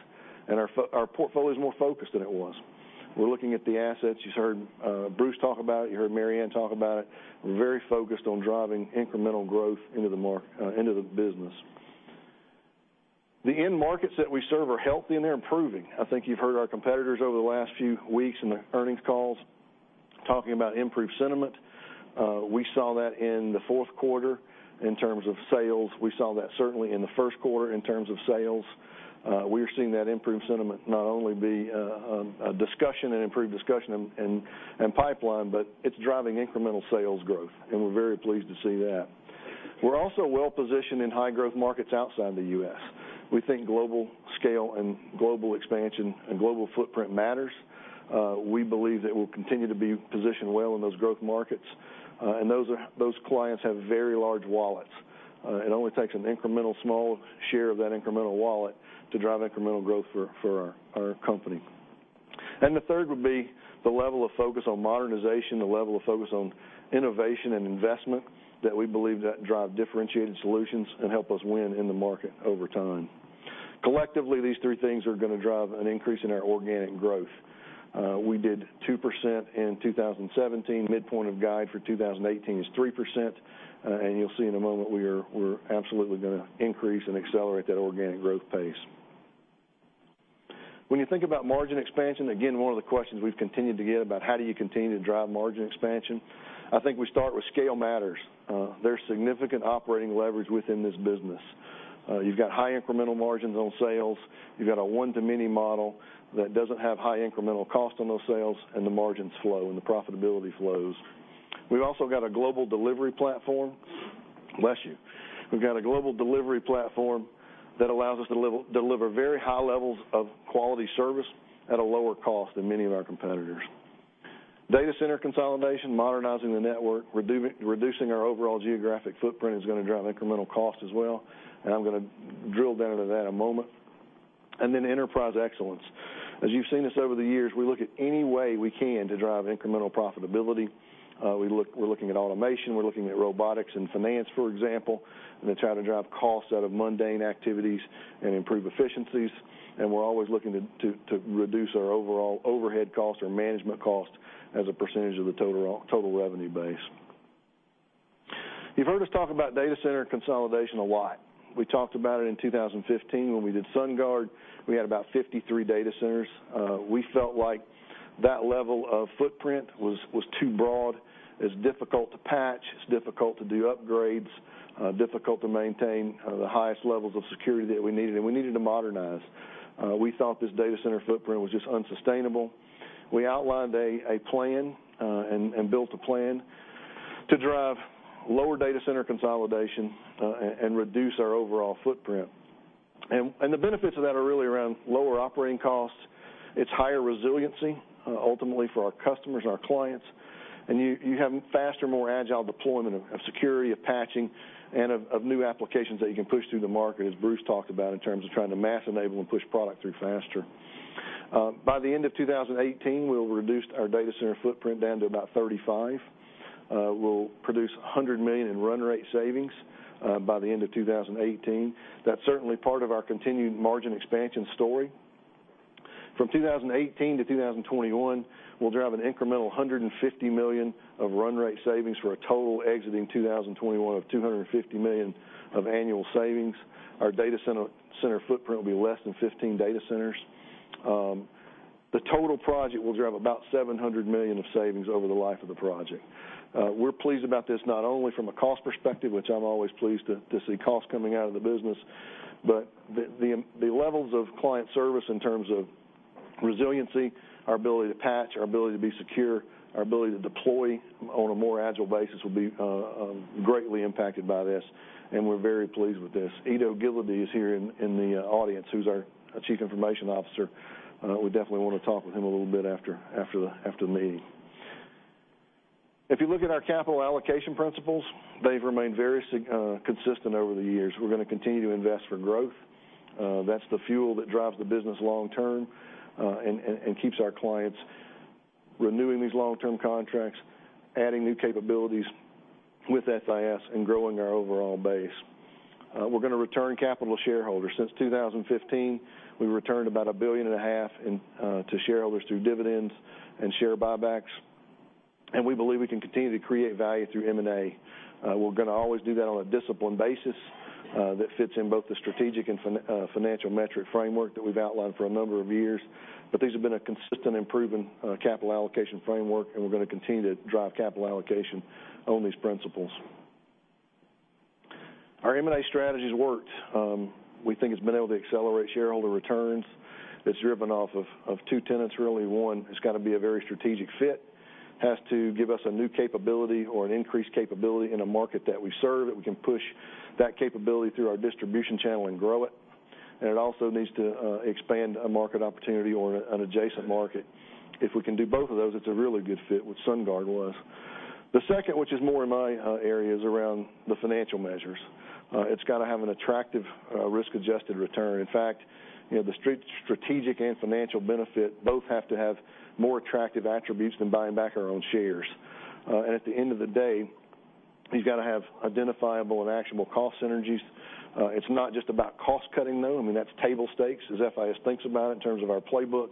Our portfolio is more focused than it was. You heard Bruce talk about it. You heard Marianne talk about it. We're very focused on driving incremental growth into the business. The end markets that we serve are healthy. They're improving. I think you've heard our competitors over the last few weeks in the earnings calls talking about improved sentiment. We saw that in the fourth quarter in terms of sales. We saw that certainly in the first quarter in terms of sales. We are seeing that improved sentiment not only be an improved discussion in pipeline, but it's driving incremental sales growth, and we're very pleased to see that. We're also well-positioned in high-growth markets outside the U.S. We think global scale and global expansion and global footprint matters. We believe that we'll continue to be positioned well in those growth markets. Those clients have very large wallets. It only takes an incremental small share of that incremental wallet to drive incremental growth for our company. The third would be the level of focus on modernization, the level of focus on innovation and investment that we believe that drive differentiated solutions and help us win in the market over time. Collectively, these three things are going to drive an increase in our organic growth. We did 2% in 2017. Midpoint of guide for 2018 is 3%. You'll see in a moment we're absolutely going to increase and accelerate that organic growth pace. When you think about margin expansion, again, one of the questions we've continued to get about how do you continue to drive margin expansion? I think we start with scale matters. There's significant operating leverage within this business. You've got high incremental margins on sales. You've got a one-to-many model that doesn't have high incremental cost on those sales. The margins flow, and the profitability flows. We've also got a global delivery platform. Bless you. We've got a global delivery platform that allows us to deliver very high levels of quality service at a lower cost than many of our competitors. Data center consolidation, modernizing the network, reducing our overall geographic footprint is going to drive incremental cost as well. I'm going to drill down into that a moment. Enterprise excellence. As you've seen us over the years, we look at any way we can to drive incremental profitability. We're looking at automation, we're looking at robotics in finance, for example, and then try to drive costs out of mundane activities and improve efficiencies. We're always looking to reduce our overall overhead cost or management cost as a percentage of the total revenue base. You've heard us talk about data center consolidation a lot. We talked about it in 2015 when we did SunGard. We had about 53 data centers. We felt like that level of footprint was too broad. It's difficult to patch, it's difficult to do upgrades, difficult to maintain the highest levels of security that we needed. We needed to modernize. We thought this data center footprint was just unsustainable. We outlined a plan, and built a plan to drive lower data center consolidation, and reduce our overall footprint. The benefits of that are really around lower operating costs. It's higher resiliency, ultimately for our customers and our clients. You have faster, more agile deployment of security, of patching, and of new applications that you can push through the market, as Bruce talked about in terms of trying to mass enable and push product through faster. By the end of 2018, we'll reduce our data center footprint down to about 35. We'll produce $100 million in run rate savings, by the end of 2018. That's certainly part of our continued margin expansion story. From 2018 to 2021, we'll drive an incremental $150 million of run rate savings for a total exiting 2021 of $250 million of annual savings. Our data center footprint will be less than 15 data centers. The total project will drive about $700 million of savings over the life of the project. We're pleased about this, not only from a cost perspective, which I'm always pleased to see cost coming out of the business, but the levels of client service in terms of resiliency, our ability to patch, our ability to be secure, our ability to deploy on a more agile basis will be greatly impacted by this, and we're very pleased with this. Ido Gileadi is here in the audience, who's our Chief Information Officer. We definitely want to talk with him a little bit after the meeting. If you look at our capital allocation principles, they've remained very consistent over the years. We're going to continue to invest for growth. That's the fuel that drives the business long term, and keeps our clients renewing these long-term contracts, adding new capabilities with FIS, and growing our overall base. We're going to return capital to shareholders. Since 2015, we've returned about a billion and a half to shareholders through dividends and share buybacks, and we believe we can continue to create value through M&A. We're going to always do that on a disciplined basis, that fits in both the strategic and financial metric framework that we've outlined for a number of years. These have been a consistent, improving capital allocation framework, and we're going to continue to drive capital allocation on these principles. Our M&A strategy's worked. We think it's been able to accelerate shareholder returns. It's driven off of two tenets, really. One, it's got to be a very strategic fit. It has to give us a new capability or an increased capability in a market that we serve, that we can push that capability through our distribution channel and grow it. It also needs to expand a market opportunity or an adjacent market. If we can do both of those, it's a really good fit, which SunGard was. The second, which is more in my area, is around the financial measures. It's got to have an attractive risk-adjusted return. In fact, the strategic and financial benefit both have to have more attractive attributes than buying back our own shares. At the end of the day, you've got to have identifiable and actionable cost synergies. It's not just about cost-cutting, though. I mean, that's table stakes as FIS thinks about it in terms of our playbook,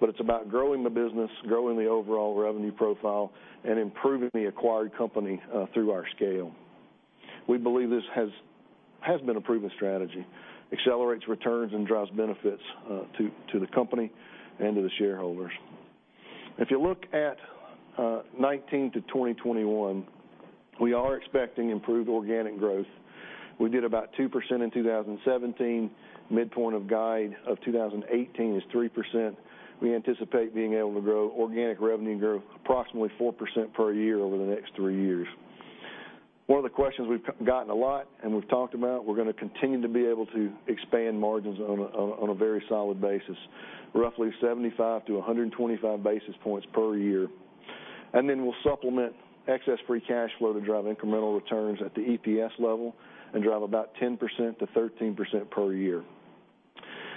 but it's about growing the business, growing the overall revenue profile, and improving the acquired company through our scale. We believe this has been a proven strategy. It accelerates returns and drives benefits to the company and to the shareholders. If you look at 2019 to 2021, we are expecting improved organic growth. We did about 2% in 2017. Midpoint of guide of 2018 is 3%. We anticipate being able to grow organic revenue growth approximately 4% per year over the next three years. One of the questions we've gotten a lot and we've talked about, we're going to continue to be able to expand margins on a very solid basis, roughly 75 to 125 basis points per year. Then we'll supplement excess free cash flow to drive incremental returns at the EPS level and drive about 10%-13% per year.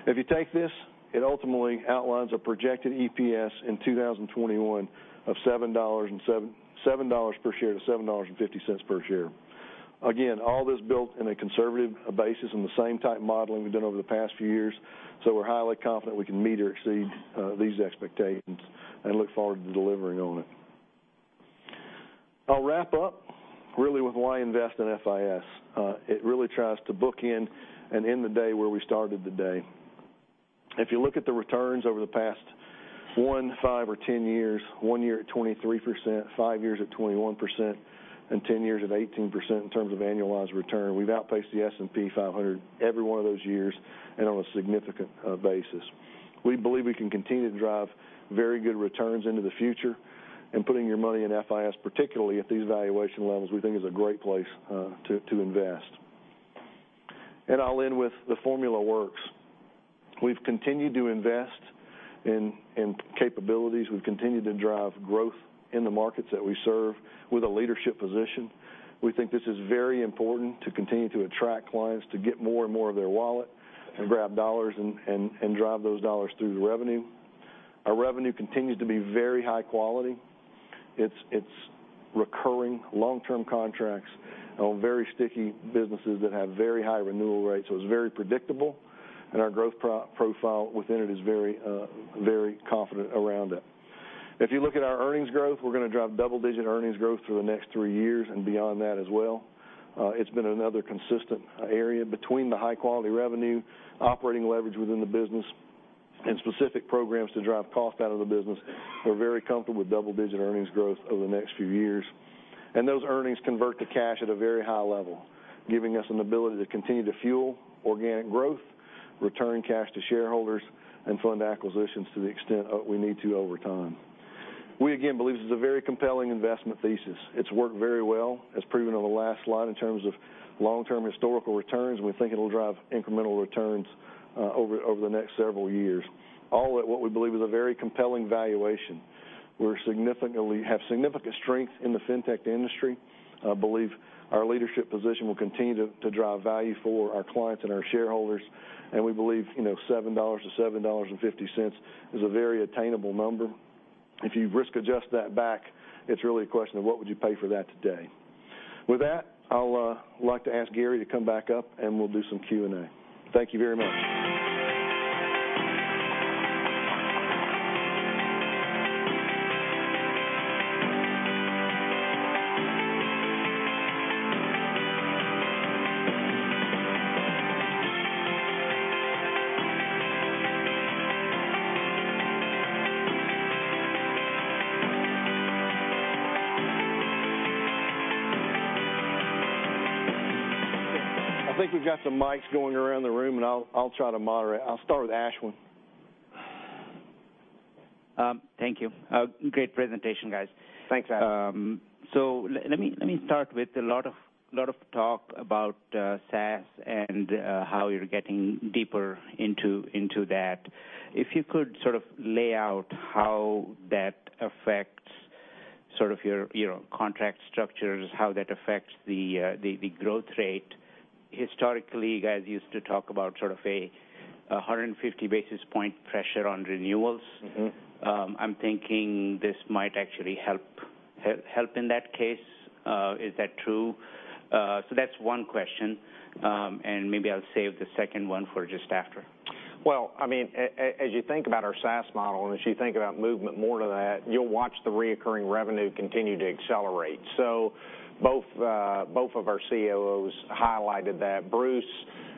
If you take this, it ultimately outlines a projected EPS in 2021 of $7 per share to $7.50 per share. Again, all this built in a conservative basis on the same type modeling we've done over the past few years. We're highly confident we can meet or exceed these expectations and look forward to delivering on it. I'll wrap up really with why invest in FIS. It really tries to bookend and end the day where we started the day. If you look at the returns over the past one, five or 10 years, one year at 23%, five years at 21%, and 10 years at 18% in terms of annualized return. We've outpaced the S&P 500 every one of those years and on a significant basis. We believe we can continue to drive very good returns into the future. Putting your money in FIS, particularly at these valuation levels, we think is a great place to invest. I'll end with the formula works. We've continued to invest in capabilities. We've continued to drive growth in the markets that we serve with a leadership position. We think this is very important to continue to attract clients, to get more and more of their wallet and grab dollars and drive those dollars through the revenue. Our revenue continues to be very high quality. It's recurring long-term contracts on very sticky businesses that have very high renewal rates. It's very predictable, and our growth profile within it is very confident around it. If you look at our earnings growth, we're going to drive double-digit earnings growth through the next three years and beyond that as well. It's been another consistent area between the high-quality revenue, operating leverage within the business, and specific programs to drive cost out of the business. We're very comfortable with double-digit earnings growth over the next few years. Those earnings convert to cash at a very high level, giving us an ability to continue to fuel organic growth, return cash to shareholders, and fund acquisitions to the extent we need to over time. We again believe this is a very compelling investment thesis. It's worked very well, as proven on the last slide, in terms of long-term historical returns. We think it'll drive incremental returns over the next several years, all at what we believe is a very compelling valuation. We have significant strength in the fintech industry. Believe our leadership position will continue to drive value for our clients and our shareholders. We believe $7-$7.50 is a very attainable number. If you risk adjust that back, it's really a question of what would you pay for that today. With that, I'll like to ask Gary to come back up and we'll do some Q&A. Thank you very much. I think we've got some mics going around the room, and I'll try to moderate. I'll start with Ashwin. Thank you. Great presentation, guys. Thanks, Ashwin. Let me start with a lot of talk about SaaS and how you're getting deeper into that. If you could sort of lay out how that affects your contract structures, how that affects the growth rate. Historically, you guys used to talk about sort of a 150 basis point pressure on renewals. I'm thinking this might actually help in that case. Is that true? That's one question, maybe I'll save the second one for just after. As you think about our SaaS model, as you think about movement more to that, you'll watch the recurring revenue continue to accelerate. Both of our COOs highlighted that Bruce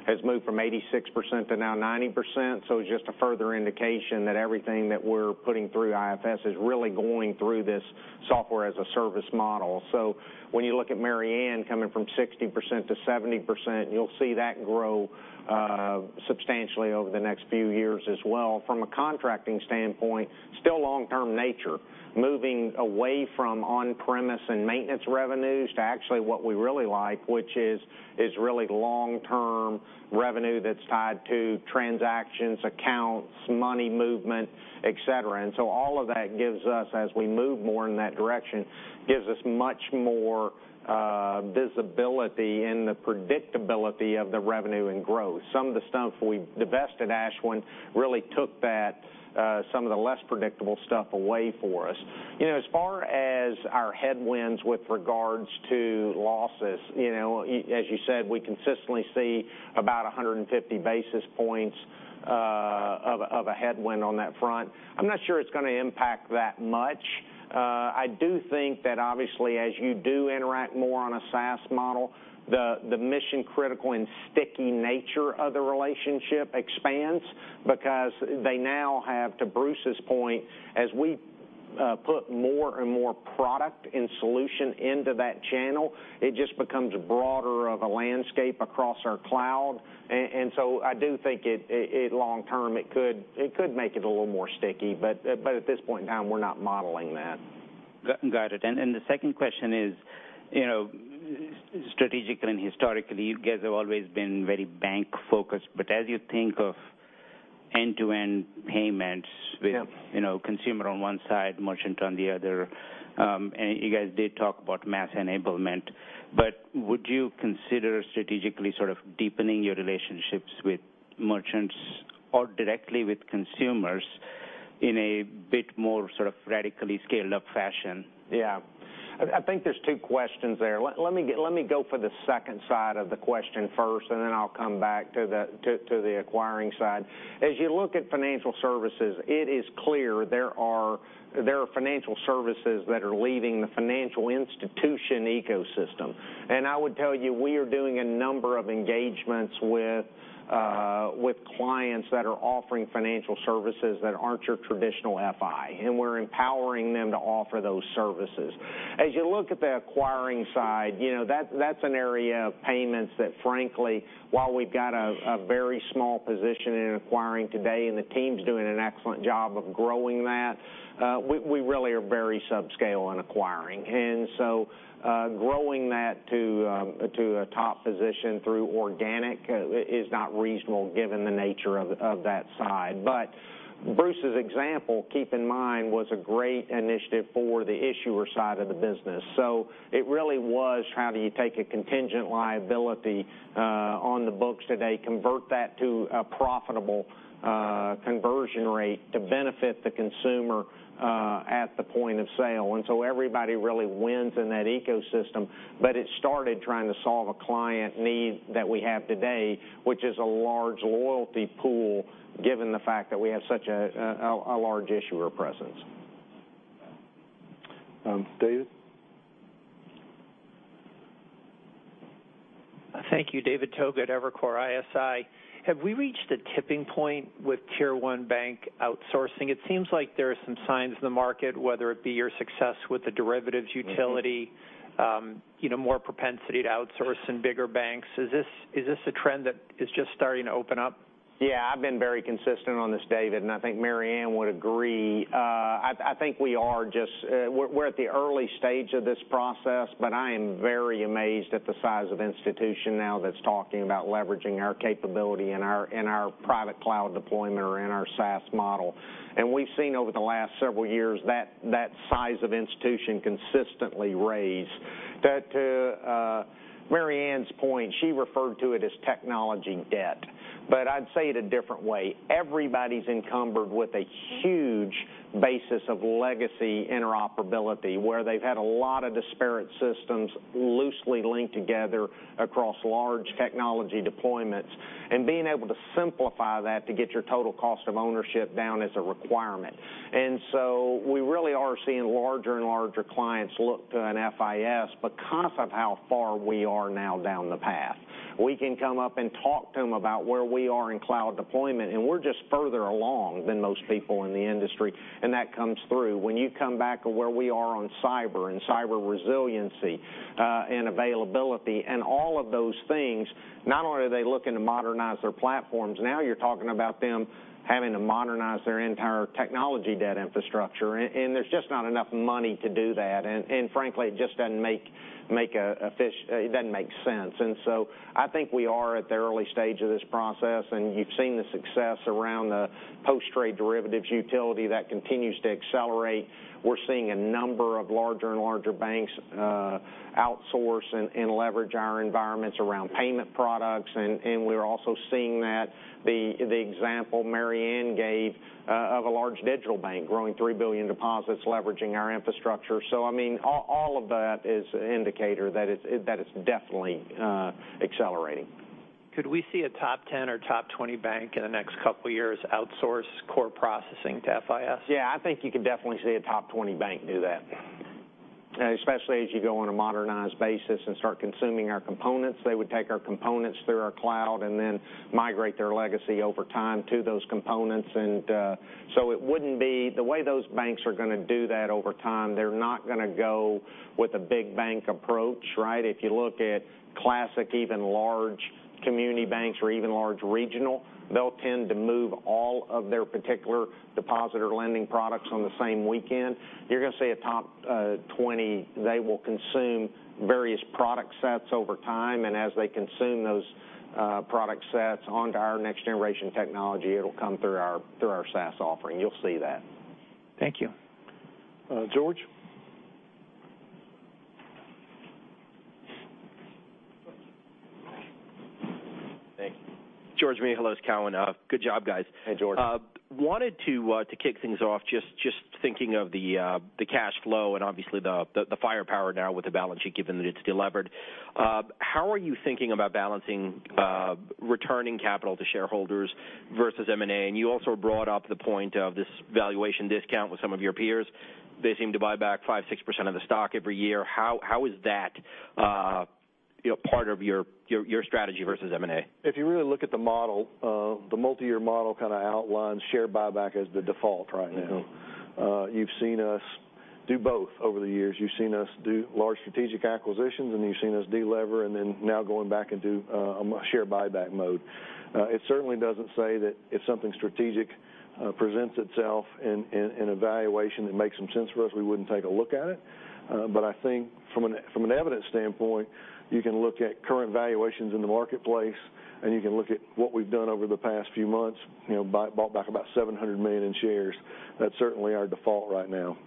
has moved from 86% to now 90%. It's just a further indication that everything that we're putting through IFS is really going through this software as a service model. When you look at Marianne coming from 60% to 70%, you'll see that grow substantially over the next few years as well. From a contracting standpoint, still long-term nature, moving away from on-premise and maintenance revenues to actually what we really like, which is really long-term revenue that's tied to transactions, accounts, money movement, et cetera. All of that gives us, as we move more in that direction, gives us much more visibility in the predictability of the revenue and growth. Some of the stuff we divest at Ashwin really took that, some of the less predictable stuff away for us. As far as our headwinds with regards to losses, as you said, we consistently see about 150 basis points of a headwind on that front. I'm not sure it's going to impact that much. I do think that obviously as you do interact more on a SaaS model, the mission-critical and sticky nature of the relationship expands because they now have, to Bruce's point, as we put more and more product and solution into that channel, it just becomes broader of a landscape across our cloud. I do think long term, it could make it a little more sticky. At this point in time, we're not modeling that. Got it. The second question is, strategically and historically, you guys have always been very bank-focused, as you think of end-to-end payments with- Yeah consumer on one side, merchant on the other, you guys did talk about mass enablement, would you consider strategically sort of deepening your relationships with merchants or directly with consumers in a bit more radically scaled-up fashion. Yeah. I think there's two questions there. Let me go for the second side of the question first, then I'll come back to the acquiring side. As you look at financial services, it is clear there are financial services that are leaving the financial institution ecosystem. I would tell you, we are doing a number of engagements with clients that are offering financial services that aren't your traditional FI. We're empowering them to offer those services. As you look at the acquiring side, that's an area of payments that frankly, while we've got a very small position in acquiring today, the team's doing an excellent job of growing that, we really are very subscale in acquiring. So, growing that to a top position through organic is not reasonable given the nature of that side. Bruce's example, keep in mind, was a great initiative for the issuer side of the business. It really was how do you take a contingent liability on the books today, convert that to a profitable conversion rate to benefit the consumer at the point of sale. Everybody really wins in that ecosystem. It started trying to solve a client need that we have today, which is a large loyalty pool, given the fact that we have such a large issuer presence. David? Thank you. David Togut at Evercore ISI. Have we reached a tipping point with Tier 1 bank outsourcing? It seems like there are some signs in the market, whether it be your success with the derivatives utility- more propensity to outsource in bigger banks. Is this a trend that is just starting to open up? Yeah. I've been very consistent on this, David, I think Marianne would agree. I think we're at the early stage of this process, I am very amazed at the size of institution now that's talking about leveraging our capability in our private cloud deployment or in our SaaS model. We've seen over the last several years that size of institution consistently raise. To Marianne's point, she referred to it as technology debt, I'd say it a different way. Everybody's encumbered with a huge basis of legacy interoperability, where they've had a lot of disparate systems loosely linked together across large technology deployments. Being able to simplify that to get your total cost of ownership down is a requirement. We really are seeing larger and larger clients look to an FIS because of how far we are now down the path. We can come up and talk to them about where we are in cloud deployment, we're just further along than most people in the industry, that comes through. When you come back to where we are on cyber and cyber resiliency, and availability, and all of those things, not only are they looking to modernize their platforms, now you're talking about them having to modernize their entire technology debt infrastructure. There's just not enough money to do that. Frankly, it just doesn't make sense. I think we are at the early stage of this process, you've seen the success around the post-trade derivatives utility that continues to accelerate. We're seeing a number of larger and larger banks outsource and leverage our environments around payment products. We're also seeing that the example Marianne gave of a large digital bank growing $3 billion deposits leveraging our infrastructure. All of that is an indicator that it's definitely accelerating. Could we see a top 10 or top 20 bank in the next couple of years outsource core processing to FIS? Yeah, I think you could definitely see a top 20 bank do that. Especially as you go on a modernized basis and start consuming our components. They would take our components through our cloud and then migrate their legacy over time to those components. The way those banks are going to do that over time, they're not going to go with a big bang approach, right? If you look at classic even large community banks or even large regional, they'll tend to move all of their particular deposit or lending products on the same weekend. You're going to see a top 20. They will consume various product sets over time, and as they consume those product sets onto our next generation technology, it'll come through our SaaS offering. You'll see that. Thank you. George? Thank you. Georgios Mihalos, Cowen. Good job, guys. Hey, George. I wanted to kick things off, just thinking of the cash flow and obviously the firepower now with the balance sheet, given that it's delevered. How are you thinking about balancing returning capital to shareholders versus M&A? You also brought up the point of this valuation discount with some of your peers. They seem to buy back 5%-6% of the stock every year. How is that part of your strategy versus M&A? If you really look at the model the multi-year model outlines share buyback as the default right now. You've seen us do both over the years. You've seen us do large strategic acquisitions, and you've seen us de-lever, now going back into share buyback mode. It certainly doesn't say that if something strategic presents itself in evaluation that makes some sense for us, we wouldn't take a look at it. I think from an evidence standpoint, you can look at current valuations in the marketplace, and you can look at what we've done over the past few months. Bought back about $700 million in shares. That's certainly our default right now.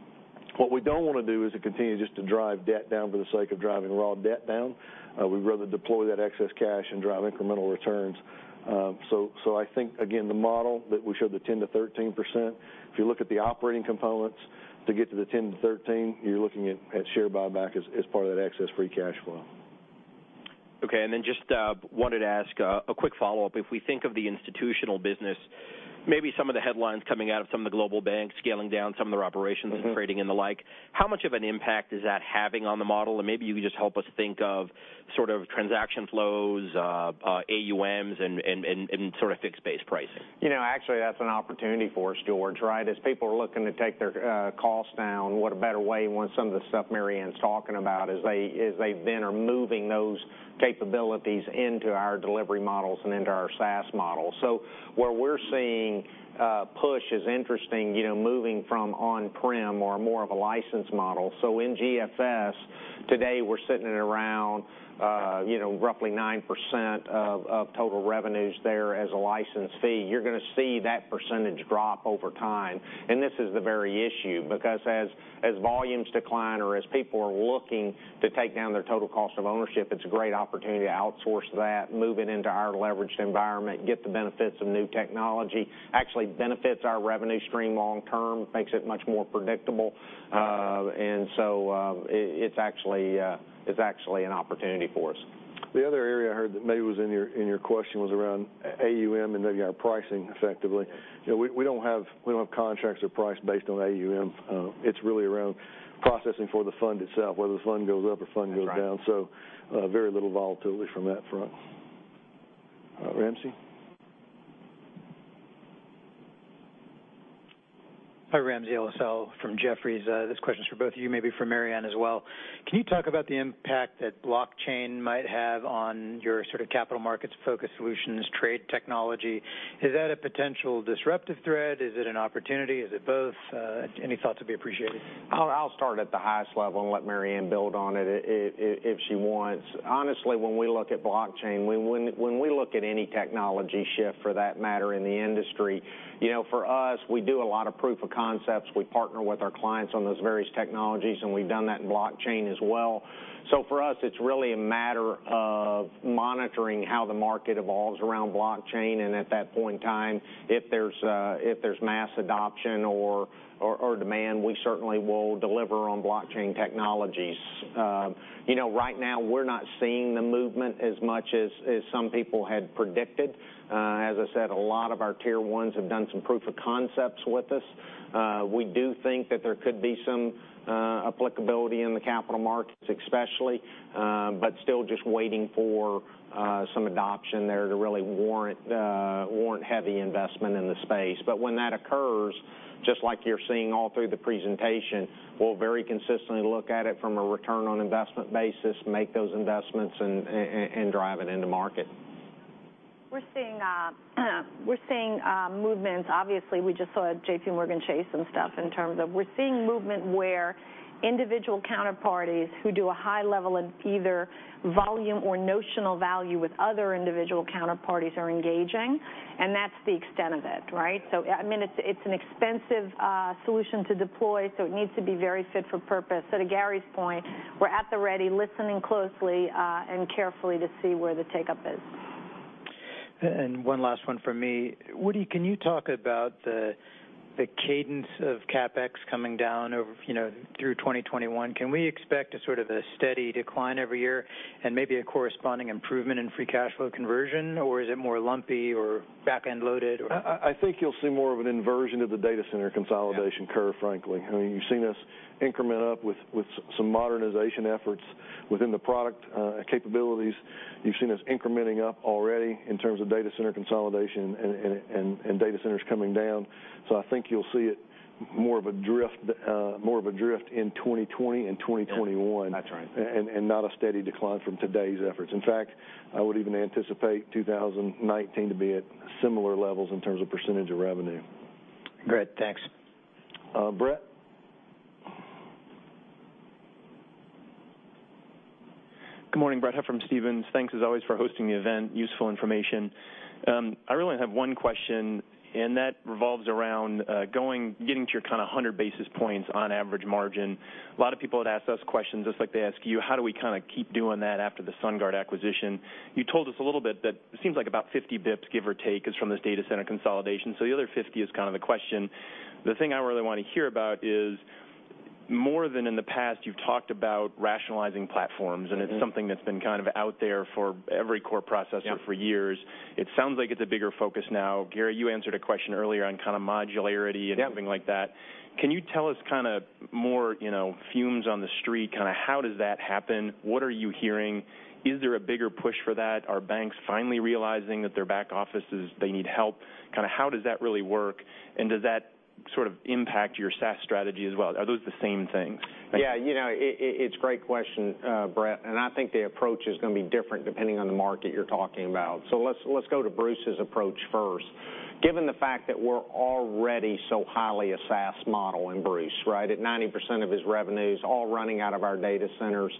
What we don't want to do is to continue just to drive debt down for the sake of driving raw debt down. We'd rather deploy that excess cash and drive incremental returns. I think, again, the model that we showed, the 10%-13%, if you look at the operating components to get to the 10%-13%, you're looking at share buyback as part of that excess free cash flow. Okay. Just wanted to ask a quick follow-up. If we think of the institutional business, maybe some of the headlines coming out of some of the global banks scaling down some of their operations Trading and the like, how much of an impact is that having on the model? Maybe you could just help us think of transaction flows, AUMs, and fixed-based pricing. Actually, that's an opportunity for us, George, right? As people are looking to take their costs down, what a better way when some of the stuff Marianne's talking about is they then are moving those capabilities into our delivery models and into our SaaS model. Where we're seeing push is interesting, moving from on-prem or more of a license model. In GFS, today we're sitting at around roughly 9% of total revenues there as a license fee. You're going to see that percentage drop over time, this is the very issue, because as volumes decline or as people are looking to take down their total cost of ownership, it's a great opportunity to outsource that, move it into our leveraged environment, get the benefits of new technology. Actually benefits our revenue stream long term, makes it much more predictable. It's actually an opportunity for us. The other area I heard that maybe was in your question was around AUM and maybe our pricing effectively. We don't have contracts that are priced based on AUM. It's really around processing for the fund itself, whether the fund goes up or fund goes down. That's right. Very little volatility from that front. All right. Ramsey? Hi, Ramsey El-Assal from Jefferies. This question's for both of you, maybe for Marianne as well. Can you talk about the impact that blockchain might have on your capital markets-focused solutions, trade technology? Is that a potential disruptive threat? Is it an opportunity? Is it both? Any thoughts would be appreciated. I'll start at the highest level and let Marianne build on it if she wants. Honestly, when we look at blockchain, when we look at any technology shift, for that matter, in the industry. For us, we do a lot of proof of concepts. We partner with our clients on those various technologies, and we've done that in blockchain as well. For us, it's really a matter of monitoring how the market evolves around blockchain. At that point in time, if there's mass adoption or demand, we certainly will deliver on blockchain technologies. Right now, we're not seeing the movement as much as some people had predicted. As I said, a lot of our tier 1s have done some proof of concepts with us. We do think that there could be some applicability in the capital markets especially, still just waiting for some adoption there to really warrant heavy investment in the space. When that occurs, just like you're seeing all through the presentation, we'll very consistently look at it from a return on investment basis, make those investments, and drive it into market. We're seeing movements. Obviously, we just saw JPMorgan Chase and stuff in terms of we're seeing movement where individual counterparties who do a high level in either volume or notional value with other individual counterparties are engaging, and that's the extent of it, right? It's an expensive solution to deploy, so it needs to be very fit for purpose. To Gary's point, we're at the ready, listening closely and carefully to see where the take-up is. One last one from me. Woody, can you talk about the cadence of CapEx coming down through 2021? Can we expect a steady decline every year and maybe a corresponding improvement in free cash flow conversion? Is it more lumpy or back-end loaded? I think you'll see more of an inversion of the data center consolidation curve, frankly. Yeah. You've seen us increment up with some modernization efforts within the product capabilities. You've seen us incrementing up already in terms of data center consolidation and data centers coming down. I think you'll see it more of a drift in 2020 and 2021. That's right. Not a steady decline from today's efforts. In fact, I would even anticipate 2019 to be at similar levels in terms of percentage of revenue. Great. Thanks. Brett? Good morning. Brett Huff from Stephens. Thanks as always for hosting the event. Useful information. I really only have one question, and that revolves around getting to your 100 basis points on average margin. A lot of people had asked us questions, just like they ask you, how do we keep doing that after the SunGard acquisition? You told us a little bit that it seems like about 50 bips, give or take, is from this data center consolidation. The other 50 is the question. The thing I really want to hear about is, more than in the past, you've talked about rationalizing platforms- It's something that's been out there for every core processor- Yeah for years. It sounds like it's a bigger focus now. Gary, you answered a question earlier on modularity- Yeah and something like that. Can you tell us more rumors on the street, how does that happen? What are you hearing? Is there a bigger push for that? Are banks finally realizing that their back offices, they need help? How does that really work? Does that impact your SaaS strategy as well? Are those the same things? Yeah. It's a great question, Brett, I think the approach is going to be different depending on the market you're talking about. Let's go to Bruce's approach first. Given the fact that we're already so highly a SaaS model in Bruce, right? At 90% of his revenues all running out of our data centers.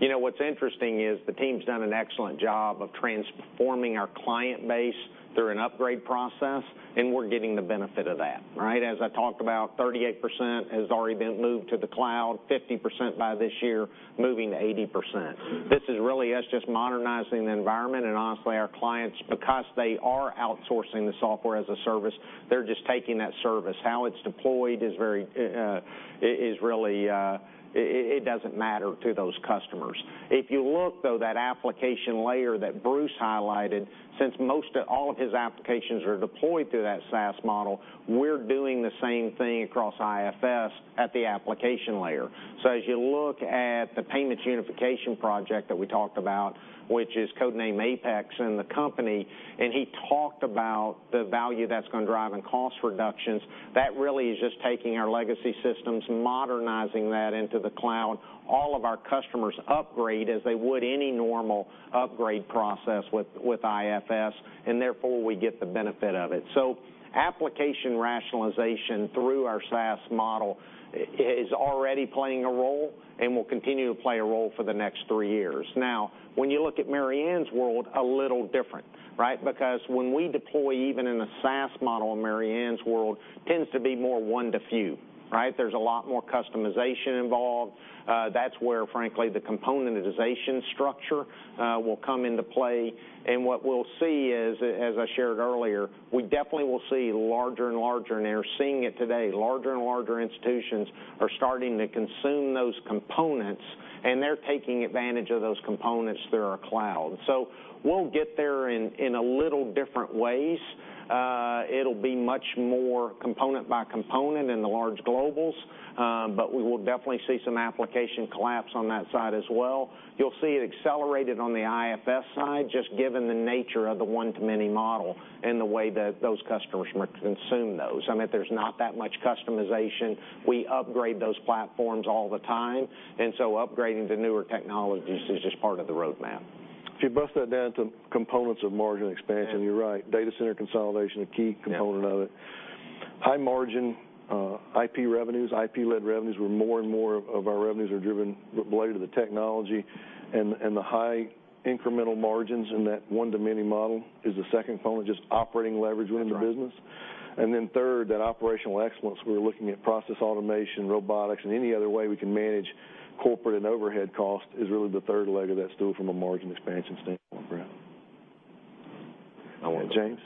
What's interesting is the team's done an excellent job of transforming our client base through an upgrade process, and we're getting the benefit of that. As I talked about, 38% has already been moved to the cloud, 50% by this year, moving to 80%. This is really us just modernizing the environment, and honestly, our clients, because they are outsourcing the software as a service, they're just taking that service. How it's deployed, it doesn't matter to those customers. If you look, though, that application layer that Bruce highlighted, since most of all of his applications are deployed through that SaaS model, we're doing the same thing across IFS at the application layer. As you look at the payments unification project that we talked about, which is code-named Apex in the company, he talked about the value that's going to drive in cost reductions. That really is just taking our legacy systems, modernizing that into the cloud. All of our customers upgrade as they would any normal upgrade process with IFS, therefore we get the benefit of it. Application rationalization through our SaaS model is already playing a role and will continue to play a role for the next three years. When you look at Marianne's world, a little different. When we deploy, even in the SaaS model in Marianne's world, tends to be more one to few. There's a lot more customization involved. That's where, frankly, the componentization structure will come into play. What we'll see is, as I shared earlier, we definitely will see larger and larger, and are seeing it today, larger and larger institutions are starting to consume those components, and they're taking advantage of those components through our cloud. We'll get there in a little different ways. It'll be much more component by component in the large globals. We will definitely see some application collapse on that side as well. You'll see it accelerated on the IFS side, just given the nature of the one to many model and the way that those customers consume those. There's not that much customization. We upgrade those platforms all the time, upgrading to newer technologies is just part of the roadmap. If you bust that down to components of margin expansion, you're right. Data center consolidation, a key component of it. High margin, IP revenues. IP-led revenues, where more and more of our revenues are driven related to the technology, and the high incremental margins in that one to many model is the second component, just operating leverage within the business. That's right. Third, that operational excellence. We're looking at process automation, robotics, and any other way we can manage corporate and overhead cost is really the third leg of that stool from a margin expansion standpoint, Brent. Jim.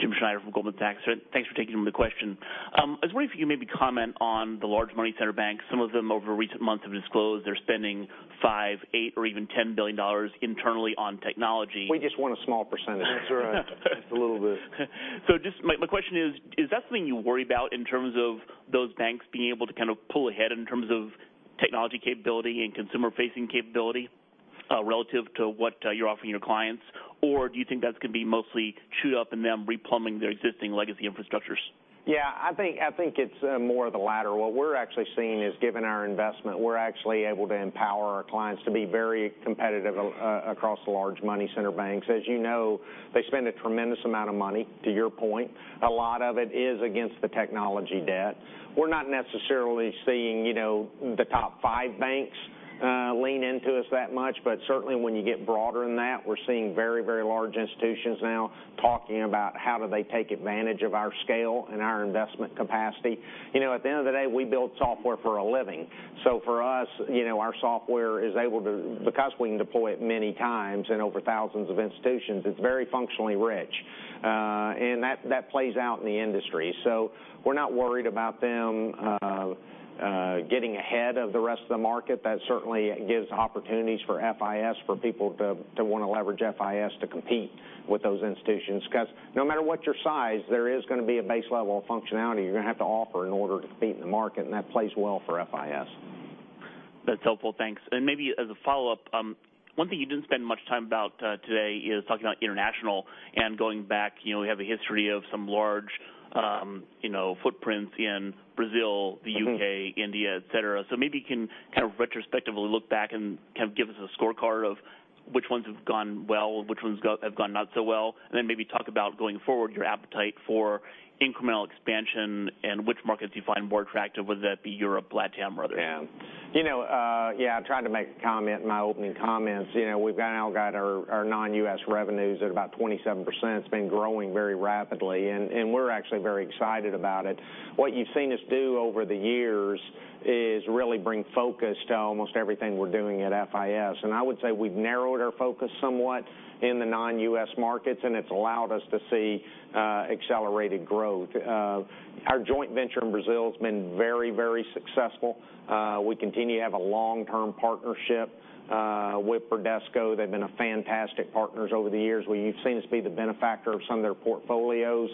Jim Schneider from Goldman Sachs. Thanks for taking my question. I was wondering if you maybe comment on the large money center banks. Some of them over recent months have disclosed they're spending five, eight, or even $10 billion internally on technology. We just want a small percentage. That's right. Just a little bit. Just my question is that something you worry about in terms of those banks being able to pull ahead in terms of technology capability and consumer-facing capability relative to what you're offering your clients? Or do you think that's going to be mostly chewed up and them replumbing their existing legacy infrastructures? Yeah, I think it's more of the latter. What we're actually seeing is, given our investment, we're actually able to empower our clients to be very competitive across the large money center banks. As you know, they spend a tremendous amount of money, to your point. A lot of it is against the technology debt. We're not necessarily seeing the top five banks lean into us that much, but certainly when you get broader than that, we're seeing very large institutions now talking about how do they take advantage of our scale and our investment capacity. At the end of the day, we build software for a living. For us, our software is able to, because we can deploy it many times and over thousands of institutions, it's very functionally rich. That plays out in the industry. We're not worried about them getting ahead of the rest of the market. That certainly gives opportunities for FIS for people to want to leverage FIS to compete with those institutions. No matter what your size, there is going to be a base level of functionality you're going to have to offer in order to compete in the market, and that plays well for FIS. That's helpful. Thanks. Maybe as a follow-up, one thing you didn't spend much time about today is talking about international and going back. We have a history of some large footprints in Brazil, the U.K., India, et cetera. Maybe you can retrospectively look back and give us a scorecard of which ones have gone well, which ones have gone not so well, and then maybe talk about going forward, your appetite for incremental expansion and which markets you find more attractive, whether that be Europe, LATAM, or others. Yeah. I tried to make a comment in my opening comments. We've now got our non-US revenues at about 27%. It's been growing very rapidly. We're actually very excited about it. What you've seen us do over the years is really bring focus to almost everything we're doing at FIS. I would say we've narrowed our focus somewhat in the non-US markets, and it's allowed us to see accelerated growth. Our joint venture in Brazil has been very successful. We continue to have a long-term partnership with Bradesco. They've been a fantastic partners over the years. You've seen us be the benefactor of some of their portfolios.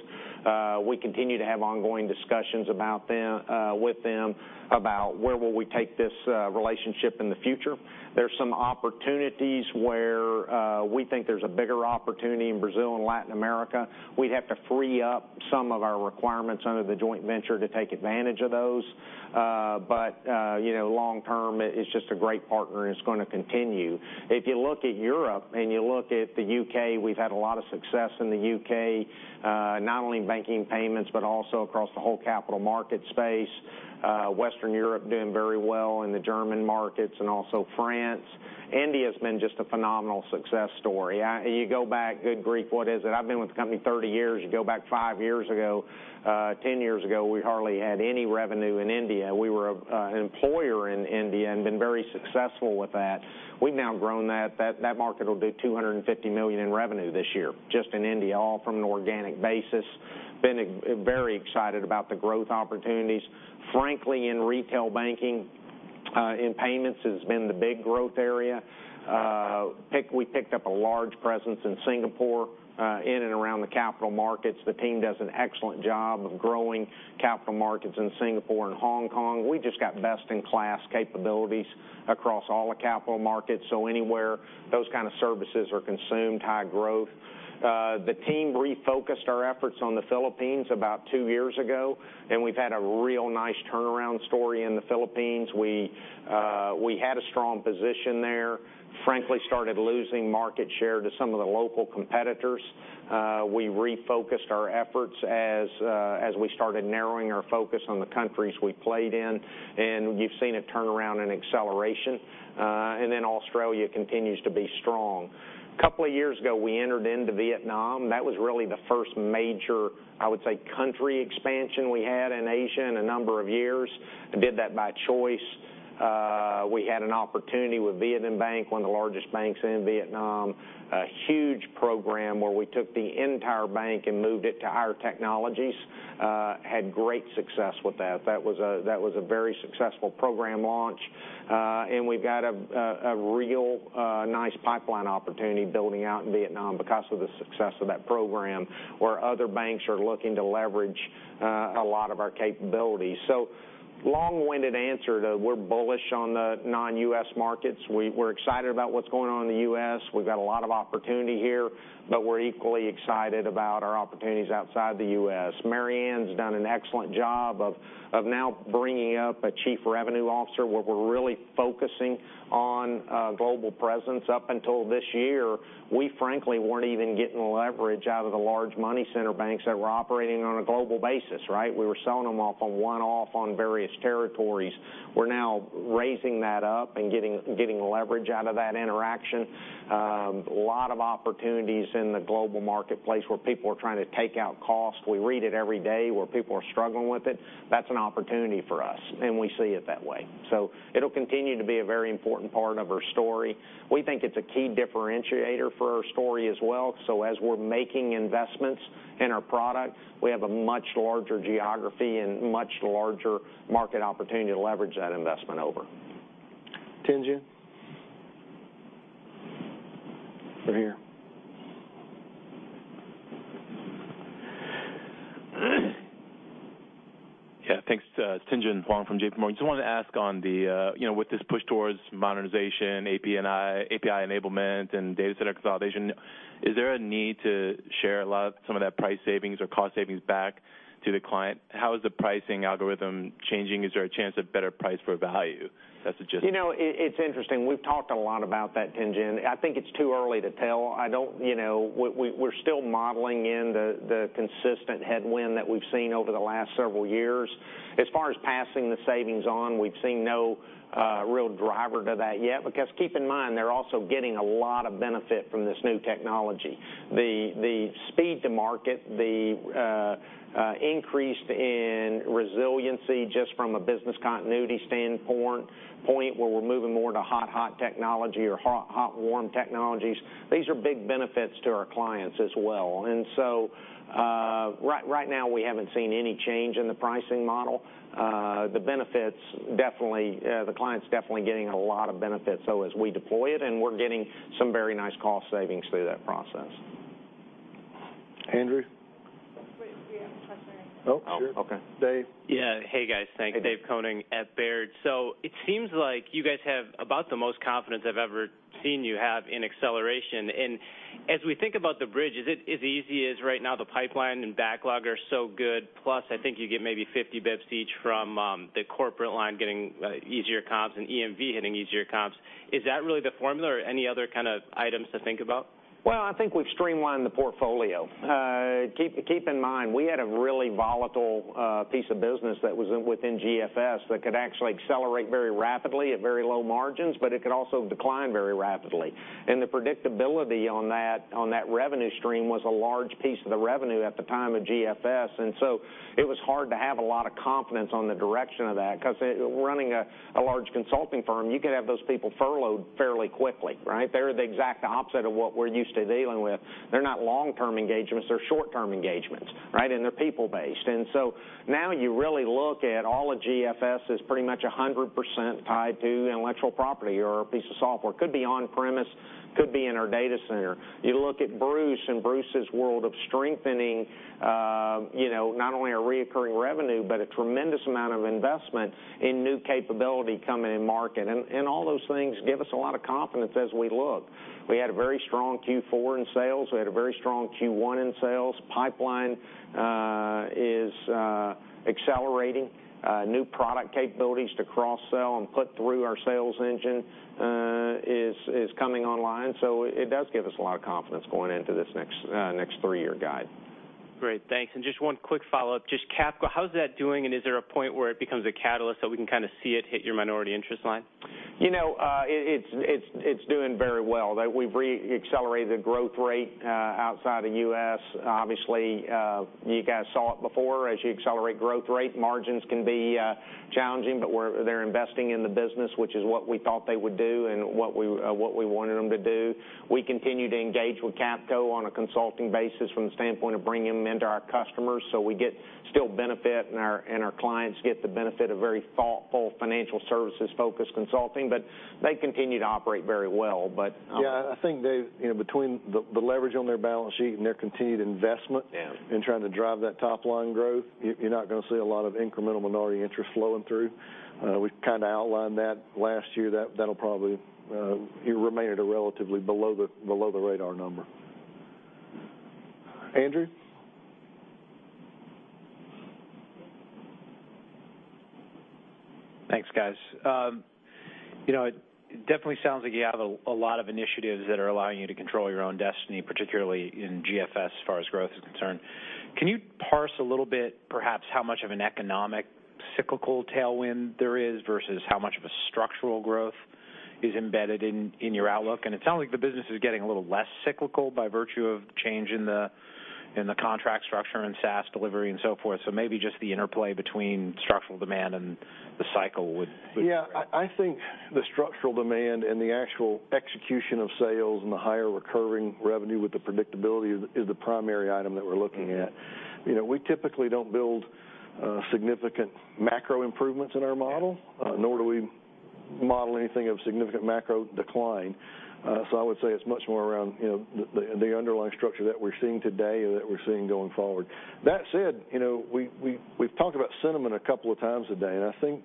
We continue to have ongoing discussions with them about where will we take this relationship in the future. There's some opportunities where we think there's a bigger opportunity in Brazil and Latin America. We'd have to free up some of our requirements under the joint venture to take advantage of those. Long term, it's just a great partner and it's going to continue. If you look at Europe and you look at the U.K., we've had a lot of success in the U.K., not only in banking payments, but also across the whole capital market space. Western Europe doing very well in the German markets and also France. India's been just a phenomenal success story. You go back, good grief, what is it? I've been with the company 30 years. You go back five years ago, 10 years ago, we hardly had any revenue in India. We were an employer in India and been very successful with that. We've now grown that. That market will do $250 million in revenue this year, just in India, all from an organic basis. We've been very excited about the growth opportunities. Frankly, in retail banking, in payments, has been the big growth area. We picked up a large presence in Singapore in and around the capital markets. The team does an excellent job of growing capital markets in Singapore and Hong Kong. We just got best-in-class capabilities across all the capital markets, so anywhere those kind of services are consumed, high growth. The team refocused our efforts on the Philippines about two years ago, and we've had a real nice turnaround story in the Philippines. We had a strong position there, frankly started losing market share to some of the local competitors. We refocused our efforts as we started narrowing our focus on the countries we played in, and you've seen a turnaround in acceleration. Australia continues to be strong. A couple of years ago, we entered into Vietnam. That was really the first major, I would say, country expansion we had in Asia in a number of years, and did that by choice. We had an opportunity with Vietcombank, one of the largest banks in Vietnam. A huge program where we took the entire bank and moved it to our technologies. Had great success with that. That was a very successful program launch. We've got a real nice pipeline opportunity building out in Vietnam because of the success of that program, where other banks are looking to leverage a lot of our capabilities. Long-winded answer to we're bullish on the non-U.S. markets. We're excited about what's going on in the U.S. We've got a lot of opportunity here, but we're equally excited about our opportunities outside the U.S. Marianne's done an excellent job of now bringing up a Chief Revenue Officer, where we're really focusing on global presence. Up until this year, we frankly weren't even getting leverage out of the large money center banks that were operating on a global basis, right? We were selling them off on one-off on various territories. We're now raising that up and getting leverage out of that interaction. A lot of opportunities in the global marketplace where people are trying to take out cost. We read it every day where people are struggling with it. That's an opportunity for us, and we see it that way. It'll continue to be a very important part of our story. We think it's a key differentiator for our story as well. As we're making investments in our product, we have a much larger geography and much larger market opportunity to leverage that investment over. Tien-Tsin. Right here. Yeah, thanks. Tien-Tsin Huang from J.P. Morgan. Just wanted to ask on the, with this push towards modernization, API enablement, and data center consolidation, is there a need to share a lot some of that price savings or cost savings back to the client? How is the pricing algorithm changing? Is there a chance at better price for value? It's interesting. We've talked a lot about that, Tien-Tsin. I think it's too early to tell. We're still modeling in the consistent headwind that we've seen over the last several years. As far as passing the savings on, we've seen no real driver to that yet because keep in mind, they're also getting a lot of benefit from this new technology. The speed to market, the increase in resiliency just from a business continuity standpoint, where we're moving more to hot-hot technology or hot-warm technologies. These are big benefits to our clients as well. Right now we haven't seen any change in the pricing model. The client's definitely getting a lot of benefit. As we deploy it and we're getting some very nice cost savings through that process. Andrew. Wait, we have a question right here. Oh, sure. Oh, okay. Dave. Yeah. Hey, guys. Thanks. Dave Koning at Baird. It seems like you guys have about the most confidence I've ever seen you have in acceleration. As we think about the bridge, is it as easy as right now the pipeline and backlog are so good, plus I think you get maybe 50 basis points each from the corporate line getting easier comps and EMV hitting easier comps. Is that really the formula or any other kind of items to think about? Well, I think we've streamlined the portfolio. Keep in mind, we had a really volatile piece of business that was within GFS that could actually accelerate very rapidly at very low margins, but it could also decline very rapidly. The predictability on that revenue stream was a large piece of the revenue at the time of GFS. So it was hard to have a lot of confidence on the direction of that because running a large consulting firm, you could have those people furloughed fairly quickly, right? They're the exact opposite of what we're used to dealing with. They're not long-term engagements, they're short-term engagements, right? They're people-based. So now you really look at all of GFS as pretty much 100% tied to intellectual property or a piece of software. Could be on premise, could be in our data center. You look at Bruce and Bruce's world of strengthening not only our reoccurring revenue, but a tremendous amount of investment in new capability coming in market. All those things give us a lot of confidence as we look. We had a very strong Q4 in sales. We had a very strong Q1 in sales. Pipeline is accelerating new product capabilities to cross-sell and put through our sales engine is coming online. It does give us a lot of confidence going into this next three-year guide. Great, thanks. Just one quick follow-up. Just Capco, how's that doing? Is there a point where it becomes a catalyst that we can see it hit your minority interest line? It's doing very well. We've re-accelerated the growth rate outside the U.S. Obviously, you guys saw it before. As you accelerate growth rate, margins can be challenging, but they're investing in the business, which is what we thought they would do and what we wanted them to do. We continue to engage with Capco on a consulting basis from the standpoint of bringing them into our customers. We get still benefit, and our clients get the benefit of very thoughtful financial services-focused consulting, but they continue to operate very well. Yeah. I think between the leverage on their balance sheet and their continued investment- Yeah in trying to drive that top-line growth, you're not going to see a lot of incremental minority interest flowing through. We've outlined that last year. That'll probably remain at a relatively below the radar number. Andrew? Thanks, guys. It definitely sounds like you have a lot of initiatives that are allowing you to control your own destiny, particularly in GFS, as far as growth is concerned. Can you parse a little bit perhaps how much of an economic cyclical tailwind there is versus how much of a structural growth is embedded in your outlook? It sounds like the business is getting a little less cyclical by virtue of change in the contract structure and SaaS delivery and so forth. Maybe just the interplay between structural demand and the cycle would- Yeah. I think the structural demand and the actual execution of sales and the higher recurring revenue with the predictability is the primary item that we're looking at. We typically don't build significant macro improvements in our model- Yeah nor do we model anything of significant macro decline. I would say it's much more around the underlying structure that we're seeing today and that we're seeing going forward. That said, we've talked about sentiment a couple of times today, and I think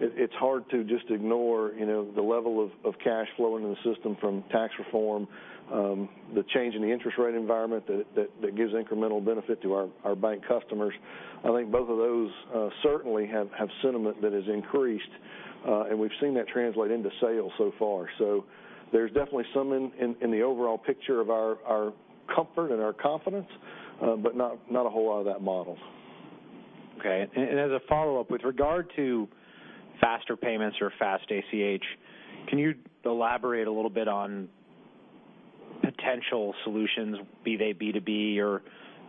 it's hard to just ignore the level of cash flow into the system from tax reform, the change in the interest rate environment that gives incremental benefit to our bank customers. I think both of those certainly have sentiment that has increased. We've seen that translate into sales so far. There's definitely some in the overall picture of our comfort and our confidence, but not a whole lot of that model. Okay. As a follow-up, with regard to faster payments or fast ACH, can you elaborate a little bit on potential solutions, be they B2B or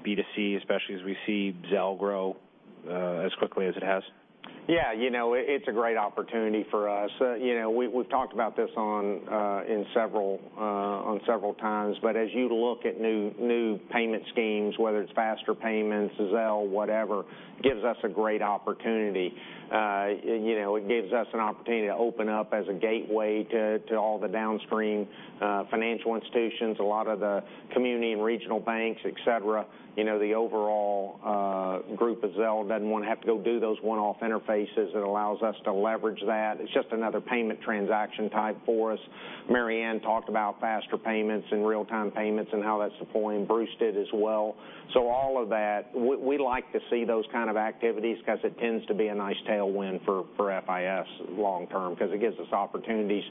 B2C, especially as we see Zelle grow as quickly as it has? Yeah. It's a great opportunity for us. We've talked about this on several times. As you look at new payment schemes, whether it's faster payments, Zelle, whatever, gives us a great opportunity. It gives us an opportunity to open up as a gateway to all the downstream financial institutions, a lot of the community and regional banks, et cetera. The overall group of Zelle doesn't want to have to go do those one-off interfaces. It allows us to leverage that. It's just another payment transaction type for us. Marianne talked about faster payments and real-time payments and how that's deploying. Bruce did as well. All of that, we like to see those kind of activities because it tends to be a nice tailwind for FIS long term because it gives us opportunities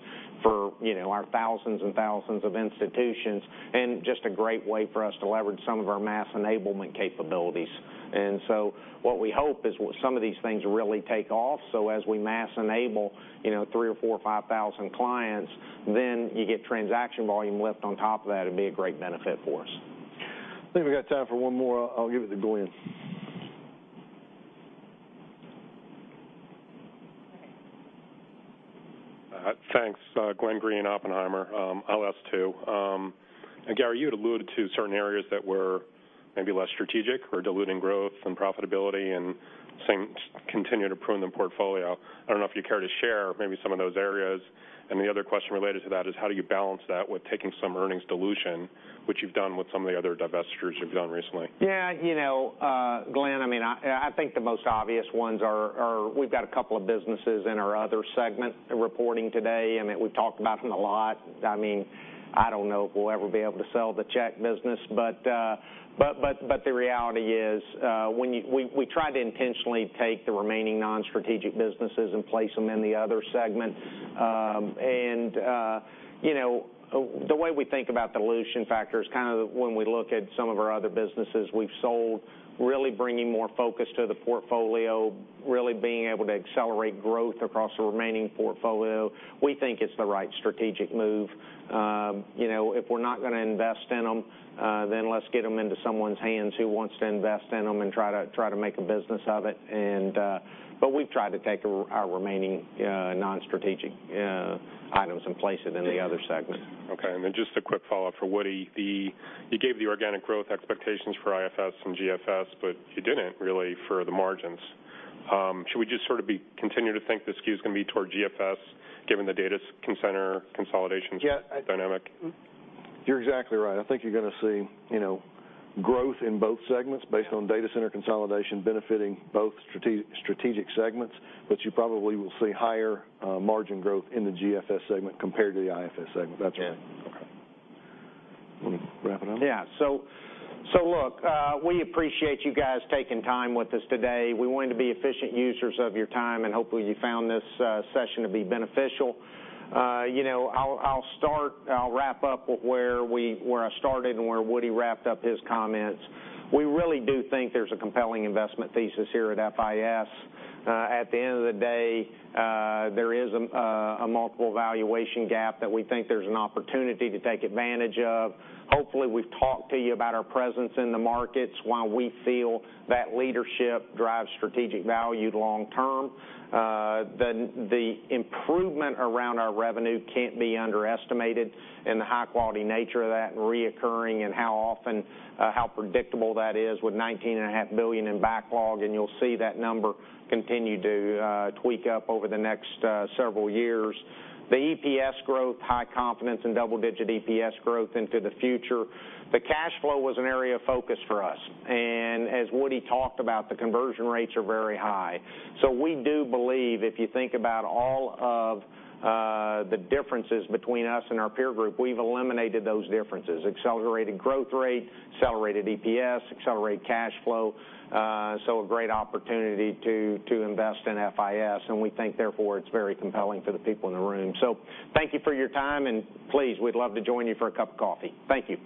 for our thousands and thousands of institutions and just a great way for us to leverage some of our mass enablement capabilities. What we hope is some of these things really take off. As we mass enable three or four or five thousand clients, then you get transaction volume lift on top of that. It'd be a great benefit for us. I think we got time for one more. I'll give it to Glenn. Thanks. Glenn Greene, Oppenheimer. I'll ask two. Gary, you had alluded to certain areas that were maybe less strategic or diluting growth and profitability and saying continue to prune the portfolio. I don't know if you care to share maybe some of those areas. The other question related to that is how do you balance that with taking some earnings dilution, which you've done with some of the other divestitures you've done recently? Yeah. Glenn, I think the most obvious ones are we've got a couple of businesses in our other segment reporting today. We've talked about them a lot. I don't know if we'll ever be able to sell the check business, but the reality is we try to intentionally take the remaining non-strategic businesses and place them in the other segment. The way we think about dilution factors, when we look at some of our other businesses we've sold, really bringing more focus to the portfolio, really being able to accelerate growth across the remaining portfolio. We think it's the right strategic move. If we're not going to invest in them, then let's get them into someone's hands who wants to invest in them and try to make a business of it. We've tried to take our remaining non-strategic items and place it in the other segment. Okay. Just a quick follow-up for Woody. You gave the organic growth expectations for IFS and GFS, but you didn't really for the margins. Should we just continue to think the skew is going to be toward GFS given the data center consolidation dynamic? You're exactly right. I think you're going to see growth in both segments based on data center consolidation benefiting both strategic segments. You probably will see higher margin growth in the GFS segment compared to the IFS segment. That's right. Yeah. Okay. Want to wrap it up? Yeah. Look, we appreciate you guys taking time with us today. We wanted to be efficient users of your time, and hopefully, you found this session to be beneficial. I'll wrap up where I started and where Woody wrapped up his comments. We really do think there's a compelling investment thesis here at FIS. At the end of the day, there is a multiple valuation gap that we think there's an opportunity to take advantage of. Hopefully, we've talked to you about our presence in the markets, why we feel that leadership drives strategic value long term. The improvement around our revenue can't be underestimated and the high-quality nature of that and recurring and how often, how predictable that is with $19.5 billion in backlog, and you'll see that number continue to tweak up over the next several years. The EPS growth, high confidence in double-digit EPS growth into the future. The cash flow was an area of focus for us. As Woody talked about, the conversion rates are very high. We do believe if you think about all of the differences between us and our peer group, we've eliminated those differences. Accelerated growth rate, accelerated EPS, accelerated cash flow. A great opportunity to invest in FIS. We think therefore it's very compelling for the people in the room. Thank you for your time, and please, we'd love to join you for a cup of coffee. Thank you.